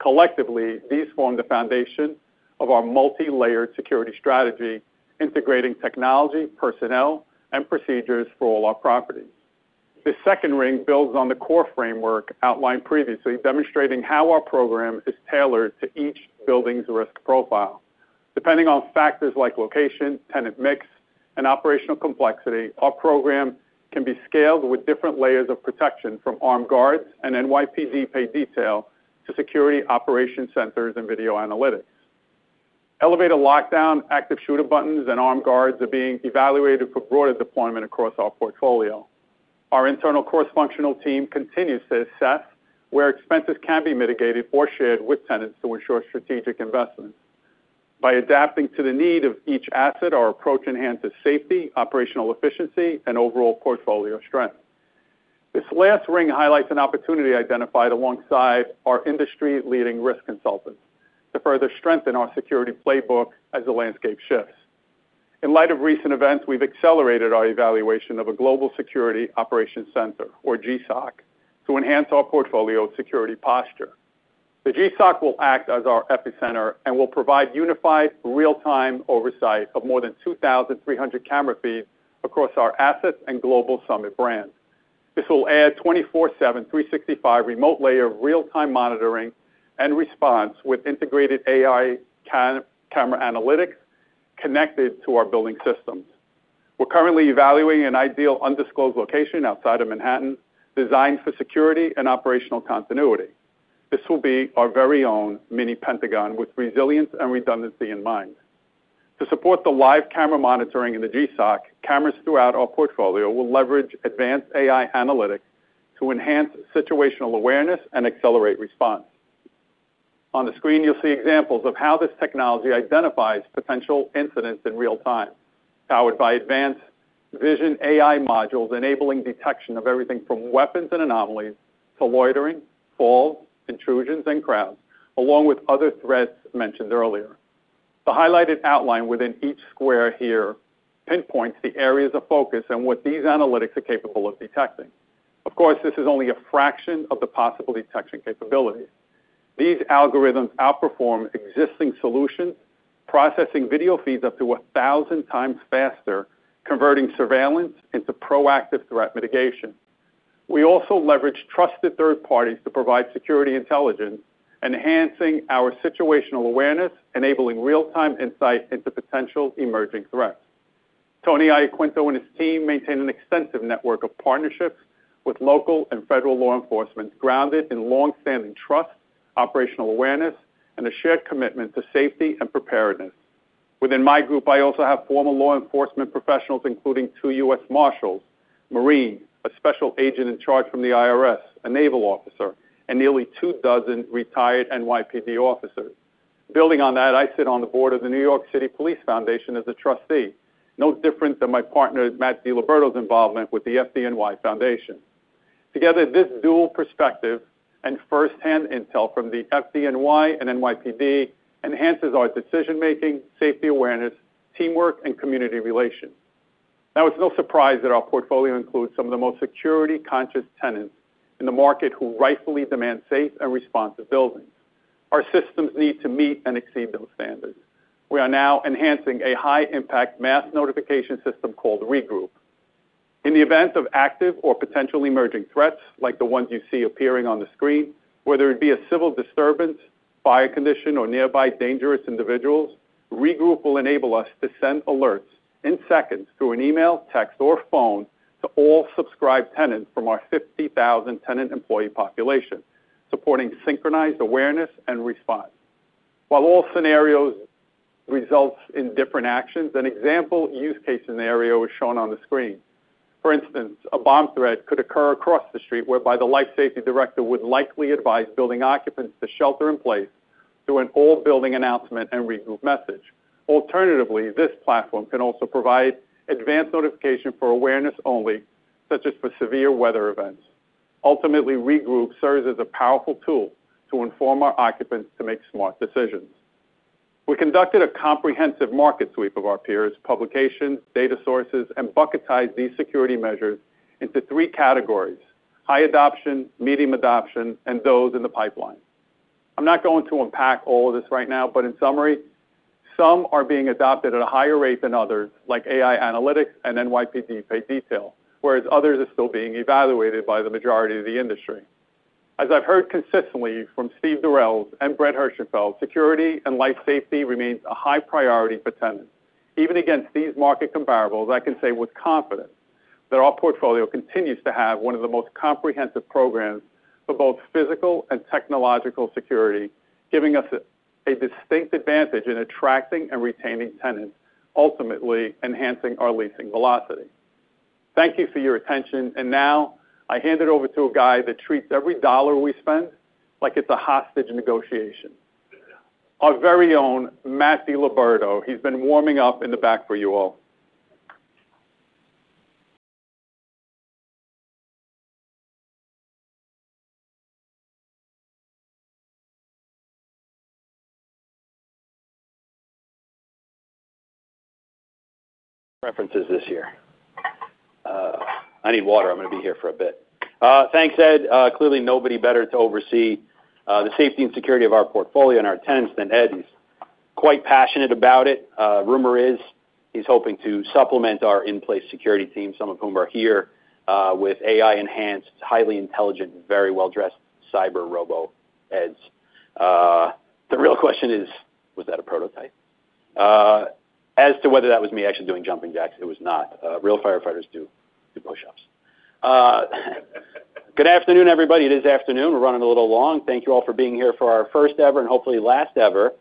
Collectively, these form the foundation of our multi-layered security strategy, integrating technology, personnel, and procedures for all our properties. The second ring builds on the core framework outlined previously, demonstrating how our program is tailored to each building's risk profile. Depending on factors like location, tenant mix, and operational complexity, our program can be scaled with different layers of protection from armed guards and NYPD paid detail to security operation centers and video analytics. Elevator lockdown, active shooter buttons, and armed guards are being evaluated for broader deployment across our portfolio. Our internal cross-functional team continues to assess where expenses can be mitigated or shared with tenants to ensure strategic investments. By adapting to the need of each asset, our approach enhances safety, operational efficiency, and overall portfolio strength. This last ring highlights an opportunity identified alongside our industry-leading risk consultants to further strengthen our security playbook as the landscape shifts. In light of recent events, we've accelerated our evaluation of a Global Security Operations Center, or GSOC, to enhance our portfolio security posture. The GSOC will act as our epicenter and will provide unified real-time oversight of more than 2,300 camera feeds across our assets and Global Summit brand. This will add 24/7, 365 remote layer of real-time monitoring and response with integrated AI camera analytics connected to our building systems. We're currently evaluating an ideal undisclosed location outside of Manhattan designed for security and operational continuity. This will be our very own mini Pentagon with resilience and redundancy in mind. To support the live camera monitoring in the GSOC, cameras throughout our portfolio will leverage advanced AI analytics to enhance situational awareness and accelerate response. On the screen, you'll see examples of how this technology identifies potential incidents in real time, powered by advanced vision AI modules enabling detection of everything from weapons and anomalies to loitering, falls, intrusions, and crowds, along with other threats mentioned earlier. The highlighted outline within each square here pinpoints the areas of focus and what these analytics are capable of detecting. Of course, this is only a fraction of the possible detection capabilities. These algorithms outperform existing solutions, processing video feeds up to 1,000 times faster, converting surveillance into proactive threat mitigation. We also leverage trusted third parties to provide security intelligence, enhancing our situational awareness, enabling real-time insight into potential emerging threats. Tony Iaquinto and his team maintain an extensive network of partnerships with local and federal law enforcement grounded in long-standing trust, operational awareness, and a shared commitment to safety and preparedness. Within my group, I also have former law enforcement professionals, including two U.S. Marshals, Marines, a special agent in charge from the IRS, a naval officer, and nearly two dozen retired NYPD officers. Building on that, I sit on the board of the New York City Police Foundation as a trustee, no different than my partner, Matt DiLiberto's involvement with the FDNY Foundation. Together, this dual perspective and firsthand intel from the FDNY and NYPD enhances our decision-making, safety awareness, teamwork, and community relations. Now, it's no surprise that our portfolio includes some of the most security-conscious tenants in the market who rightfully demand safe and responsive buildings. Our systems need to meet and exceed those standards. We are now enhancing a high-impact mass notification system called Regroup. In the event of active or potential emerging threats, like the ones you see appearing on the screen, whether it be a civil disturbance, fire condition, or nearby dangerous individuals, Regroup will enable us to send alerts in seconds through an email, text, or phone to all subscribed tenants from our 50,000 tenant-employee population, supporting synchronized awareness and response. While all scenarios result in different actions, an example use case scenario is shown on the screen. For instance, a bomb threat could occur across the street whereby the life safety director would likely advise building occupants to shelter in place through an all-building announcement and Regroup message. Alternatively, this platform can also provide advanced notification for awareness only, such as for severe weather events. Ultimately, Regroup serves as a powerful tool to inform our occupants to make smart decisions. We conducted a comprehensive market sweep of our peers, publications, data sources, and bucketized these security measures into three categories: high adoption, medium adoption, and those in the pipeline. I'm not going to unpack all of this right now, but in summary, some are being adopted at a higher rate than others, like AI analytics and NYPD paid detail, whereas others are still being evaluated by the majority of the industry. As I've heard consistently from Steve Durels and Brett Herschenfeld, security and life safety remains a high priority for tenants. Even against these market comparables, I can say with confidence that our portfolio continues to have one of the most comprehensive programs for both physical and technological security, giving us a distinct advantage in attracting and retaining tenants, ultimately enhancing our leasing velocity. Thank you for your attention. And now, I hand it over to a guy that treats every dollar we spend like it's a hostage negotiation: our very own Matt DiLiberto. He's been warming up in the back for you all. References this year. I need water. I'm going to be here for a bit. Thanks, Ed. Clearly, nobody better to oversee the safety and security of our portfolio and our tenants than Ed. He's quite passionate about it. Rumor is he's hoping to supplement our in-place security team, some of whom are here with AI-enhanced, highly intelligent, very well-dressed cyber robo Eds. The real question is, was that a prototype? As to whether that was me actually doing jumping jacks, it was not. Real firefighters do do push-ups. Good afternoon, everybody. It is afternoon. We're running a little long. Thank you all for being here for our first ever, and hopefully last ever,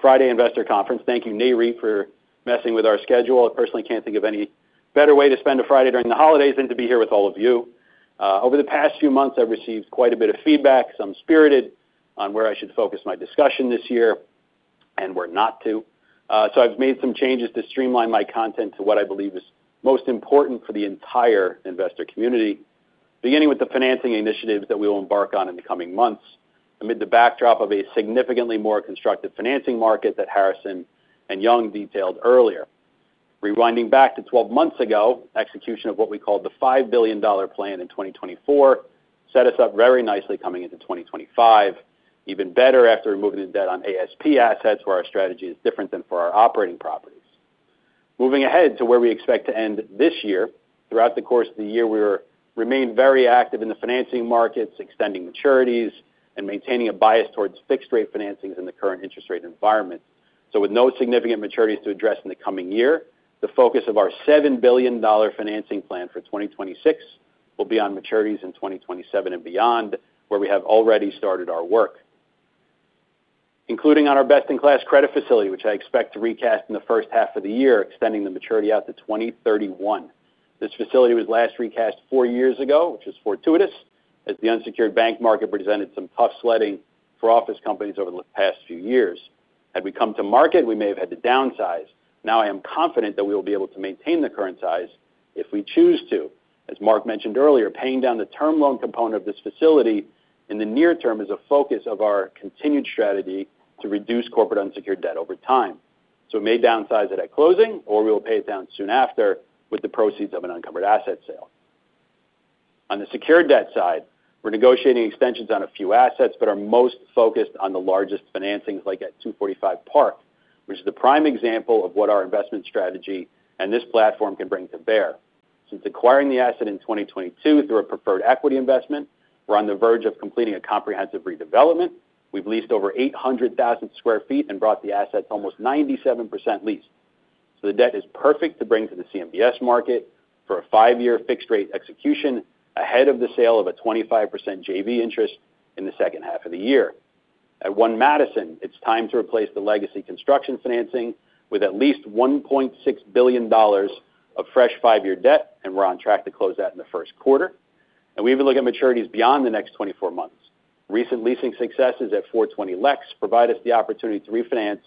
Friday Investor Conference. Thank you, Nayri, for messing with our schedule. I personally can't think of any better way to spend a Friday during the holidays than to be here with all of you. Over the past few months, I've received quite a bit of feedback, some spirited, on where I should focus my discussion this year and where not to. So I've made some changes to streamline my content to what I believe is most important for the entire investor community, beginning with the financing initiatives that we will embark on in the coming months amid the backdrop of a significantly more constructive financing market that Harrison and Young detailed earlier. Rewinding back to 12 months ago, execution of what we called the $5 billion plan in 2024 set us up very nicely coming into 2025, even better after removing the debt on ASP assets, where our strategy is different than for our operating properties. Moving ahead to where we expect to end this year, throughout the course of the year, we remain very active in the financing markets, extending maturities, and maintaining a bias towards fixed-rate financings in the current interest rate environment. So with no significant maturities to address in the coming year, the focus of our $7 billion financing plan for 2026 will be on maturities in 2027 and beyond, where we have already started our work, including on our best-in-class credit facility, which I expect to recast in the first half of the year, extending the maturity out to 2031. This facility was last recast four years ago, which was fortuitous, as the unsecured bank market presented some tough sledding for office companies over the past few years. Had we come to market, we may have had to downsize. Now, I am confident that we will be able to maintain the current size if we choose to. As Marc mentioned earlier, paying down the term loan component of this facility in the near term is a focus of our continued strategy to reduce corporate unsecured debt over time. So we may downsize it at closing, or we will pay it down soon after with the proceeds of an uncovered asset sale. On the secured debt side, we're negotiating extensions on a few assets, but are most focused on the largest financings, like at 245 Park Avenue, which is the prime example of what our investment strategy and this platform can bring to bear. Since acquiring the asset in 2022 through a preferred equity investment, we're on the verge of completing a comprehensive redevelopment. We've leased over 800,000 sq ft and brought the assets almost 97% leased, so the debt is perfect to bring to the CMBS market for a five-year fixed-rate execution ahead of the sale of a 25% JV interest in the second half of the year. At One Madison Avenue, it's time to replace the legacy construction financing with at least $1.6 billion of fresh five-year debt, and we're on track to close that in the first quarter, and we even look at maturities beyond the next 24 months. Recent leasing successes at 420 Lex provide us the opportunity to refinance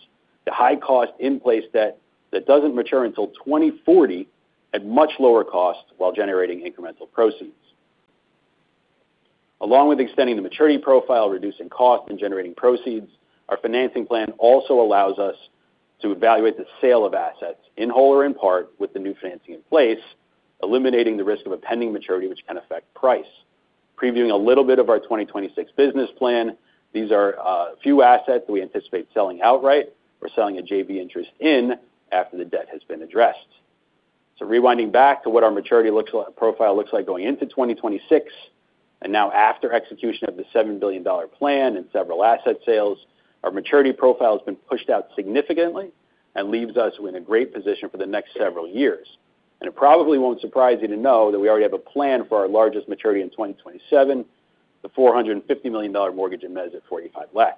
the high-cost in-place debt that doesn't mature until 2040 at much lower cost while generating incremental proceeds. Along with extending the maturity profile, reducing cost, and generating proceeds, our financing plan also allows us to evaluate the sale of assets in whole or in part with the new financing in place, eliminating the risk of a pending maturity, which can affect price. Previewing a little bit of our 2026 business plan, these are a few assets that we anticipate selling outright or selling a JV interest in after the debt has been addressed. Rewinding back to what our maturity profile looks like going into 2026, and now after execution of the $7 billion plan and several asset sales, our maturity profile has been pushed out significantly and leaves us in a great position for the next several years. It probably won't surprise you to know that we already have a plan for our largest maturity in 2027, the $450 million mortgage in mezz at 485 Lex.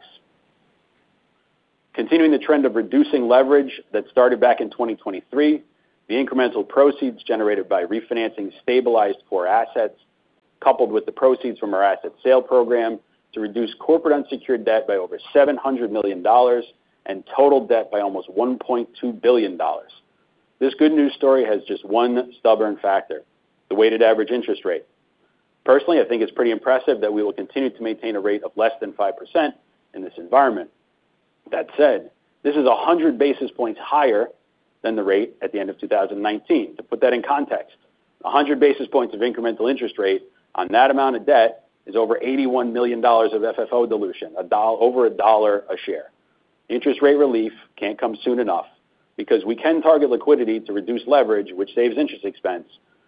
Continuing the trend of reducing leverage that started back in 2023, the incremental proceeds generated by refinancing stabilized core assets, coupled with the proceeds from our asset sale program, to reduce corporate unsecured debt by over $700 million and total debt by almost $1.2 billion. This good news story has just one stubborn factor: the weighted average interest rate. Personally, I think it's pretty impressive that we will continue to maintain a rate of less than 5% in this environment. That said, this is 100 basis points higher than the rate at the end of 2019. To put that in context, 100 basis points of incremental interest rate on that amount of debt is over $81 million of FFO dilution, over a dollar a share. Interest rate relief can't come soon enough because we can target liquidity to reduce leverage, which saves interest expense,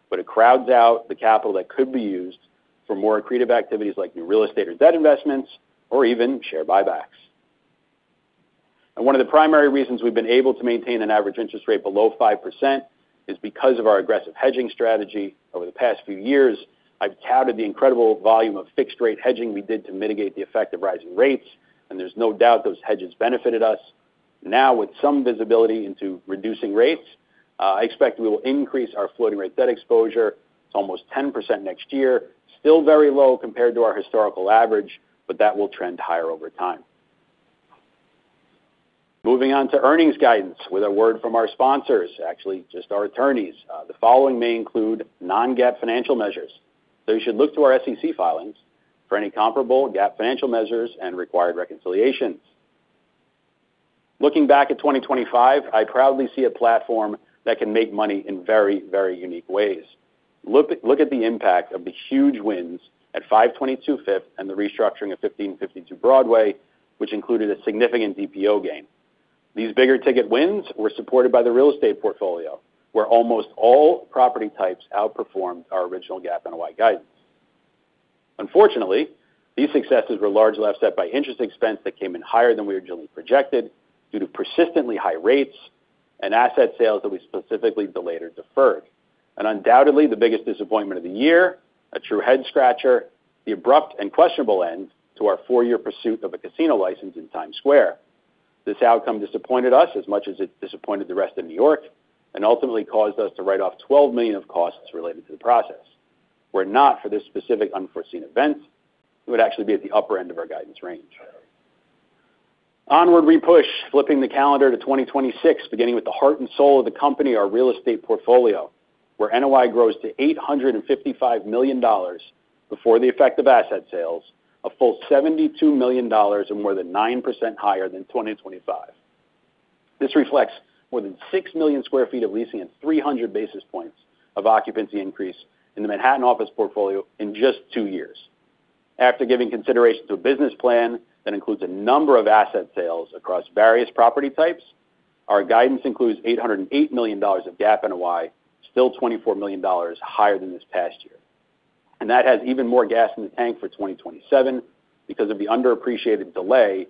but it crowds out the capital that could be used for more creative activities like new real estate or debt investments or even share buybacks, and one of the primary reasons we've been able to maintain an average interest rate below 5% is because of our aggressive hedging strategy. Over the past few years, I've touted the incredible volume of fixed-rate hedging we did to mitigate the effect of rising rates, and there's no doubt those hedges benefited us. Now, with some visibility into reducing rates, I expect we will increase our floating-rate debt exposure to almost 10% next year, still very low compared to our historical average, but that will trend higher over time. Moving on to earnings guidance with a word from our sponsors, actually just our attorneys. The following may include non-GAAP financial measures, so you should look to our SEC filings for any comparable GAAP financial measures and required reconciliations. Looking back at 2025, I proudly see a platform that can make money in very, very unique ways. Look at the impact of the huge wins at 522 Fifth and the restructuring of 1552 Broadway, which included a significant DPO gain. These bigger ticket wins were supported by the real estate portfolio, where almost all property types outperformed our original GAAP and FFO guidance. Unfortunately, these successes were largely offset by interest expense that came in higher than we originally projected due to persistently high rates and asset sales that we specifically delayed or deferred, and undoubtedly, the biggest disappointment of the year, a true head-scratcher, the abrupt and questionable end to our four-year pursuit of a casino license in Times Square. This outcome disappointed us as much as it disappointed the rest of New York and ultimately caused us to write off $12 million of costs related to the process. Were it not for this specific unforeseen event, it would actually be at the upper end of our guidance range. Onward we push, flipping the calendar to 2026, beginning with the heart and soul of the company, our real estate portfolio, where NOI grows to $855 million before the effective asset sales, a full $72 million and more than 9% higher than 2025. This reflects more than 6 million sq ft of leasing and 300 basis points of occupancy increase in the Manhattan office portfolio in just two years. After giving consideration to a business plan that includes a number of asset sales across various property types, our guidance includes $808 million of GAAP NOI, still $24 million higher than this past year, and that has even more gas in the tank for 2027 because of the underappreciated delay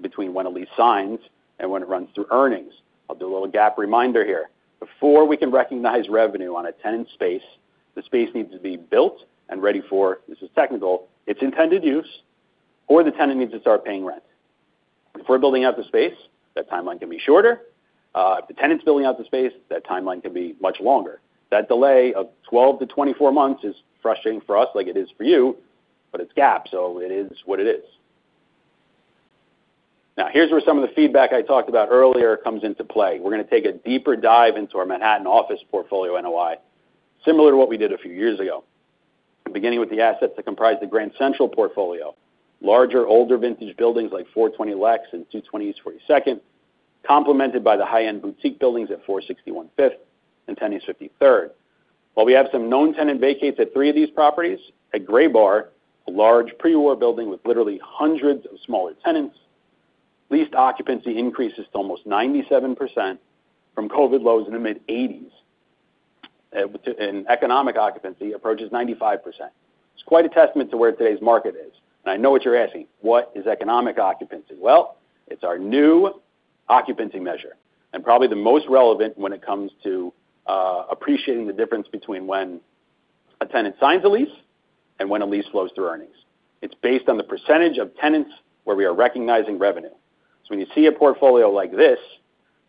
between when a lease signs and when it runs through earnings. I'll do a little GAAP reminder here. Before we can recognize revenue on a tenant space, the space needs to be built and ready for, this is technical, its intended use, or the tenant needs to start paying rent. If we're building out the space, that timeline can be shorter. If the tenant's building out the space, that timeline can be much longer. That delay of 12-24 months is frustrating for us, like it is for you, but it's GAAP, so it is what it is. Now, here's where some of the feedback I talked about earlier comes into play. We're going to take a deeper dive into our Manhattan office portfolio NOI, similar to what we did a few years ago, beginning with the assets that comprise the Grand Central portfolio, larger, older vintage buildings like 420 Lex and 220 East 42nd, complemented by the high-end boutique buildings at 461 Fifth and 10 East 53rd. While we have some known tenant vacates at three of these properties, at Graybar, a large pre-war building with literally hundreds of smaller tenants, leased occupancy increases to almost 97% from COVID lows in the mid-80s, and economic occupancy approaches 95%. It's quite a testament to where today's market is, and I know what you're asking. What is economic occupancy? Well, it's our new occupancy measure and probably the most relevant when it comes to appreciating the difference between when a tenant signs a lease and when a lease flows through earnings. It's based on the percentage of tenants where we are recognizing revenue. So when you see a portfolio like this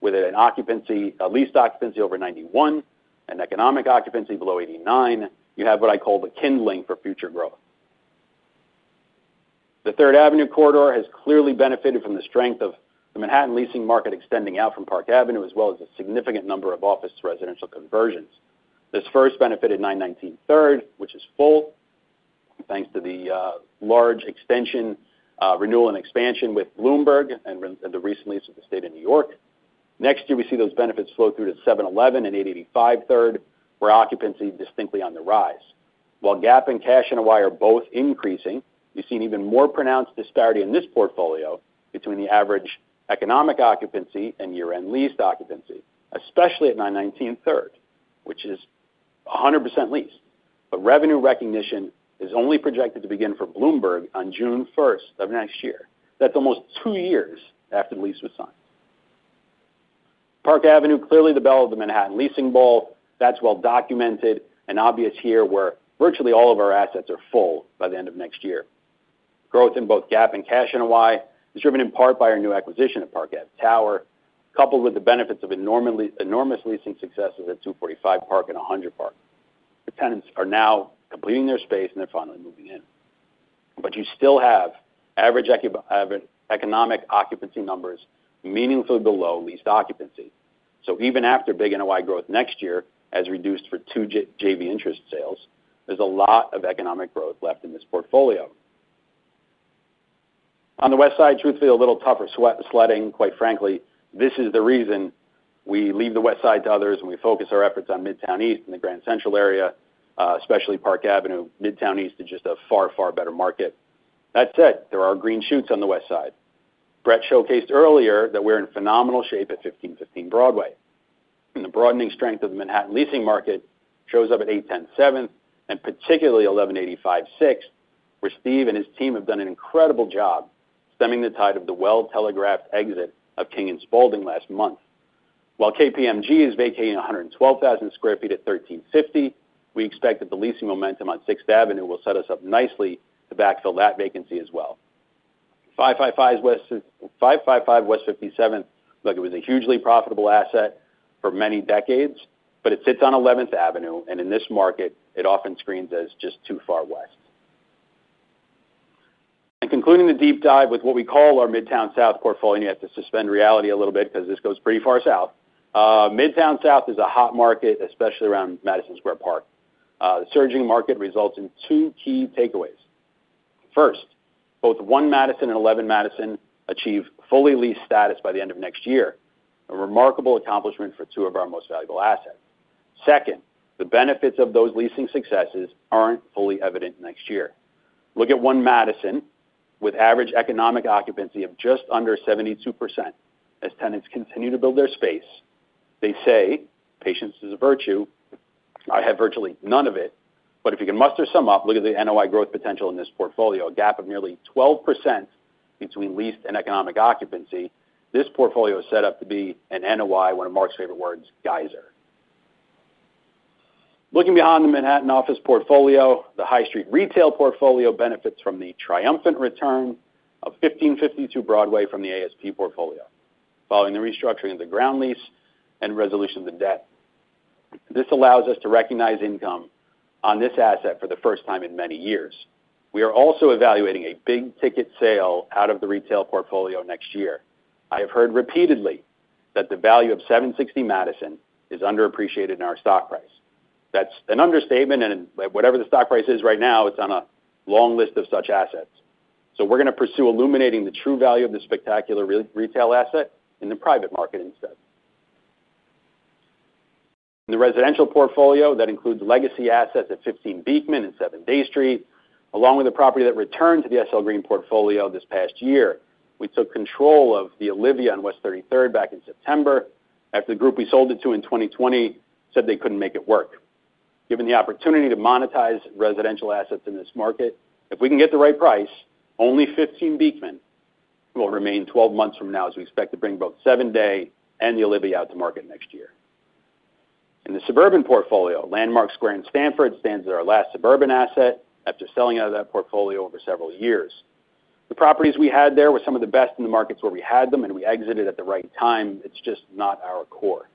with a leased occupancy over 91% and economic occupancy below 89%, you have what I call the kindling for future growth. The Third Avenue corridor has clearly benefited from the strength of the Manhattan leasing market extending out from Park Avenue, as well as a significant number of office-to-residential conversions. This first benefited 919 Third Avenue, which is full, thanks to the large extension, renewal, and expansion with Bloomberg and the recent lease of the state of New York. Next year, we see those benefits flow through to 711 Third Avenue and 885 Third Avenue, where occupancy is distinctly on the rise. While GAAP and cash NOI are both increasing, you've seen even more pronounced disparity in this portfolio between the average economic occupancy and year-end leased occupancy, especially at 919 Third, which is 100% leased, but revenue recognition is only projected to begin for Bloomberg on June 1st of next year. That's almost two years after the lease was signed. Park Avenue, clearly the bell of the Manhattan leasing bull, that's well documented and obvious here where virtually all of our assets are full by the end of next year. Growth in both GAAP and cash NOI is driven in part by our new acquisition at Park Ave Tower, coupled with the benefits of enormous leasing successes at 245 Park and 100 Park. The tenants are now completing their space, and they're finally moving in, but you still have average economic occupancy numbers meaningfully below leased occupancy. So even after big NOI growth next year, as reduced for two JV interest sales, there's a lot of economic growth left in this portfolio. On the West Side, truthfully, a little tougher sledding, quite frankly. This is the reason we leave the West Side to others, and we focus our efforts on Midtown East and the Grand Central area, especially Park Avenue. Midtown East is just a far, far better market. That said, there are green shoots on the West Side. Brett showcased earlier that we're in phenomenal shape at 1515 Broadway. And the broadening strength of the Manhattan leasing market shows up at 810 Seventh and particularly 1185 Sixth, where Steve and his team have done an incredible job stemming the tide of the well-telegraphed exit of King & Spalding last month. While KPMG is vacating 112,000 sq ft at 1350, we expect that the leasing momentum on Sixth Avenue will set us up nicely to backfill that vacancy as well. 555 West 57th, look, it was a hugely profitable asset for many decades, but it sits on 11th Avenue, and in this market, it often screens as just too far west, and concluding the deep dive with what we call our Midtown South portfolio, you have to suspend reality a little bit because this goes pretty far south. Midtown South is a hot market, especially around Madison Square Park. The surging market results in two key takeaways. First, both One Madison and 11 Madison achieve fully leased status by the end of next year, a remarkable accomplishment for two of our most valuable assets. Second, the benefits of those leasing successes aren't fully evident next year. Look at One Madison with average economic occupancy of just under 72%. As tenants continue to build their space, they say, patience is a virtue. I have virtually none of it, but if you can muster some up, look at the NOI growth potential in this portfolio, a gap of nearly 12% between leased and economic occupancy. This portfolio is set up to be an NOI, one of Marc's favorite words, geyser. Looking behind the Manhattan office portfolio, the High Street retail portfolio benefits from the triumphant return of 1552 Broadway from the ASP portfolio, following the restructuring of the ground lease and resolution of the debt. This allows us to recognize income on this asset for the first time in many years. We are also evaluating a big ticket sale out of the retail portfolio next year. I have heard repeatedly that the value of 760 Madison is underappreciated in our stock price. That's an understatement, and whatever the stock price is right now, it's on a long list of such assets, so we're going to pursue illuminating the true value of the spectacular retail asset in the private market instead. In the residential portfolio, that includes legacy assets at 15 Beekman and 7 Dey Street, along with a property that returned to the SL Green portfolio this past year. We took control of the Olivia on West 33rd back in September after the group we sold it to in 2020 said they couldn't make it work. Given the opportunity to monetize residential assets in this market, if we can get the right price, only 15 Beekman will remain 12 months from now, as we expect to bring both 7 Dey and The Olivia out to market next year. In the suburban portfolio, Landmark Square in Stamford stands as our last suburban asset after selling out of that portfolio over several years. The properties we had there were some of the best in the markets where we had them, and we exited at the right time. It's just not our core.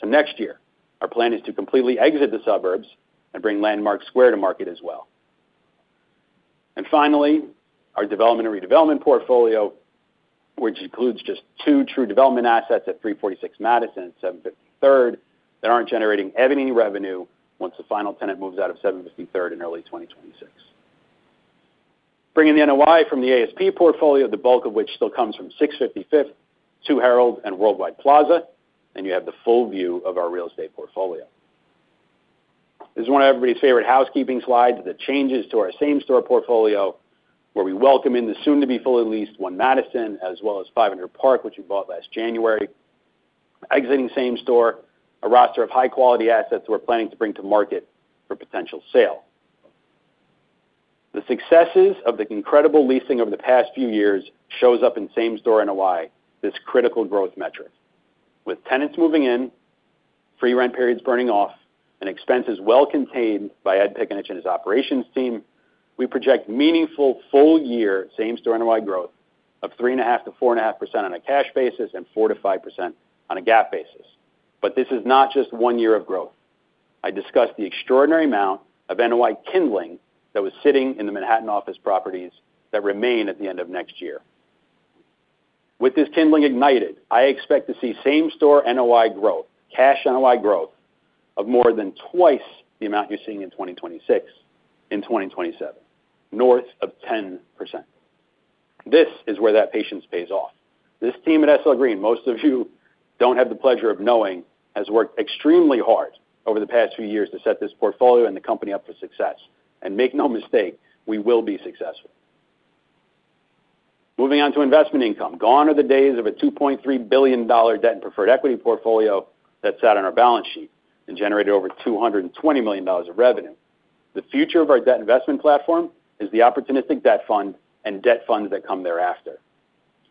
So next year, our plan is to completely exit the suburbs and bring Landmark Square to market as well. And finally, our development and redevelopment portfolio, which includes just two true development assets at 346 Madison and 75 Third, that aren't generating any revenue once the final tenant moves out of 75 Third in early 2026. Bringing the NOI from the ASP portfolio, the bulk of which still comes from 655th, 2 Harold, and Worldwide Plaza, and you have the full view of our real estate portfolio. This is one of everybody's favorite housekeeping slides, the changes to our same store portfolio, where we welcome in the soon-to-be fully leased One Madison, as well as 500 Park, which we bought last January. Exiting same store, a roster of high-quality assets we're planning to bring to market for potential sale. The successes of the incredible leasing over the past few years show up in same store NOI, this critical growth metric. With tenants moving in, free rent periods burning off, and expenses well contained by Ed Piccinich and his operations team, we project meaningful full-year same store NOI growth of 3.5%-4.5% on a cash basis and 4%-5% on a GAAP basis. But this is not just one year of growth. I discussed the extraordinary amount of NOI kindling that was sitting in the Manhattan office properties that remain at the end of next year. With this kindling ignited, I expect to see same store NOI growth, cash NOI growth of more than twice the amount you're seeing in 2026 in 2027, north of 10%. This is where that patience pays off. This team at SL Green, most of you don't have the pleasure of knowing, has worked extremely hard over the past few years to set this portfolio and the company up for success. And make no mistake, we will be successful. Moving on to investment income. Gone are the days of a $2.3 billion debt and preferred equity portfolio that sat on our balance sheet and generated over $220 million of revenue. The future of our debt investment platform is the opportunistic debt fund and debt funds that come thereafter.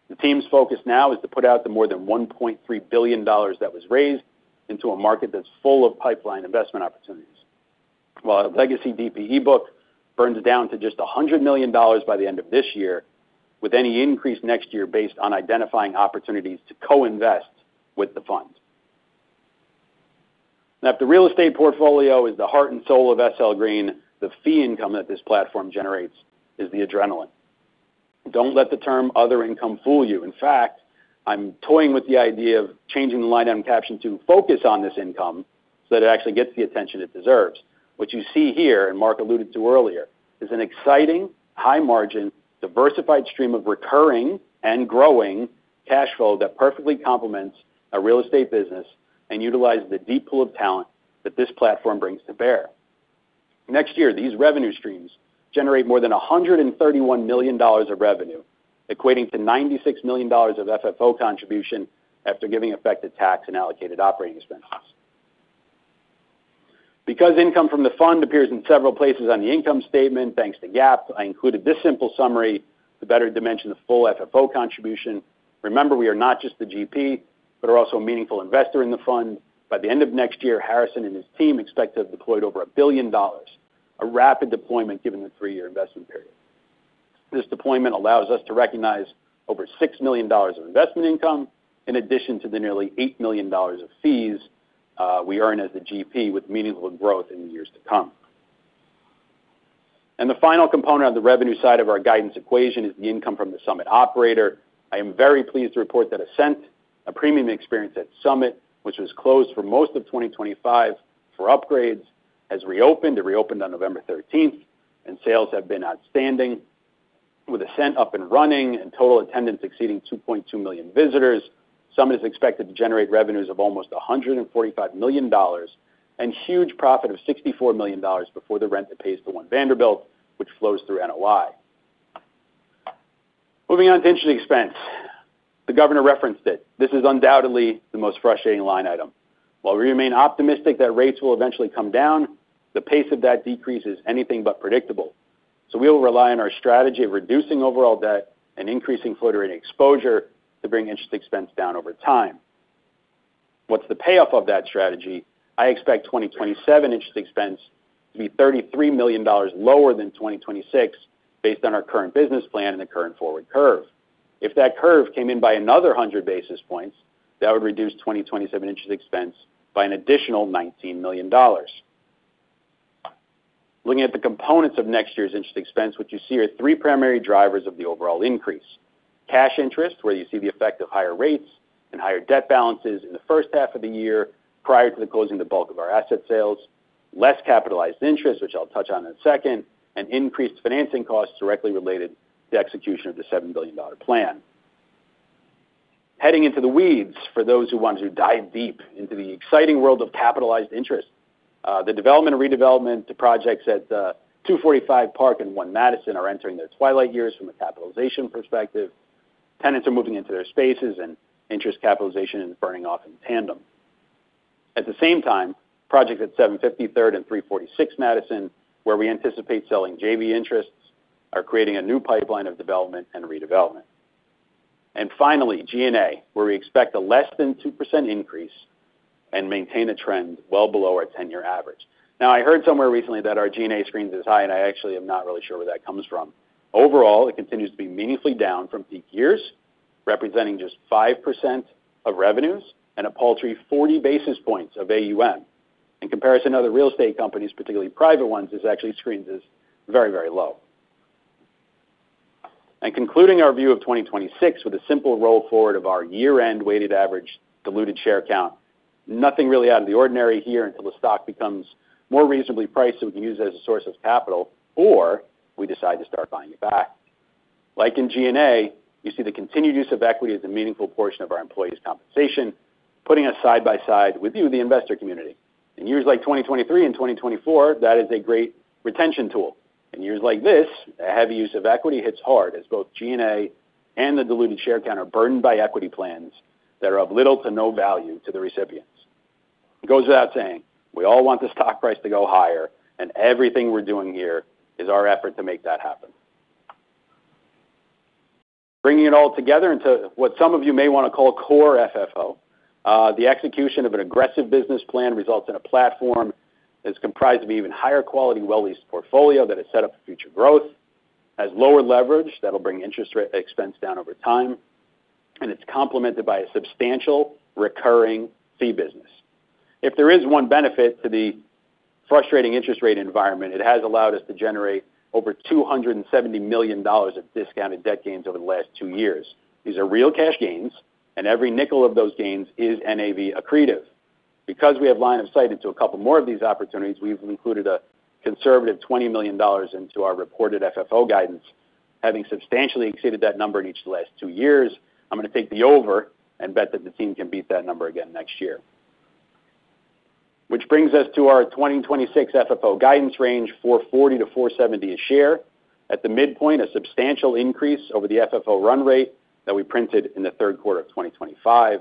The team's focus now is to put out the more than $1.3 billion that was raised into a market that's full of pipeline investment opportunities. While a legacy DPE book burns down to just $100 million by the end of this year, with any increase next year based on identifying opportunities to co-invest with the fund. Now, if the real estate portfolio is the heart and soul of SL Green, the fee income that this platform generates is the adrenaline. Don't let the term other income fool you. In fact, I'm toying with the idea of changing the line item caption to focus on this income so that it actually gets the attention it deserves. What you see here, and Marc alluded to earlier, is an exciting, high-margin, diversified stream of recurring and growing cash flow that perfectly complements a real estate business and utilizes the deep pool of talent that this platform brings to bear. Next year, these revenue streams generate more than $131 million of revenue, equating to $96 million of FFO contribution after giving effect to tax and allocated operating expenses. Because income from the fund appears in several places on the income statement, thanks to GAAP, I included this simple summary to better dimension the full FFO contribution. Remember, we are not just the GP, but are also a meaningful investor in the fund. By the end of next year, Harrison and his team expect to have deployed over $1 billion, a rapid deployment given the three-year investment period. This deployment allows us to recognize over $6 million of investment income in addition to the nearly $8 million of fees we earn as the GP with meaningful growth in the years to come. The final component on the revenue side of our guidance equation is the income from the Summit operator. I am very pleased to report that Ascent, a premium experience at Summit, which was closed for most of 2025 for upgrades, has reopened. It reopened on November 13th, and sales have been outstanding. With Ascent up and running and total attendance exceeding 2.2 million visitors, Summit is expected to generate revenues of almost $145 million and huge profit of $64 million before the rent that pays to One Vanderbilt, which flows through NOI. Moving on to interest expense. The governor referenced it. This is undoubtedly the most frustrating line item. While we remain optimistic that rates will eventually come down, the pace of that decrease is anything but predictable. So we will rely on our strategy of reducing overall debt and increasing floating rate exposure to bring interest expense down over time. What's the payoff of that strategy? I expect 2027 interest expense to be $33 million lower than 2026 based on our current business plan and the current forward curve. If that curve came in by another 100 basis points, that would reduce 2027 interest expense by an additional $19 million. Looking at the components of next year's interest expense, what you see are three primary drivers of the overall increase: cash interest, where you see the effect of higher rates and higher debt balances in the first half of the year prior to the closing of the bulk of our asset sales, less capitalized interest, which I'll touch on in a second, and increased financing costs directly related to the execution of the $7 billion plan. Heading into the weeds, for those who want to dive deep into the exciting world of capitalized interest, the development and redevelopment projects at 245 Park and One Madison are entering their twilight years from a capitalization perspective. Tenants are moving into their spaces, and interest capitalization is burning off in tandem. At the same time, projects at 750 Third Avenue and 346 Madison Avenue, where we anticipate selling JV interests, are creating a new pipeline of development and redevelopment. And finally, G&A, where we expect a less than 2% increase and maintain a trend well below our 10-year average. Now, I heard somewhere recently that our G&A screens is high, and I actually am not really sure where that comes from. Overall, it continues to be meaningfully down from peak years, representing just 5% of revenues and a paltry 40 basis points of AUM. In comparison, other real estate companies, particularly private ones, this actually screens as very, very low. Concluding our view of 2026 with a simple roll forward of our year-end weighted average diluted share count, nothing really out of the ordinary here until the stock becomes more reasonably priced so we can use it as a source of capital, or we decide to start buying it back. Like in G&A, you see the continued use of equity as a meaningful portion of our employees' compensation, putting us side by side with you, the investor community. In years like 2023 and 2024, that is a great retention tool. In years like this, a heavy use of equity hits hard as both G&A and the diluted share count are burdened by equity plans that are of little to no value to the recipients. It goes without saying, we all want the stock price to go higher, and everything we're doing here is our effort to make that happen. Bringing it all together into what some of you may want to call core FFO, the execution of an aggressive business plan results in a platform that's comprised of an even higher quality well-leased portfolio that is set up for future growth, has lower leverage that'll bring interest rate expense down over time, and it's complemented by a substantial recurring fee business. If there is one benefit to the frustrating interest rate environment, it has allowed us to generate over $270 million of discounted debt gains over the last two years. These are real cash gains, and every nickel of those gains is NAV accretive. Because we have line of sight into a couple more of these opportunities, we've included a conservative $20 million into our reported FFO guidance, having substantially exceeded that number in each of the last two years. I'm going to take the over and bet that the team can beat that number again next year. Which brings us to our 2026 FFO guidance range for $4.40-$4.70 a share at the midpoint, a substantial increase over the FFO run rate that we printed in the third quarter of 2025.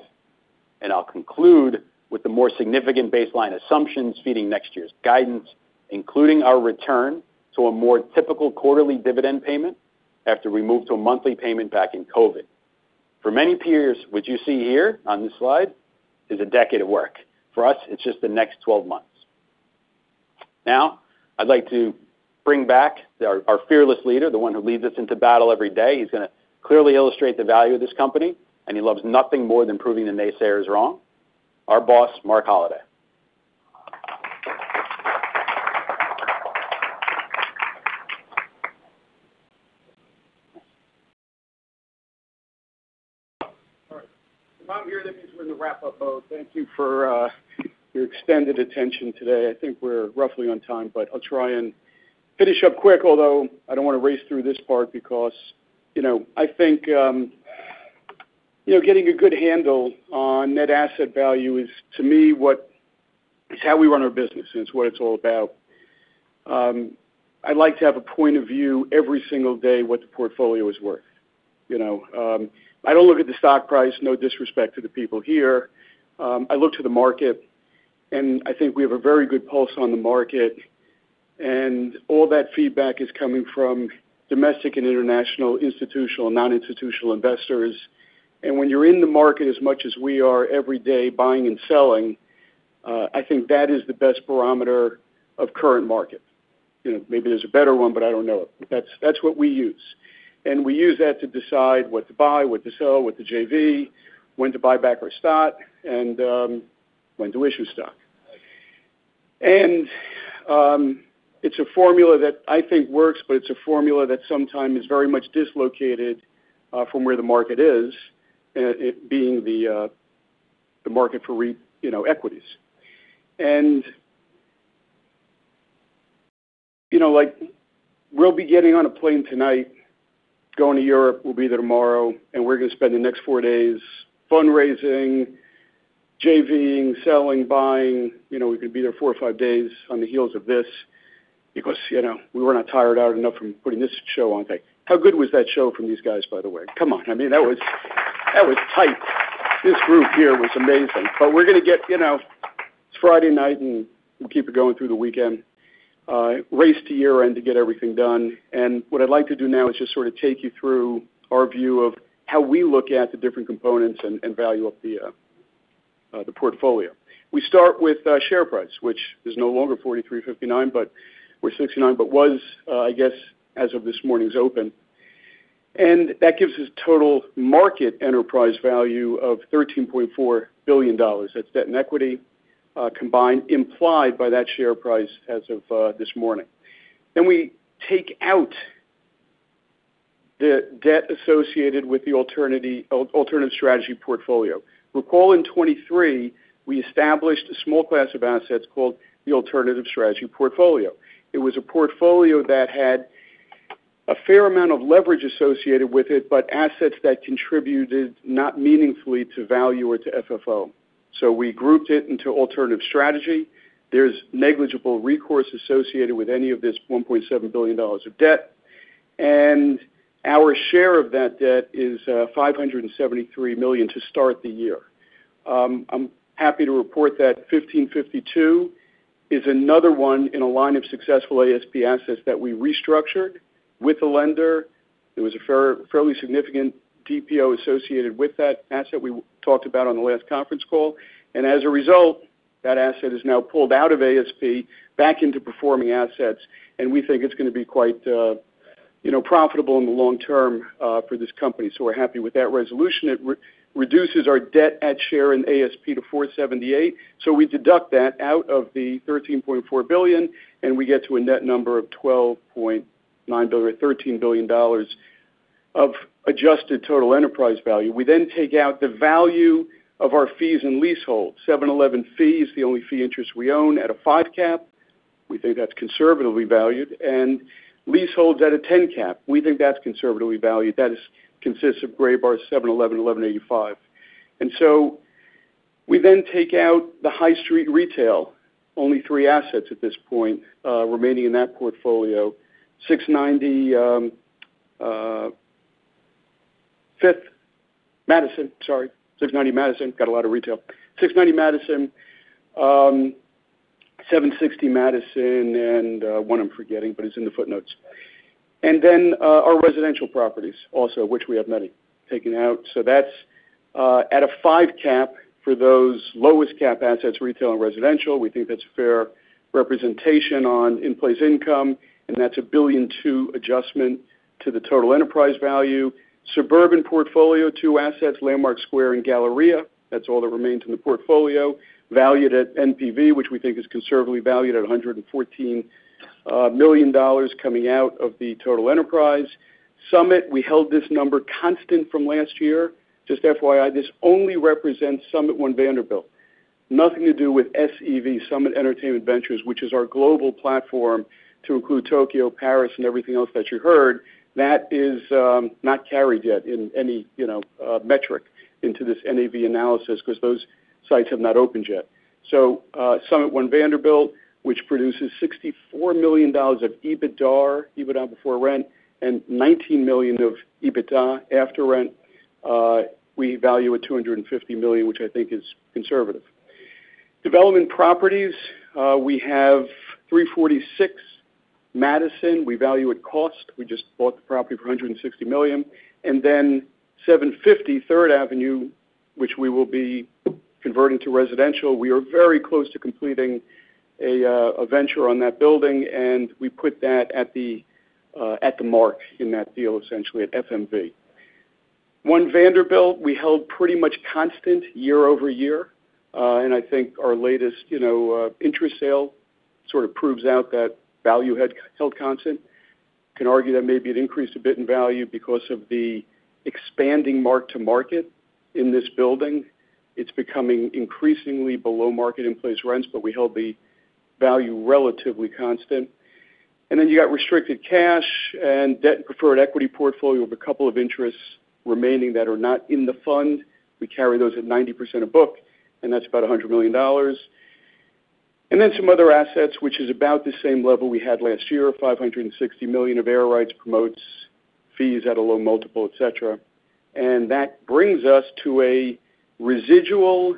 I'll conclude with the more significant baseline assumptions feeding next year's guidance, including our return to a more typical quarterly dividend payment after we move to a monthly payment back in COVID. For many peers, what you see here on this slide is a decade of work. For us, it's just the next 12 months. Now, I'd like to bring back our fearless leader, the one who leads us into battle every day. He's going to clearly illustrate the value of this company, and he loves nothing more than proving the naysayers wrong. Our boss, Marc Holliday. All right. If I'm here, that means we're in the wrap-up mode. Thank you for your extended attention today. I think we're roughly on time, but I'll try and finish up quick, although I don't want to race through this part because I think getting a good handle on net asset value is, to me, what is how we run our business, and it's what it's all about. I'd like to have a point of view every single day what the portfolio is worth. I don't look at the stock price, no disrespect to the people here. I look to the market, and I think we have a very good pulse on the market, and all that feedback is coming from domestic and international, institutional, non-institutional investors. When you're in the market as much as we are every day buying and selling, I think that is the best barometer of current market. Maybe there's a better one, but I don't know it. That's what we use. We use that to decide what to buy, what to sell, what to JV, when to buy back or stop, and when to issue stock. It's a formula that I think works, but it's a formula that sometimes is very much dislocated from where the market is, being the market for equities. We'll be getting on a plane tonight, going to Europe. We'll be there tomorrow, and we're going to spend the next four days fundraising, JVing, selling, buying. We could be there four or five days on the heels of this because we were not tired out enough from putting this show on. How good was that show from these guys, by the way? Come on. I mean, that was tight. This group here was amazing. But we're going to get it. It's Friday night, and we'll keep it going through the weekend. Race to year-end to get everything done. And what I'd like to do now is just sort of take you through our view of how we look at the different components and value of the portfolio. We start with share price, which is no longer $43.59, but we're $69, but was, I guess, as of this morning's open. And that gives us total market enterprise value of $13.4 billion. That's debt and equity combined implied by that share price as of this morning. Then we take out the debt associated with the alternative strategy portfolio. Recall in 2023, we established a small class of assets called the alternative strategy portfolio. It was a portfolio that had a fair amount of leverage associated with it, but assets that contributed not meaningfully to value or to FFO, so we grouped it into alternative strategy. There's negligible recourse associated with any of this $1.7 billion of debt, and our share of that debt is $573 million to start the year. I'm happy to report that 1552 is another one in a line of successful ASP assets that we restructured with the lender. There was a fairly significant DPO associated with that asset we talked about on the last conference call, and as a result, that asset is now pulled out of ASP back into performing assets, and we think it's going to be quite profitable in the long term for this company, so we're happy with that resolution. It reduces our debt at share in ASP to $478 million. So we deduct that out of the $13.4 billion, and we get to a net number of $12.9 billion or $13 billion of adjusted total enterprise value. We then take out the value of our fees and leaseholds. 711 fee is the only fee interest we own at a 5 cap. We think that's conservatively valued. And leaseholds at a 10 cap. We think that's conservatively valued. That consists of Graybar, 711, 1185. And so we then take out the high street retail, only three assets at this point remaining in that portfolio: 690 Fifth Madison. Sorry. 690 Madison. Got a lot of retail. 690 Madison, 760 Madison, and one I'm forgetting, but it's in the footnotes. And then our residential properties also, which we have many taken out. So that's at a 5 cap for those lowest cap assets, retail and residential. We think that's a fair representation on in place income, and that's a $1.2 billion adjustment to the total enterprise value. Suburban portfolio: two assets, Landmark Square and Galleria. That's all that remains in the portfolio. Valued at NPV, which we think is conservatively valued at $114 million coming out of the total enterprise. Summit, we held this number constant from last year. Just FYI, this only represents Summit One Vanderbilt. Nothing to do with SEV, Summit Entertainment Ventures, which is our global platform to include Tokyo, Paris, and everything else that you heard. That is not carried yet in any metric into this NAV analysis because those sites have not opened yet, so Summit One Vanderbilt, which produces $64 million of EBITDA, EBITDA before rent, and $19 million of EBITDA after rent. We value at $250 million, which I think is conservative. Development properties, we have 346 Madison. We value at cost. We just bought the property for $160 million. And then 750 Third Avenue, which we will be converting to residential. We are very close to completing a venture on that building. And we put that at the mark in that deal, essentially at FMV. One Vanderbilt, we held pretty much constant year over year. And I think our latest interest sale sort of proves out that value had held constant. Can argue that maybe it increased a bit in value because of the expanding mark to market in this building. It's becoming increasingly below market in place rents, but we held the value relatively constant. And then you got restricted cash and debt and preferred equity portfolio of a couple of interests remaining that are not in the fund. We carry those at 90% of book, and that's about $100 million. And then some other assets, which is about the same level we had last year, $560 million of air rights, promote fees at a low multiple, etc. And that brings us to a residual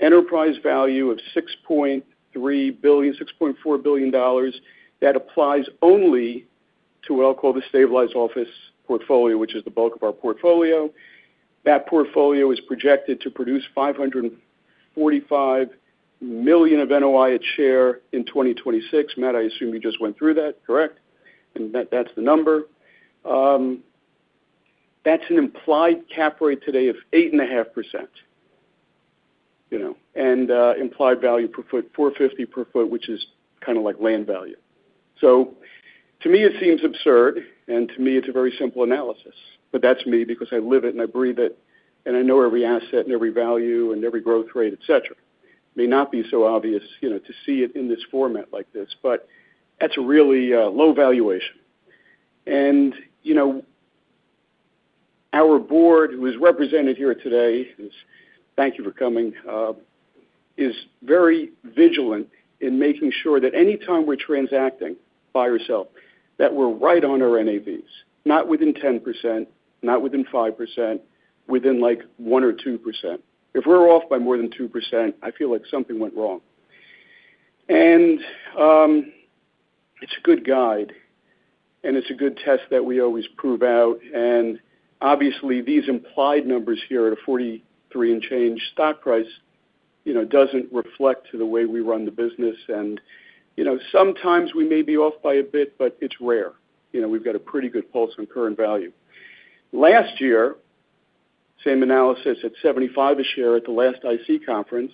enterprise value of $6.4 billion that applies only to what I'll call the stabilized office portfolio, which is the bulk of our portfolio. That portfolio is projected to produce $545 million of NOI at share in 2026. Matt, I assume you just went through that, correct? And that's the number. That's an implied cap rate today of 8.5%. And implied value per foot, $450 per sq ft, which is kind of like land value. So to me, it seems absurd, and to me, it's a very simple analysis. But that's me because I live it and I breathe it, and I know every asset and every value and every growth rate, etc. It may not be so obvious to see it in this format like this, but that's a really low valuation. Our board, who is represented here today, thank you for coming, is very vigilant in making sure that anytime we're transacting by ourselves, that we're right on our NAVs, not within 10%, not within 5%, within like one or two%. If we're off by more than two%, I feel like something went wrong. It's a good guide, and it's a good test that we always prove out. Obviously, these implied numbers here at a 43 and change stock price doesn't reflect the way we run the business. Sometimes we may be off by a bit, but it's rare. We've got a pretty good pulse on current value. Last year, same analysis at $75 a share at the last IC conference,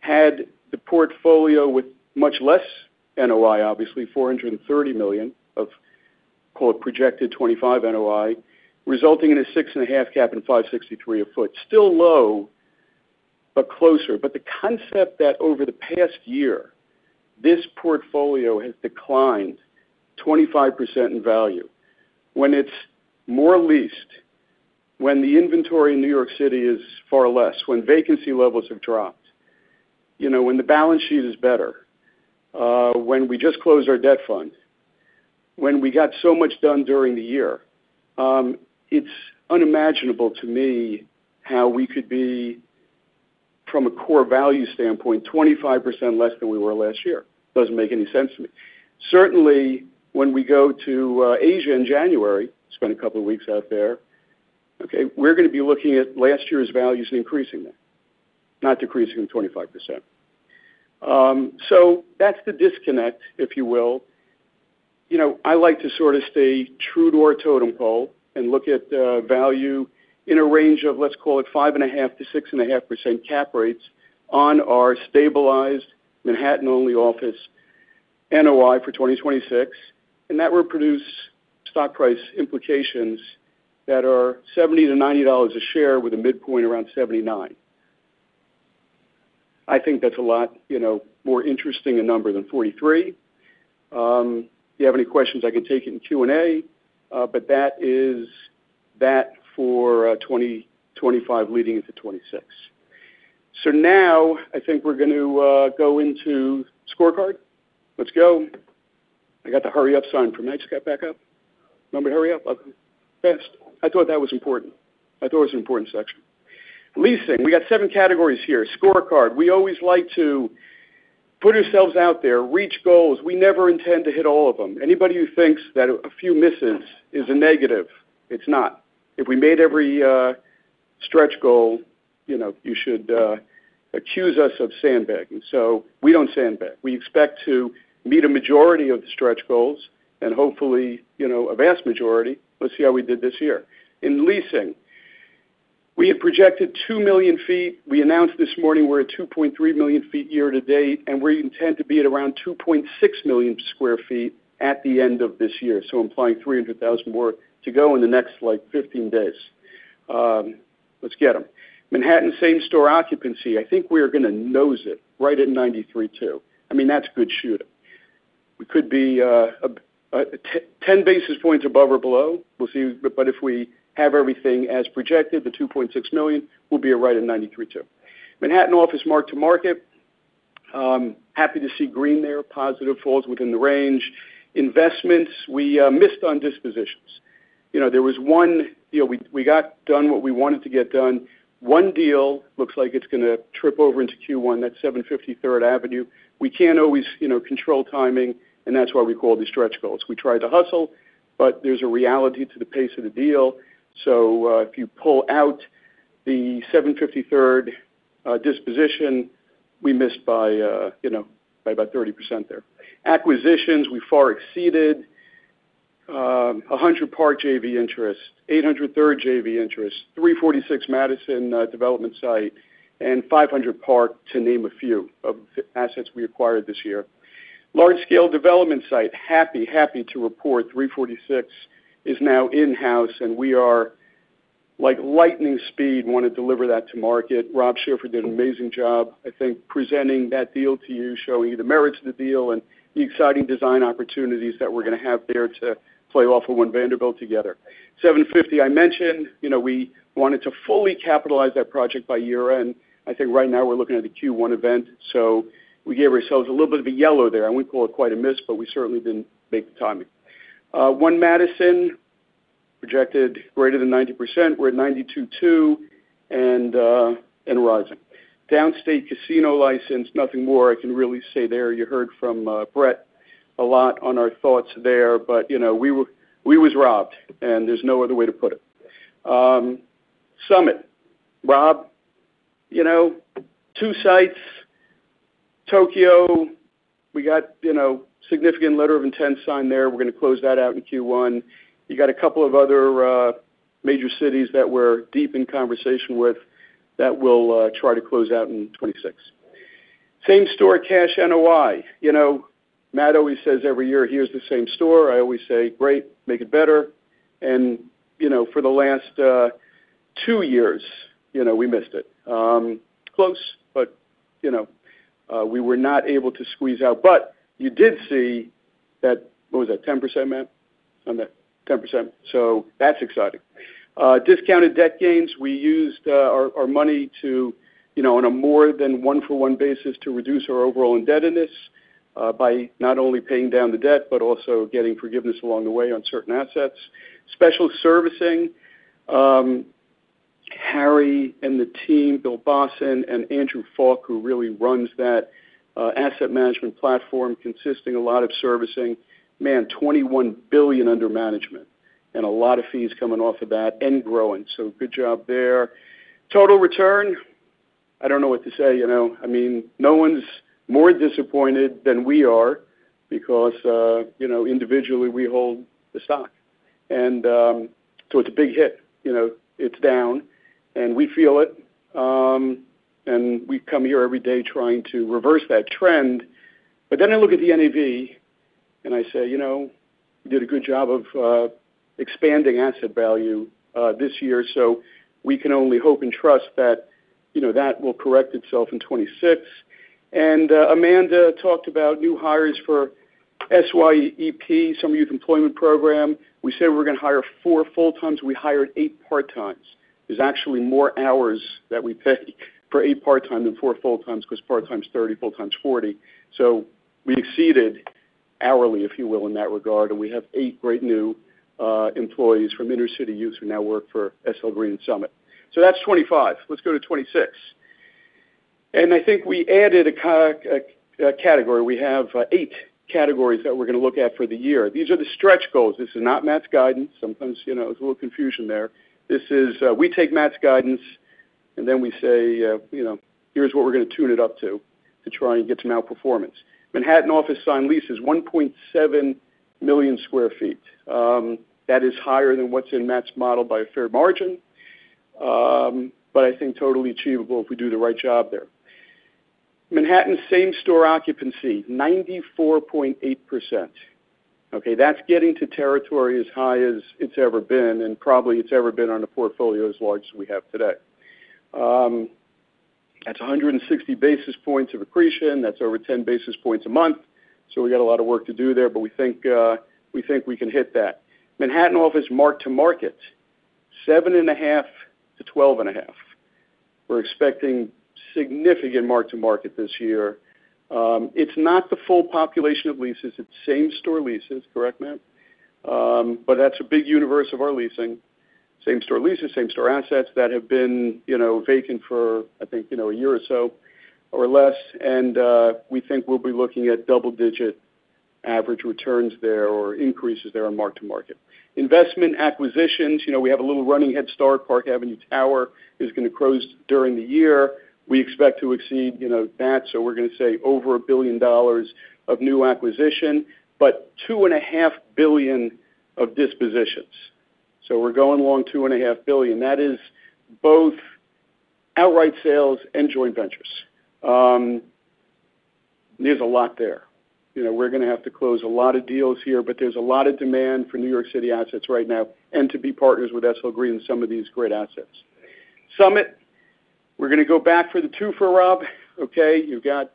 had the portfolio with much less NOI, obviously, $430 million of projected 2025 NOI, resulting in a 6.5% cap and $563 a foot. Still low, but closer. But the concept that over the past year, this portfolio has declined 25% in value when it's more leased, when the inventory in New York City is far less, when vacancy levels have dropped, when the balance sheet is better, when we just closed our debt fund, when we got so much done during the year. It's unimaginable to me how we could be, from a core value standpoint, 25% less than we were last year. Doesn't make any sense to me. Certainly, when we go to Asia in January, spend a couple of weeks out there, okay, we're going to be looking at last year's values increasing there, not decreasing them 25%. So that's the disconnect, if you will. I like to sort of stay true to our totem pole and look at value in a range of, let's call it 5.5%-6.5% cap rates on our stabilized Manhattan-only office NOI for 2026. And that will produce stock price implications that are $70-$90 a share with a midpoint around 79. I think that's a lot more interesting a number than 43. If you have any questions, I can take it in Q&A, but that is that for 2025 leading into 2026. So now, I think we're going to go into scorecard. Let's go. I got the hurry up sign for Max got back up. Remember to hurry up. I thought that was important. I thought it was an important section. Leasing, we got seven categories here. Scorecard. We always like to put ourselves out there, reach goals. We never intend to hit all of them. Anybody who thinks that a few misses is a negative, it's not. If we made every stretch goal, you should accuse us of sandbagging. So we don't sandbag. We expect to meet a majority of the stretch goals and hopefully a vast majority. Let's see how we did this year. In leasing, we had projected 2 million sq ft. We announced this morning we're at 2.3 million sq ft year to date, and we intend to be at around 2.6 million sq ft at the end of this year. So implying 300,000 more to go in the next 15 days. Let's get them. Manhattan, same store occupancy. I think we're going to nose it right at 93.2%. I mean, that's good shooting. We could be 10 basis points above or below. We'll see. But if we have everything as projected, the 2.6 million will be right at 93.2%. Manhattan office mark to market. Happy to see green there. Positive falls within the range. Investments, we missed on dispositions. There was one deal we got done what we wanted to get done. One deal looks like it's going to trip over into Q1, that 750 Third Avenue. We can't always control timing, and that's why we call these stretch goals. We tried to hustle, but there's a reality to the pace of the deal. So if you pull out the 750 Third disposition, we missed by about 30% there. Acquisitions, we far exceeded. 100 Park Avenue JV interest, 803 Third Avenue JV interest, 346 Madison Avenue development site, and 500 Park Avenue, to name a few of the assets we acquired this year. Large scale development site, happy, happy to report 346 is now in-house, and we are like lightning speed wanting to deliver that to market. Robert Schiffer did an amazing job, I think, presenting that deal to you, showing you the merits of the deal and the exciting design opportunities that we're going to have there to play off of One Vanderbilt together. 750, I mentioned we wanted to fully capitalize that project by year-end. I think right now we're looking at a Q1 event. So we gave ourselves a little bit of a yellow there. I wouldn't call it quite a miss, but we certainly didn't make the timing. One Madison projected greater than 90%. We're at 92.2% and rising. Downstate casino license, nothing more I can really say there. You heard from Brett a lot on our thoughts there, but we was robbed, and there's no other way to put it. Summit, Rob, two sites, Tokyo. We got significant letter of intent signed there. We're going to close that out in Q1. You got a couple of other major cities that we're deep in conversation with that we'll try to close out in 2026. Same store cash NOI. Matt always says every year, "Here's the same store." I always say, "Great, make it better." For the last two years, we missed it. Close, but we were not able to squeeze out. But you did see that, what was that, 10%, Matt? On that 10%. So that's exciting. Discounted debt gains. We used our money on a more than one-for-one basis to reduce our overall indebtedness by not only paying down the debt, but also getting forgiveness along the way on certain assets. Special servicing, Harry and the team, Bill Bossin and Andrew Falk, who really runs that asset management platform consisting of a lot of servicing. Man, $21 billion under management and a lot of fees coming off of that and growing. So good job there. Total return, I don't know what to say. I mean, no one's more disappointed than we are because individually we hold the stock. And so it's a big hit. It's down, and we feel it. And we come here every day trying to reverse that trend. But then I look at the NAV, and I say, "We did a good job of expanding asset value this year." So we can only hope and trust that that will correct itself in 2026. And Amanda talked about new hires for SYEP, Summer Youth Employment Program. We said we were going to hire four full-times. We hired eight part-times. There's actually more hours that we pay for eight part-time than four full-times because part-time's 30, full-time's 40. So we exceeded hourly, if you will, in that regard. And we have eight great new employees from InterCity Youth who now work for SL Green and Summit. So that's 25. Let's go to 2026. And I think we added a category. We have eight categories that we're going to look at for the year. These are the stretch goals. This is not Matt's guidance. Sometimes there's a little confusion there. We take Matt's guidance, and then we say, "Here's what we're going to tune it up to," to try and get to now performance. Manhattan office signed leases, 1.7 million sq ft. That is higher than what's in Matt's model by a fair margin, but I think totally achievable if we do the right job there. Manhattan, same store occupancy, 94.8%. Okay, that's getting to territory as high as it's ever been and probably it's ever been on a portfolio as large as we have today. That's 160 basis points of accretion. That's over 10 basis points a month. So we got a lot of work to do there, but we think we can hit that. Manhattan office mark to market, 7.5-12.5. We're expecting significant mark to market this year. It's not the full population of leases. It's same store leases, correct, Matt? But that's a big universe of our leasing. Same store leases, same store assets that have been vacant for, I think, a year or so or less. And we think we'll be looking at double-digit average returns there or increases there on mark to market. Investment acquisitions, we have a little running head start. Park Avenue Tower is going to close during the year. We expect to exceed that. So we're going to say over $1 billion of new acquisition, but $2.5 billion of dispositions. So we're going along $2.5 billion. That is both outright sales and joint ventures. There's a lot there. We're going to have to close a lot of deals here, but there's a lot of demand for New York City assets right now and to be partners with SL Green and some of these great assets. Summit, we're going to go back for the two for Rob. Okay, you've got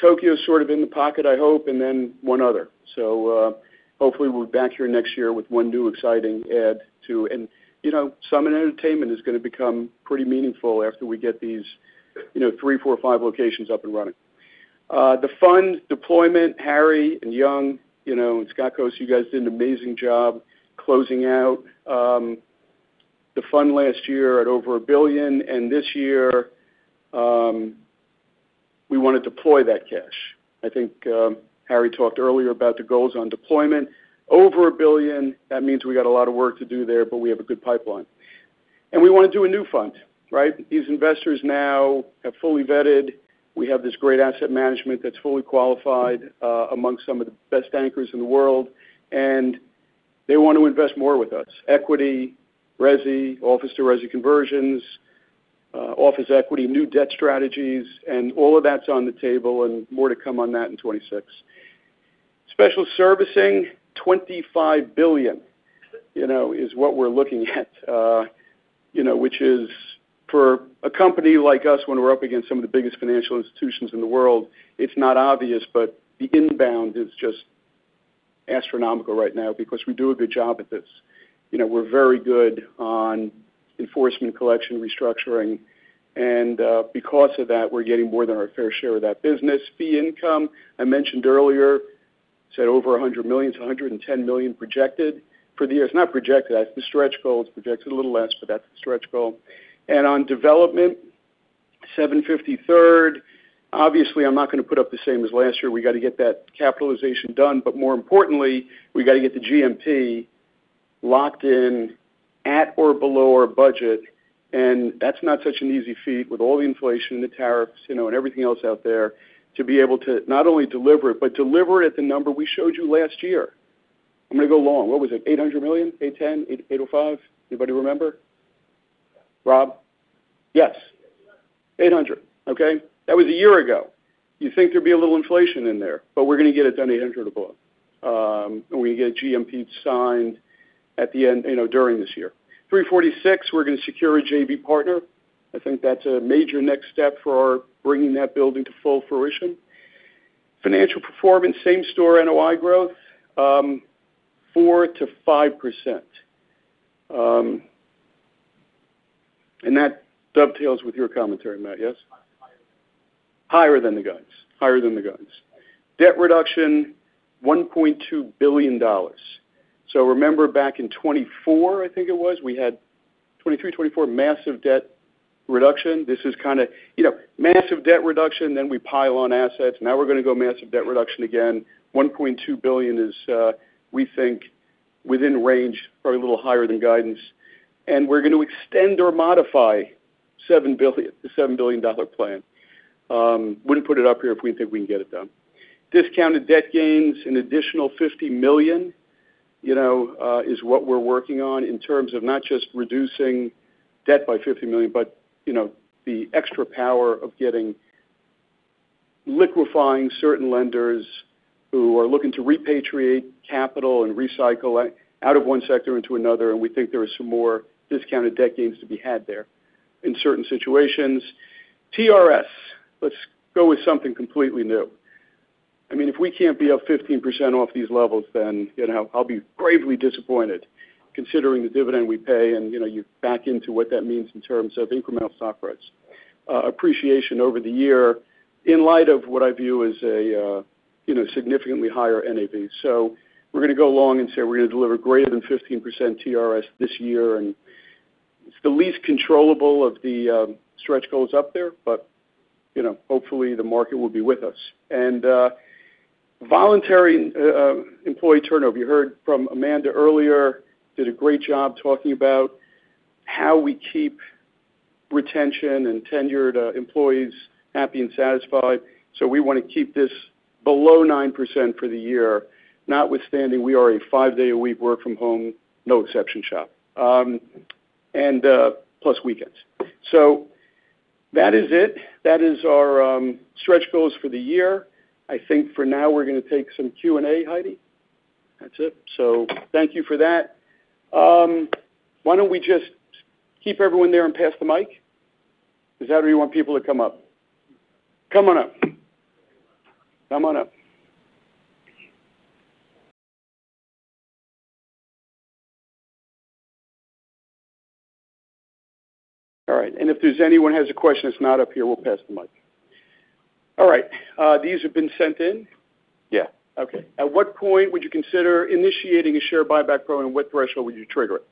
Tokyo sort of in the pocket, I hope, and then one other. So hopefully we're back here next year with one new exciting add too. And Summit Entertainment is going to become pretty meaningful after we get these three, four, five locations up and running. The fund deployment, Harry and Young and Scott Coast, you guys did an amazing job closing out the fund last year at over $1 billion. And this year, we want to deploy that cash. I think Harry talked earlier about the goals on deployment. Over $1 billion, that means we got a lot of work to do there, but we have a good pipeline. And we want to do a new fund, right? These investors now have fully vetted. We have this great asset management that's fully qualified amongst some of the best anchors in the world. And they want to invest more with us. Equity, RESI, office to RESI conversions, office equity, new debt strategies, and all of that's on the table and more to come on that in 2026. Special servicing, $25 billion is what we're looking at, which is for a company like us when we're up against some of the biggest financial institutions in the world. It's not obvious, but the inbound is just astronomical right now because we do a good job at this. We're very good on enforcement, collection, restructuring. And because of that, we're getting more than our fair share of that business. Fee income, I mentioned earlier, said over $100 million, $110 million projected for the year. It's not projected. That's the stretch goal. It's projected a little less, but that's the stretch goal. On development, 750 Third, obviously, I'm not going to put up the same as last year. We got to get that capitalization done. More importantly, we got to get the GMP locked in at or below our budget. That's not such an easy feat with all the inflation and the tariffs and everything else out there to be able to not only deliver it, but deliver it at the number we showed you last year. I'm going to go long. What was it? $800 million? 810? 805? Anybody remember? Rob? Yes. 800. Okay. That was a year ago. You think there'd be a little inflation in there, but we're going to get it done $800 million or below. We get GMP signed at the end during this year. 346, we're going to secure a JV partner. I think that's a major next step for bringing that building to full fruition. Financial performance, Same Store NOI growth, 4%-5%. And that dovetails with your commentary, Matt, yes? Higher than the guns. Higher than the guns. Debt reduction, $1.2 billion. Remember back in 2024, I think it was, we had 2023, 2024, massive debt reduction. This is kind of massive debt reduction, then we pile on assets. Now we're going to go massive debt reduction again. $1.2 billion is, we think, within range, probably a little higher than guidance. And we're going to extend or modify the $7 billion plan. Wouldn't put it up here if we think we can get it done. Discounted debt gains, an additional $50 million is what we're working on in terms of not just reducing debt by $50 million, but the extra power of getting liquidity to certain lenders who are looking to repatriate capital and recycle out of one sector into another. We think there are some more discounted debt gains to be had there in certain situations. TRS, let's go with something completely new. I mean, if we can't be up 15% off these levels, then I'll be gravely disappointed considering the dividend we pay and work back into what that means in terms of incremental stock price appreciation over the year in light of what I view as a significantly higher NAV, so we're going to go long and say we're going to deliver greater than 15% TRS this year. And it's the least controllable of the stretch goals up there, but hopefully the market will be with us. And voluntary employee turnover. You heard from Amanda earlier, did a great job talking about how we keep retention and tenured employees happy and satisfied. So we want to keep this below 9% for the year, notwithstanding we are a five-day-a-week work-from-home, no-exception shop, and plus weekends. So that is it. That is our stretch goals for the year. I think for now we're going to take some Q&A, Heidi. That's it. So thank you for that. Why don't we just keep everyone there and pass the mic? Is that where you want people to come up? Come on up. Come on up. All right. And if there's anyone who has a question that's not up here, we'll pass the mic. All right. These have been sent in. Yeah. Okay. At what point would you consider initiating a share buyback program? What threshold would you trigger it?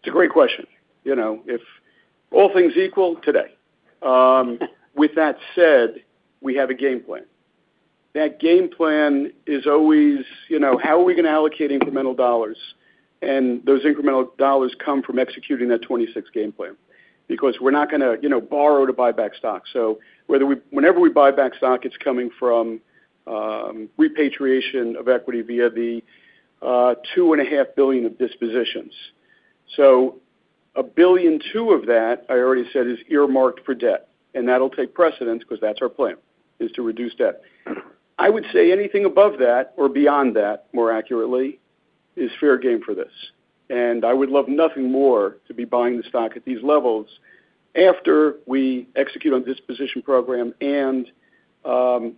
It's a great question. If all things equal, today. With that said, we have a game plan. That game plan is always, how are we going to allocate incremental dollars? And those incremental dollars come from executing that '26 game plan because we're not going to borrow to buy back stock. So whenever we buy back stock, it's coming from repatriation of equity via the $2.5 billion of dispositions. So a billion two of that, I already said, is earmarked for debt. And that'll take precedence because that's our plan, is to reduce debt. I would say anything above that or beyond that, more accurately, is fair game for this. And I would love nothing more to be buying the stock at these levels after we execute on the disposition program and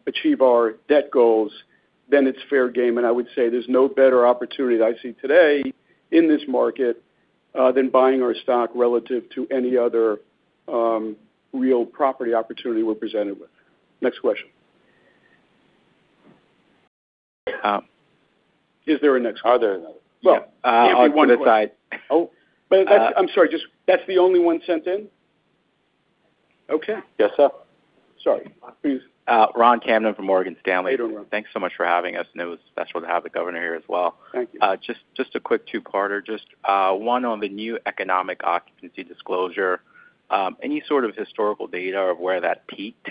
achieve our debt goals, then it's fair game. And I would say there's no better opportunity that I see today in this market than buying our stock relative to any other real property opportunity we're presented with. Next question. Is there a next question? Are there another? Well, on the side. Oh, I'm sorry. That's the only one sent in? Okay. Yes, sir. Sorry. Please. Ron Kamden from Morgan Stanley. Thanks so much for having us. And it was special to have the governor here as well. Thank you. Just a quick two-parter. Just one on the new economic occupancy disclosure. Any sort of historical data of where that peaked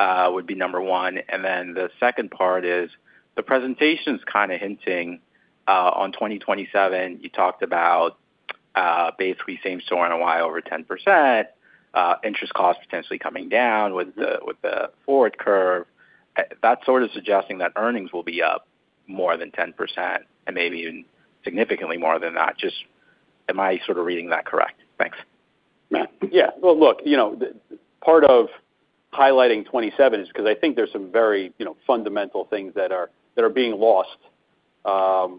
would be number one. And then the second part is the presentation's kind of hinting on 2027. You talked about basically Same Store NOI over 10%, interest cost potentially coming down with the forward curve. That's sort of suggesting that earnings will be up more than 10% and maybe even significantly more than that. Just am I sort of reading that correct? Thanks. Yeah. Well, look, part of highlighting 2027 is because I think there's some very fundamental things that are being lost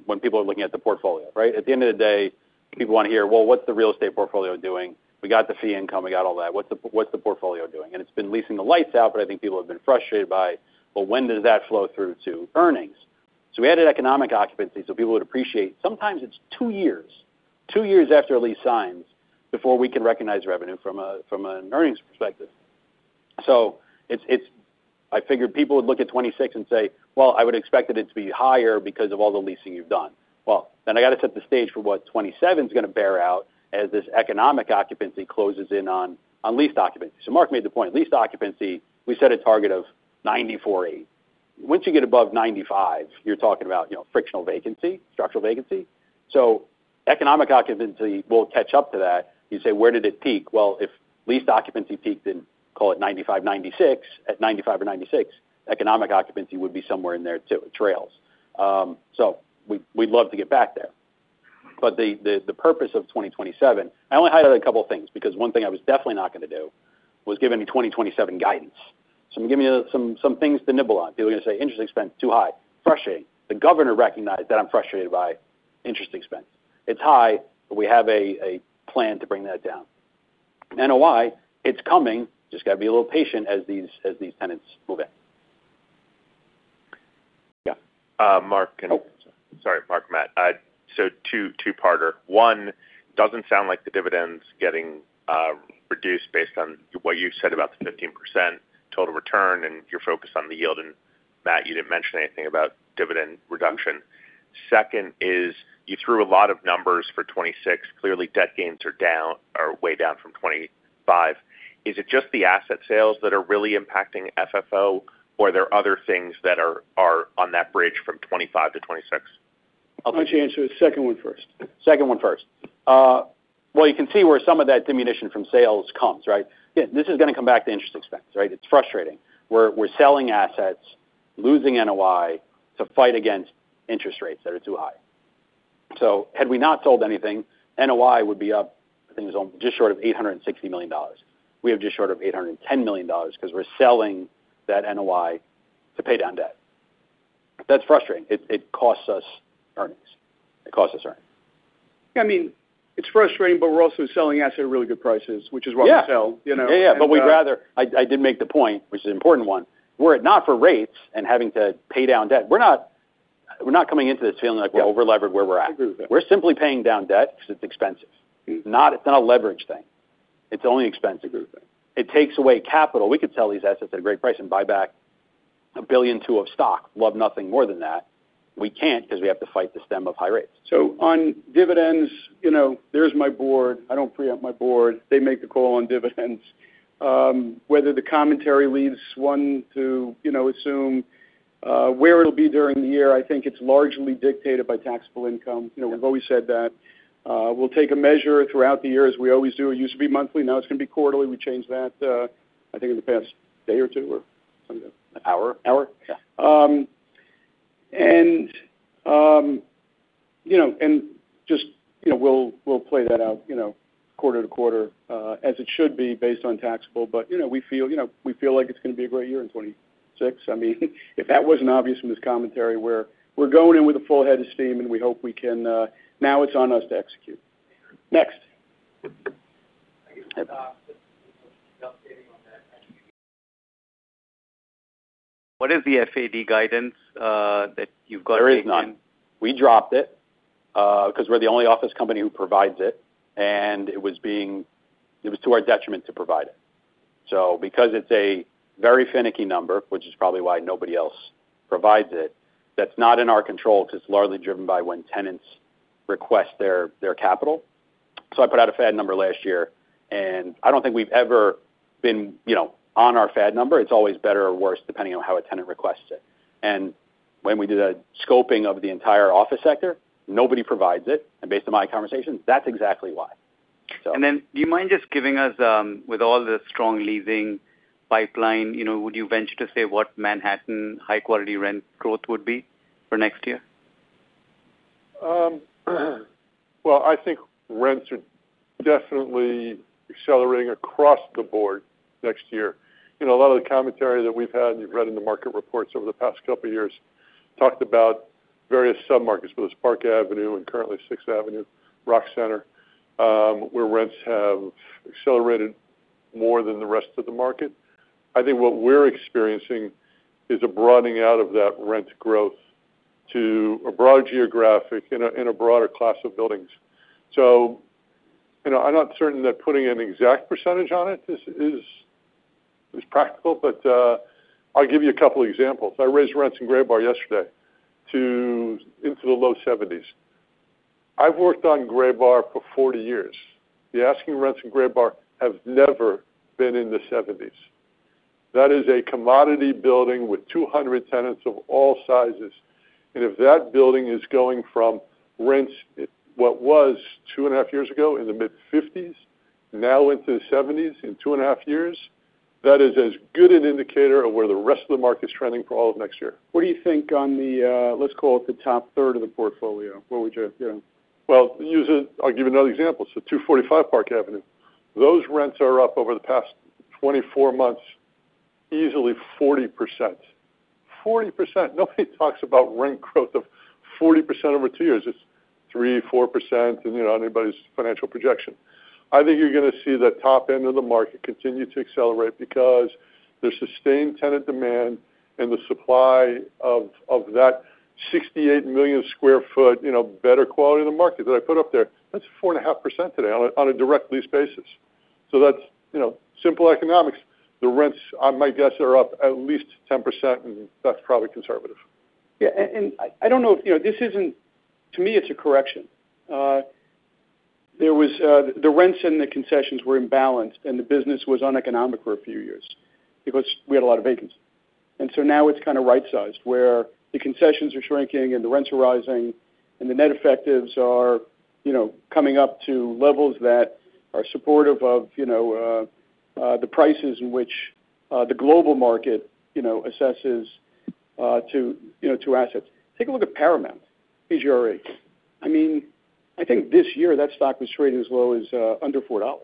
when people are looking at the portfolio, right? At the end of the day, people want to hear, "Well, what's the real estate portfolio doing? We got the fee income, we got all that. What's the portfolio doing?" And it's been leasing the lights out, but I think people have been frustrated by, "Well, when does that flow through to earnings?" So we added economic occupancy so people would appreciate. Sometimes it's two years, two years after a lease signs before we can recognize revenue from an earnings perspective, so I figured people would look at 2026 and say, "Well, I would expect that it to be higher because of all the leasing you've done." Well, then I got to set the stage for what 2027 is going to bear out as this economic occupancy closes in on leased occupancy. Marc made the point. Leased occupancy, we set a target of 94.8%. Once you get above 95%, you're talking about frictional vacancy, structural vacancy. Economic occupancy will catch up to that. You say, "Where did it peak?" Well, if leased occupancy peaked in, call it 95%, 96%, at 95% or 96%, economic occupancy would be somewhere in there too, trails. We'd love to get back there. But the purpose of 2027, I only highlighted a couple of things because one thing I was definitely not going to do was give any 2027 guidance. So I'm going to give you some things to nibble on. People are going to say, "Interest expense too high." Frustrating. The governor recognized that I'm frustrated by interest expense. It's high, but we have a plan to bring that down. NOI, it's coming. Just got to be a little patient as these tenants move in. Yeah. Marc and sorry, Marc, Matt. So two-parter. One, doesn't sound like the dividends getting reduced based on what you said about the 15% total return and your focus on the yield. And Matt, you didn't mention anything about dividend reduction. Second is you threw a lot of numbers for 2026. Clearly, debt gains are way down from 2025. Is it just the asset sales that are really impacting FFO, or are there other things that are on that bridge from 2025 to 2026? I'll let you answer the second one first. Second one first. You can see where some of that diminution from sales comes, right? This is going to come back to interest expense, right? It's frustrating. We're selling assets, losing NOI to fight against interest rates that are too high. So had we not sold anything, NOI would be up, I think it was just short of $860 million. We have just short of $810 million because we're selling that NOI to pay down debt. That's frustrating. It costs us earnings. It costs us earnings. I mean, it's frustrating, but we're also selling asset at really good prices, which is why we sell. Yeah, yeah, yeah. But we'd rather I did make the point, which is an important one. We're not for rates and having to pay down debt. We're not coming into this feeling like, "We're over-leveraged where we're at." We're simply paying down debt because it's expensive. It's not a leverage thing. It's only expensive. It takes away capital. We could sell these assets at a great price and buy back $1 billion, too, of stock, love nothing more than that. We can't because we have to fight the stem of high rates. So on dividends, there's my board. I don't preempt my board. They make the call on dividends. Whether the commentary leads one to assume where it'll be during the year, I think it's largely dictated by taxable income. We've always said that. We'll take a measure throughout the year, as we always do. It used to be monthly. Now it's going to be quarterly. We changed that, I think, in the past day or two or something. And just we'll play that out quarter to quarter as it should be based on taxable. But we feel like it's going to be a great year in 2026. I mean, if that wasn't obvious from this commentary where we're going in with a full head of steam and we hope we can, now it's on us to execute. Next. What is the FAD guidance that you've got? There is none. We dropped it because we're the only office company who provides it. And it was to our detriment to provide it. So because it's a very finicky number, which is probably why nobody else provides it, that's not in our control because it's largely driven by when tenants request their capital. So I put out a FAD number last year. And I don't think we've ever been on our FAD number. It's always better or worse depending on how a tenant requests it. And when we did a scoping of the entire office sector, nobody provides it. And based on my conversations, that's exactly why. And then do you mind just giving us, with all the strong leasing pipeline, would you venture to say what Manhattan high-quality rent growth would be for next year? Well, I think rents are definitely accelerating across the board next year. A lot of the commentary that we've had and you've read in the market reports over the past couple of years talked about various submarkets, but it's Park Avenue and currently 6th Avenue, Rock Center, where rents have accelerated more than the rest of the market. I think what we're experiencing is a broadening out of that rent growth to a broader geographic in a broader class of buildings. So I'm not certain that putting an exact percentage on it is practical, but I'll give you a couple of examples. I raised rents in Graybar yesterday into the low 70s. I've worked on Graybar for 40 years. The asking rents in Graybar have never been in the 70s. That is a commodity building with 200 tenants of all sizes. And if that building is going from rents what was two and a half years ago in the mid-50s, now into the 70s in two and a half years, that is as good an indicator of where the rest of the market's trending for all of next year. What do you think on the, let's call it the top third of the portfolio? What would you? I'll give you another example. So 245 Park Avenue. Those rents are up over the past 24 months, easily 40%. 40%. Nobody talks about rent growth of 40% over two years. It's 3-4% in anybody's financial projection. I think you're going to see the top end of the market continue to accelerate because there's sustained tenant demand and the supply of that 68 million sq ft better quality of the market that I put up there. That's 4.5% today on a direct lease basis. So that's simple economics. The rents, I might guess, are up at least 10%, and that's probably conservative. Yeah. And I don't know if this isn't to me, it's a correction. The rents and the concessions were imbalanced, and the business was uneconomic for a few years because we had a lot of vacancy. And so now it's kind of right-sized where the concessions are shrinking and the rents are rising, and the net effectives are coming up to levels that are supportive of the prices in which the global market assesses to assets. Take a look at Paramount, PGRE. I mean, I think this year that stock was trading as low as under $4.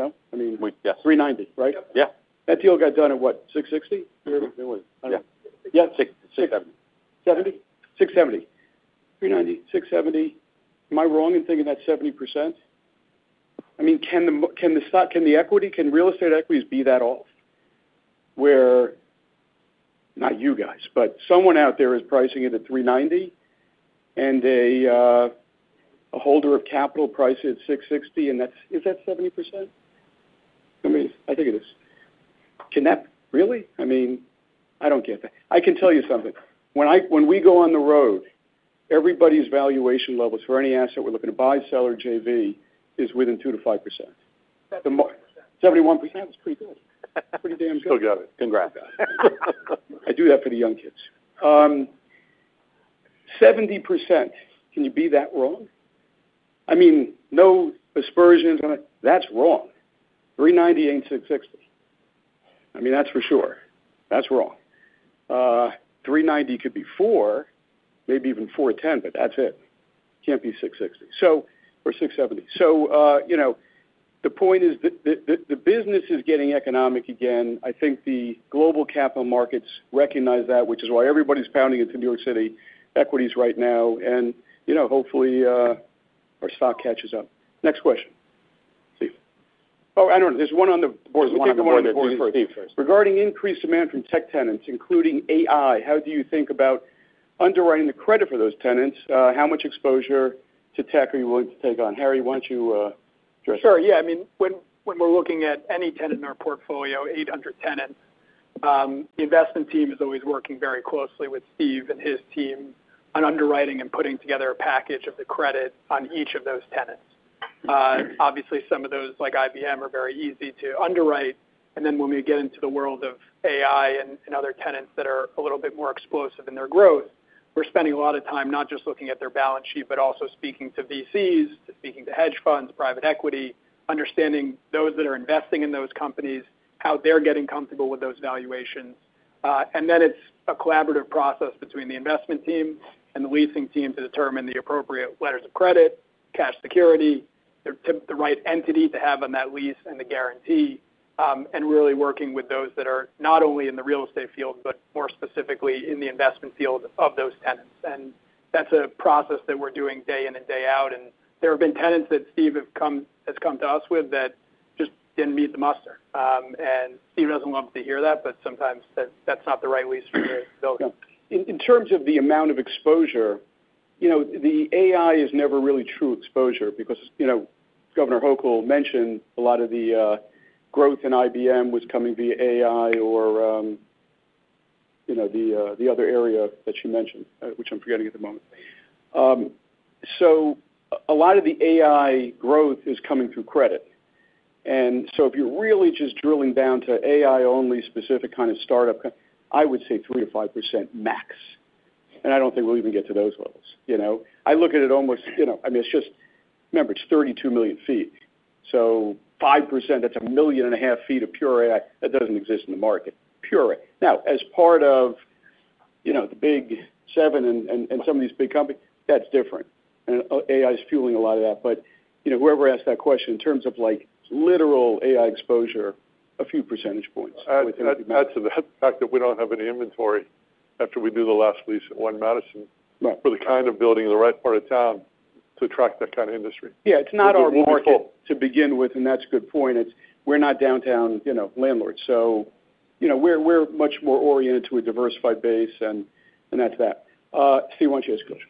I mean, $3.90, right? Yeah. That deal got done at what, $6.60? Yeah. $6.70. $6.70. $3.90. $6.70. Am I wrong in thinking that's 70%? I mean, can the equity, can real estate equities be that off where not you guys, but someone out there is pricing it at $3.90 and a holder of capital priced at $6.60, and that's is that 70%? I mean, I think it is. Can that really? I mean, I don't get that. I can tell you something. When we go on the road, everybody's valuation levels for any asset we're looking to buy, seller, JV is within 2-5%. 71% is pretty good. Pretty damn good. Still got it. Congrats. I do that for the young kids. 70%. Can you be that wrong? I mean, no aspersions. That's wrong. 390 ain't 660. I mean, that's for sure. That's wrong. 390 could be 4, maybe even 410, but that's it. Can't be 660. Or 670. So the point is that the business is getting economic again. I think the global capital markets recognize that, which is why everybody's pounding into New York City equities right now, and hopefully, our stock catches up. Next question. Steve. Oh, I don't know. There's one on the board's line. I'll take the one on the board first. Regarding increased demand from tech tenants, including AI, how do you think about underwriting the credit for those tenants? How much exposure to tech are you willing to take on? Harry, why don't you address it? Sure. Yeah. I mean, when we're looking at any tenant in our portfolio, 800 tenants, the investment team is always working very closely with Steve and his team on underwriting and putting together a package of the credit on each of those tenants. Obviously, some of those like IBM are very easy to underwrite. And then when we get into the world of AI and other tenants that are a little bit more explosive in their growth, we're spending a lot of time not just looking at their balance sheet, but also speaking to VCs, speaking to hedge funds, private equity, understanding those that are investing in those companies, how they're getting comfortable with those valuations. And then it's a collaborative process between the investment team and the leasing team to determine the appropriate letters of credit, cash security, the right entity to have on that lease and the guarantee, and really working with those that are not only in the real estate field, but more specifically in the investment field of those tenants. And that's a process that we're doing day in and day out. And there have been tenants that Steve has come to us with that just didn't meet the muster. Steve doesn't love to hear that, but sometimes that's not the right lease for the building. In terms of the amount of exposure, the AI is never really true exposure because Governor Hochul mentioned a lot of the growth in IBM was coming via AI or the other area that she mentioned, which I'm forgetting at the moment. So a lot of the AI growth is coming through credit. And so if you're really just drilling down to AI-only specific kind of startup, I would say 3-5% max. And I don't think we'll even get to those levels. I look at it almost, I mean, it's just, remember, it's 32 million feet. So 5%, that's 1.5 million feet of pure AI. That doesn't exist in the market. Pure AI. Now, as part of the Big 7 and some of these big companies, that's different. And AI is fueling a lot of that. But whoever asked that question, in terms of literal AI exposure, a few percentage points. That's the fact that we don't have any inventory after we do the last lease at One Madison for the kind of building in the right part of town to attract that kind of industry. Yeah. It's not our market to begin with, and that's a good point. We're not downtown landlords. So we're much more oriented to a diversified base, and that's that. Steve, why don't you ask the question?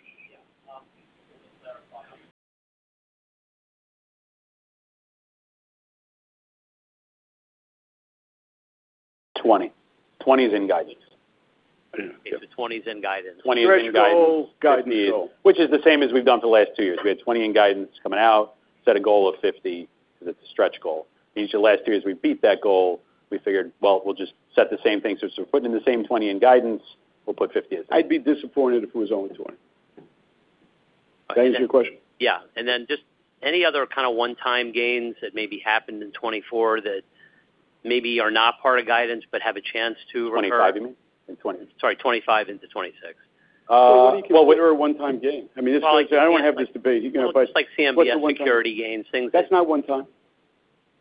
20 is in guidance, which is the same as we've done for the last two years. We had 20 in guidance coming out, set a goal of 50 because it's a stretch goal. Each of the last two years, we beat that goal. We figured, well, we'll just set the same thing. So instead of putting in the same 20 in guidance, we'll put 50 in. I'd be disappointed if it was only 20. That answers your question? Yeah. And then just any other kind of one-time gains that maybe happened in 2024 that maybe are not part of guidance but have a chance to or not? 2025, you mean? In 2020. Sorry. 2025 into 2026. Well, what are one-time gains? I mean, I don't want to have this debate. You can have fight. Just like CMBS security gains, things like that. That's not one-time.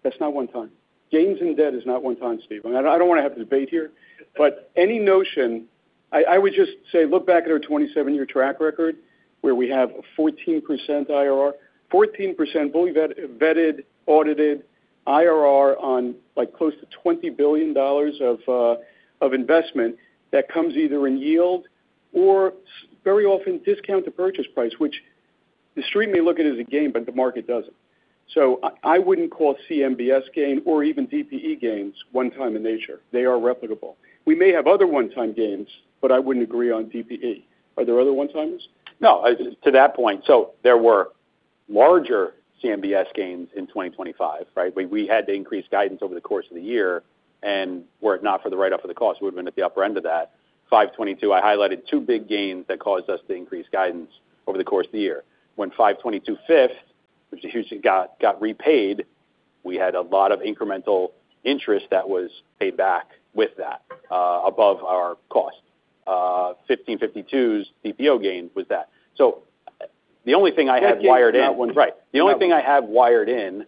That's not one-time. Gains in debt is not one-time, Steve. I don't want to have a debate here. But any notion, I would just say, look back at our 27-year track record where we have a 14% IRR, 14% fully vetted, audited IRR on close to $20 billion of investment that comes either in yield or very often discount to purchase price, which the street may look at it as a gain, but the market doesn't. So I wouldn't call CMBS gain or even DPE gains one-time in nature. They are replicable. We may have other one-time gains, but I wouldn't agree on DPE. Are there other one-timers? No. To that point, so there were larger CMBS gains in 2025, right? We had to increase guidance over the course of the year. And were it not for the write-off of the cost, we would have been at the upper end of that. 522, I highlighted two big gains that caused us to increase guidance over the course of the year. When 522 Fifth, which got repaid, we had a lot of incremental interest that was paid back with that above our cost. 1552's DPO gain was that. So the only thing I have wired in. That's not one-time. Right. The only thing I have wired in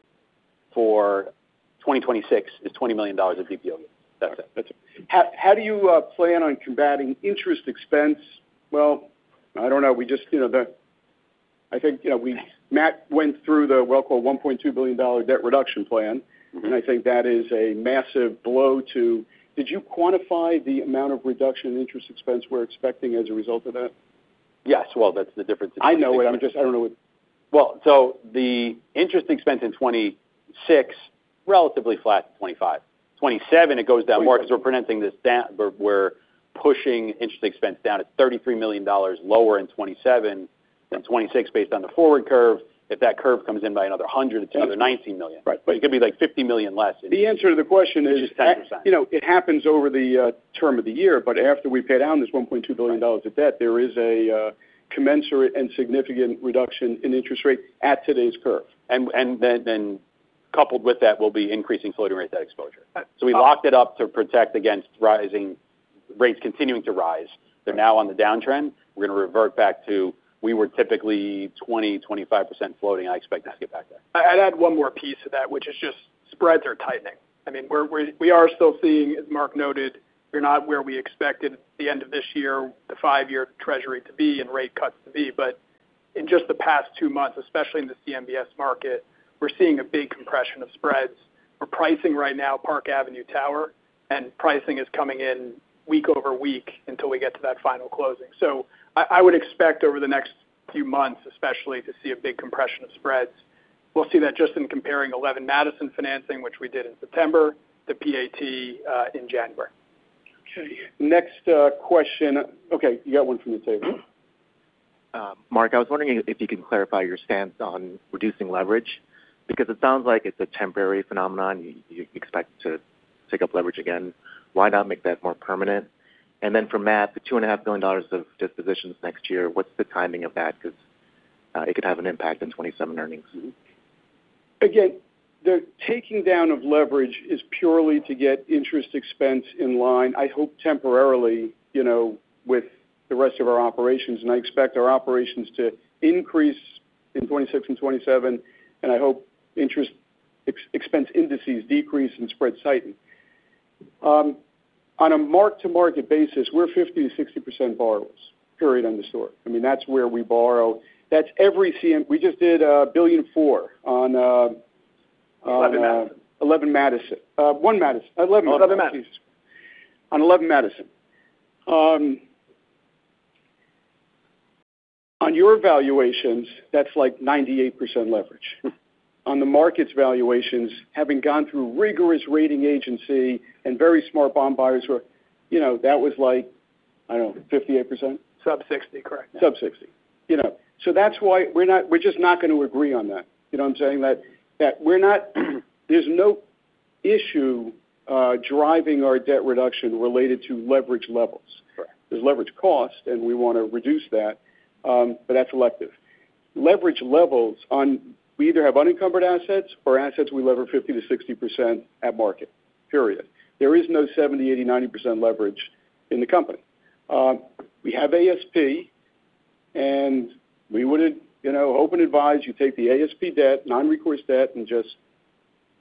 for 2026 is $20 million of DPO gains. That's it. That's it. How do you plan on combating interest expense? Well, I don't know. I think Matt went through the $1.2 billion debt reduction plan, and I think that is a massive blow to. Did you quantify the amount of reduction in interest expense we're expecting as a result of that? Yes. Well, that's the difference in interest expense. I know it. I'm just, I don't know what. So the interest expense in 2026, relatively flat in 2025. 2027, it goes down more because we're preventing this down. We're pushing interest expense down at $33 million lower in 2027 than 2026 based on the forward curve. If that curve comes in by another 100, it's another $19 million. But it could be like $50 million less. The answer to the question is just 10%. It happens over the term of the year, but after we pay down this $1.2 billion of debt, there is a commensurate and significant reduction in interest rate at today's curve. And then coupled with that will be increasing floating rate debt exposure. So we locked it up to protect against rising rates continuing to rise. They're now on the downtrend. We're going to revert back to we were typically 20%-25% floating. I expect us to get back there. I'd add one more piece to that, which is just spreads are tightening. I mean, we are still seeing, as Marc noted, we're not where we expected at the end of this year the five-year Treasury to be and rate cuts to be. But in just the past two months, especially in the CMBS market, we're seeing a big compression of spreads. We're pricing right now Park Avenue Tower, and pricing is coming in week over week until we get to that final closing. So I would expect over the next few months, especially, to see a big compression of spreads. We'll see that just in comparing 11 Madison financing, which we did in September, the PAT in January. Okay. Next question. Okay. You got one from the table. Marc, I was wondering if you can clarify your stance on reducing leverage because it sounds like it's a temporary phenomenon. You expect to take up leverage again. Why not make that more permanent? And then for Matt, the $2.5 billion of dispositions next year, what's the timing of that because it could have an impact on 2027 earnings? Again, the taking down of leverage is purely to get interest expense in line, I hope temporarily with the rest of our operations. And I expect our operations to increase in 2026 and 2027, and I hope interest expense indices decrease and spreads tighten. On a mark-to-market basis, we're 50%-60% borrowers, period on the story. I mean, that's where we borrow. That's every CMBS. We just did $1.4 billion on 11 Madison. On your valuations, that's like 98% leverage. On the market's valuations, having gone through rigorous rating agency and very smart bond buyers, that was like, I don't know, 58%? Sub-60, correct. Sub-60. So that's why we're just not going to agree on that. You know what I'm saying? There's no issue driving our debt reduction related to leverage levels. There's leverage cost, and we want to reduce that, but that's elective. Leverage levels on we either have unencumbered assets or assets we leverage 50%-60% at market, period. There is no 70%, 80%, 90% leverage in the company. We have ASP, and we would open advise you take the ASP debt, non-recourse debt, and just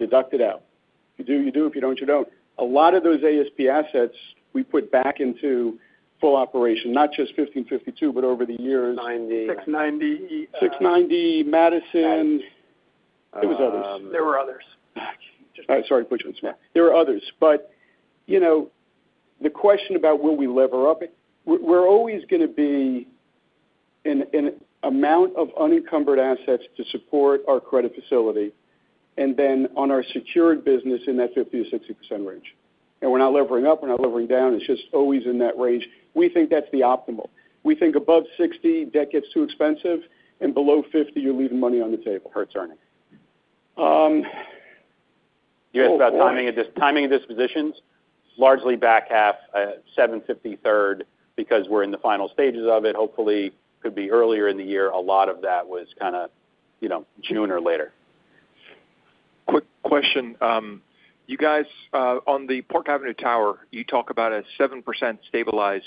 deduct it out. You do, you do. If you don't, you don't. A lot of those ASP assets, we put back into full operation, not just 1552, but over the years. 690. 690 Madison. There were others. There were others. Sorry to put you on the spot. There were others. But the question about will we lever up it? We're always going to be an amount of unencumbered assets to support our credit facility and then on our secured business in that 50%-60% range. We're not levering up. We're not levering down. It's just always in that range. We think that's the optimal. We think above 60%, debt gets too expensive, and below 50%, you're leaving money on the table. Here's earnings. You asked about timing of dispositions. Largely back half, Q3 Q4, because we're in the final stages of it. Hopefully, could be earlier in the year. A lot of that was kind of June or later. Quick question. You guys, on the Park Avenue Tower, you talk about a 7% stabilized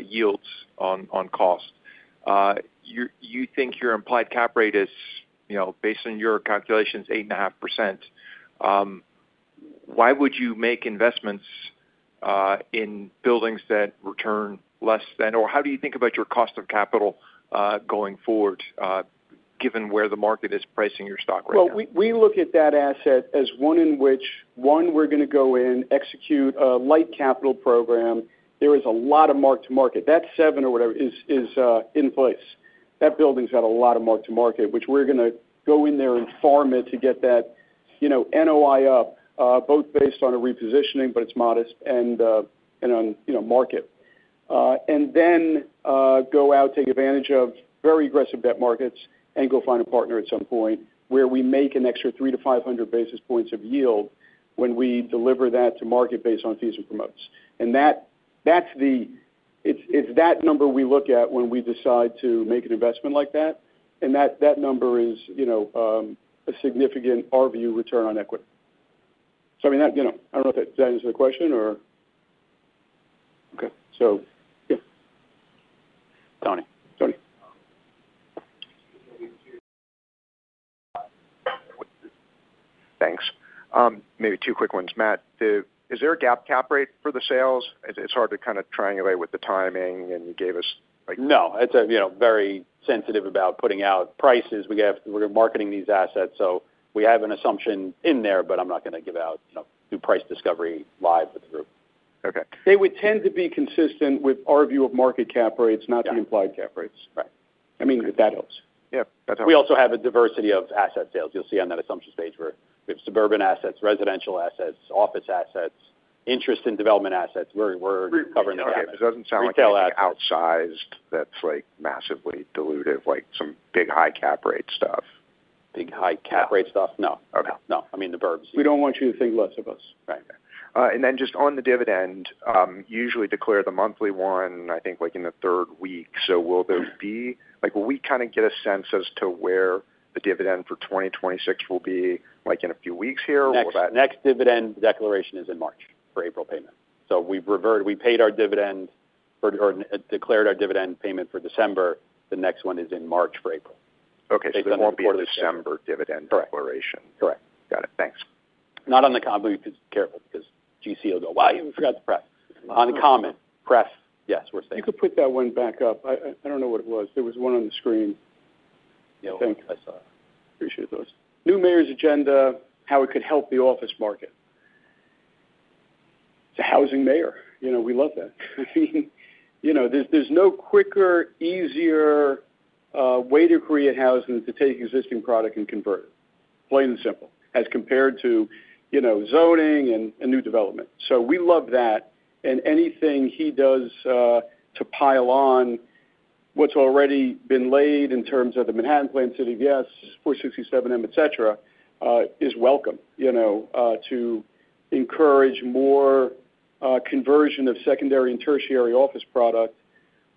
yields on cost. You think your implied cap rate is, based on your calculations, 8.5%. Why would you make investments in buildings that return less than or how do you think about your cost of capital going forward, given where the market is pricing your stock right now? Well, we look at that asset as one in which, one, we're going to go in, execute a light capital program. There is a lot of mark-to-market. That seven or whatever is in place. That building's got a lot of mark-to-market, which we're going to go in there and farm it to get that NOI up, both based on a repositioning, but it's modest, and on market. And then go out, take advantage of very aggressive debt markets, and go find a partner at some point where we make an extra 3 to 500 basis points of yield when we deliver that to market based on fees and promotes. And that's the number we look at when we decide to make an investment like that. And that number is a significant ROE return on equity. So I mean, I don't know if that answers the question. Okay. Tony. Thanks. Maybe two quick ones. Matt, is there a guidance cap rate for the sales? It's hard to kind of triangulate with the timing, and you gave us. No. It's very sensitive about putting out prices. We're marketing these assets. So we have an assumption in there, but I'm not going to give out new price discovery live with the group. They would tend to be consistent with our view of market cap rates, not the implied cap rates. I mean, if that helps. Yeah. That helps. We also have a diversity of asset sales. You'll see on that assumption page where we have suburban assets, residential assets, office assets, interest in development assets. We're covering that area. Retail assets. It doesn't sound like outsized that's massively diluted, like some big high Cap Rate stuff. Big high Cap Rate stuff? No. No. No. I mean, the verbs. We don't want you to think less of us. Right. And then just on the dividend, usually declare the monthly one, I think, in the third week. So will we kind of get a sense as to where the dividend for 2026 will be in a few weeks here or that? Yes. Next dividend declaration is in March for April payment. So we paid our dividend or declared our dividend payment for December. The next one is in March for April. Okay. So more before the December dividend declaration. Correct. Correct. Got it. Thanks. Not on the common because careful because GC will go, "Why? We forgot to press." On the common. Press. Yes. We're safe. You could put that one back up. I don't know what it was. There was one on the screen. I think. Yeah. I saw it. Appreciate those. New mayor's agenda, how it could help the office market. It's a housing mayor. We love that. I mean, there's no quicker, easier way to create housing to take existing product and convert it. Plain and simple. As compared to zoning and new development. So we love that. And anything he does to pile on what's already been laid in terms of the Manhattan Plan, City of Yes, 467-m, etc., is welcome to encourage more conversion of secondary and tertiary office product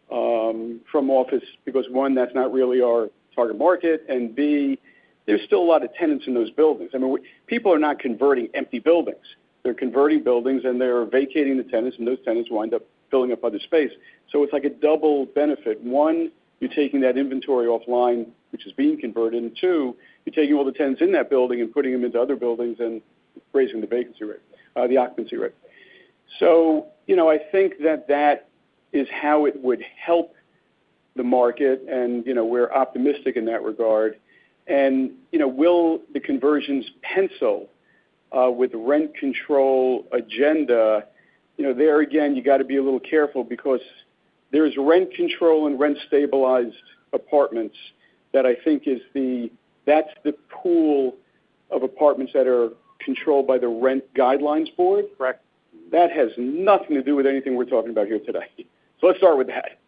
from office because, one, that's not really our target market. And B, there's still a lot of tenants in those buildings. I mean, people are not converting empty buildings. They're converting buildings, and they're vacating the tenants, and those tenants wind up filling up other space. So it's like a double benefit. One, you're taking that inventory offline, which is being converted. And two, you're taking all the tenants in that building and putting them into other buildings and raising the vacancy rate, the occupancy rate. So I think that is how it would help the market, and we're optimistic in that regard. And will the conversions pencil with the rent control agenda? There again, you got to be a little careful because there's rent control and rent stabilized apartments that I think is the pool of apartments that are controlled by the Rent Guidelines Board. That has nothing to do with anything we're talking about here today. So let's start with that.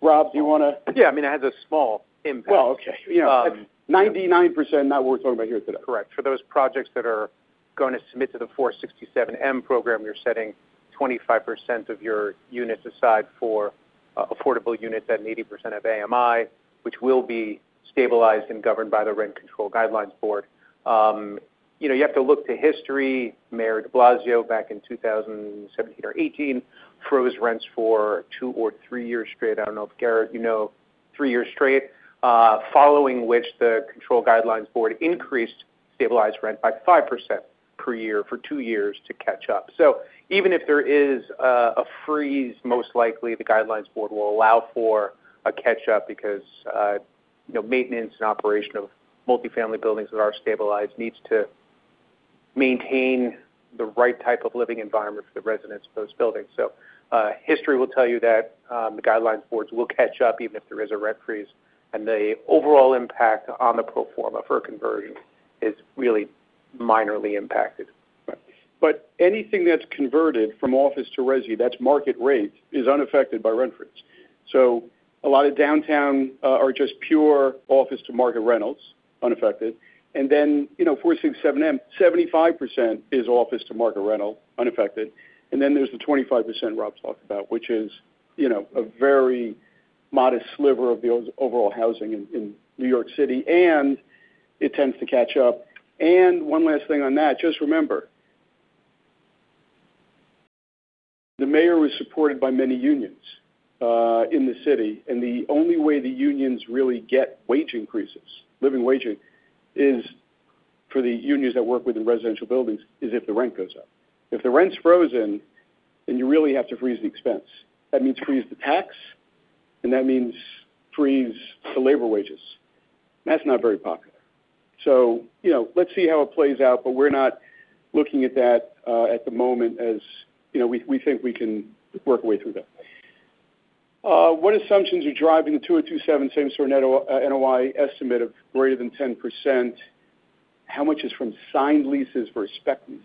Rob, do you want to? Yeah. I mean, it has a small impact. Well, okay. 99% not what we're talking about here today. Correct. For those projects that are going to submit to the 467M program, you're setting 25% of your units aside for affordable units at 80% of AMI, which will be stabilized and governed by the Rent Control Guidelines Board. You have to look to history. Mayor de Blasio back in 2017 or 2018 froze rents for two or three years straight. I don't know if Garrett, you know, three years straight, following which the Control Guidelines Board increased stabilized rent by 5% per year for two years to catch up. So even if there is a freeze, most likely the Guidelines Board will allow for a catch-up because maintenance and operation of multifamily buildings that are stabilized needs to maintain the right type of living environment for the residents of those buildings. So history will tell you that the Guidelines Boards will catch up even if there is a rent freeze, and the overall impact on the pro forma for a conversion is really minorly impacted. But anything that's converted from office to resi, that's market rate, is unaffected by rent freeze. So a lot of downtown are just pure office to market rentals, unaffected. And then 467-m, 75% is office to market rental, unaffected. And then there's the 25% Rob talked about, which is a very modest sliver of the overall housing in New York City, and it tends to catch up. And one last thing on that. Just remember, the mayor was supported by many unions in the city, and the only way the unions really get wage increases, living wage increases, is for the unions that work within residential buildings is if the rent goes up. If the rent's frozen, then you really have to freeze the expense. That means freeze the tax, and that means freeze the labor wages. That's not very popular. So let's see how it plays out, but we're not looking at that at the moment as we think we can work our way through that. What assumptions are driving the 2027 same-store NOI estimate of greater than 10%? How much is from signed leases versus spec leases?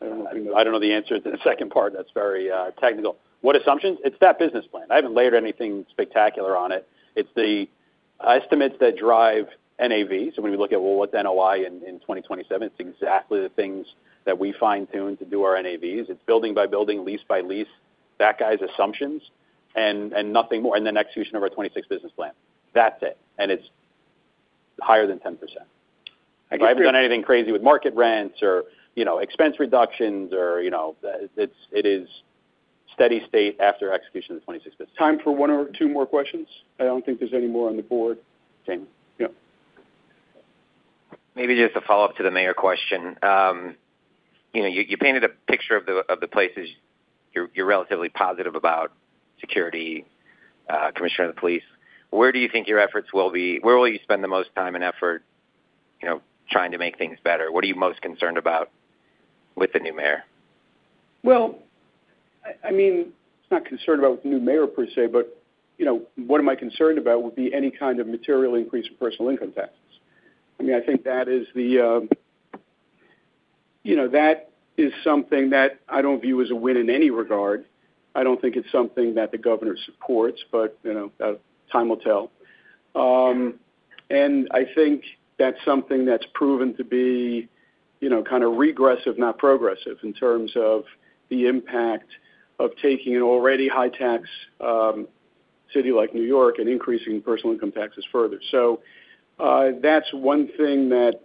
I don't know if we know. I don't know the answer to the second part. That's very technical. What assumptions? It's that business plan. I haven't layered anything spectacular on it. It's the estimates that drive NAV. So when we look at, well, what's NOI in 2027, it's exactly the things that we fine-tune to do our NAVs. It's building by building, lease by lease, that guy's assumptions, and nothing more and then execution of our 2026 business plan. That's it and it's higher than 10%. I haven't done anything crazy with market rents or expense reductions, or it is steady state after execution of the 2026 business plan. Time for one or two more questions. I don't think there's any more on the board. Jamie. Yeah. Maybe just a follow-up to the mayor question. You painted a picture of the places you're relatively positive about security, Commissioner of the Police. Where do you think your efforts will be? Where will you spend the most time and effort trying to make things better? What are you most concerned about with the new mayor? Well, I mean, it's not concerned about with the new mayor per se, but what am I concerned about would be any kind of material increase in personal income taxes. I mean, I think that is something that I don't view as a win in any regard. I don't think it's something that the governor supports, but time will tell. I think that's something that's proven to be kind of regressive, not progressive, in terms of the impact of taking an already high-tax city like New York and increasing personal income taxes further. So that's one thing that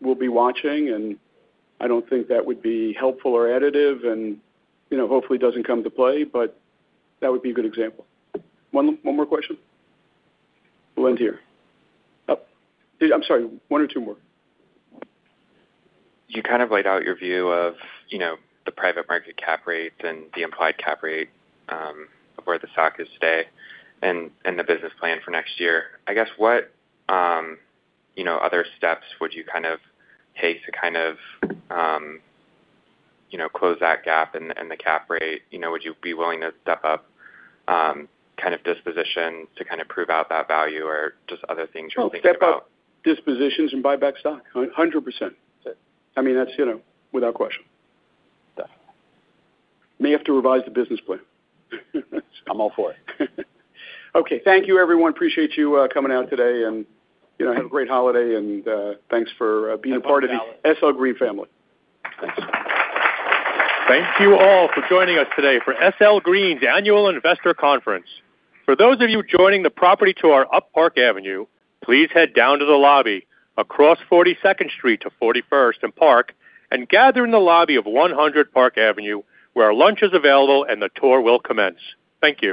we'll be watching, and I don't think that would be helpful or additive, and hopefully doesn't come to play, but that would be a good example. One more question? We'll end here. I'm sorry. One or two more. You kind of laid out your view of the private market cap rate and the implied cap rate of where the stock is today and the business plan for next year. I guess what other steps would you kind of take to kind of close that gap in the cap rate? Would you be willing to step up kind of disposition to kind of prove out that value or just other things you're thinking about? Well, step up dispositions and buy back stock. 100%. I mean, that's without question. Definitely. May have to revise the business plan. I'm all for it. Okay. Thank you, everyone. Appreciate you coming out today, and have a great holiday, and thanks for being a part of the SL Green family. Thanks. Thank you all for joining us today for SL Green's annual investor conference. For those of you joining the property tour up Park Avenue, please head down to the lobby across 42nd Street to 41st and Park and gather in the lobby of 100 Park Avenue where lunch is available and the tour will commence. Thank you.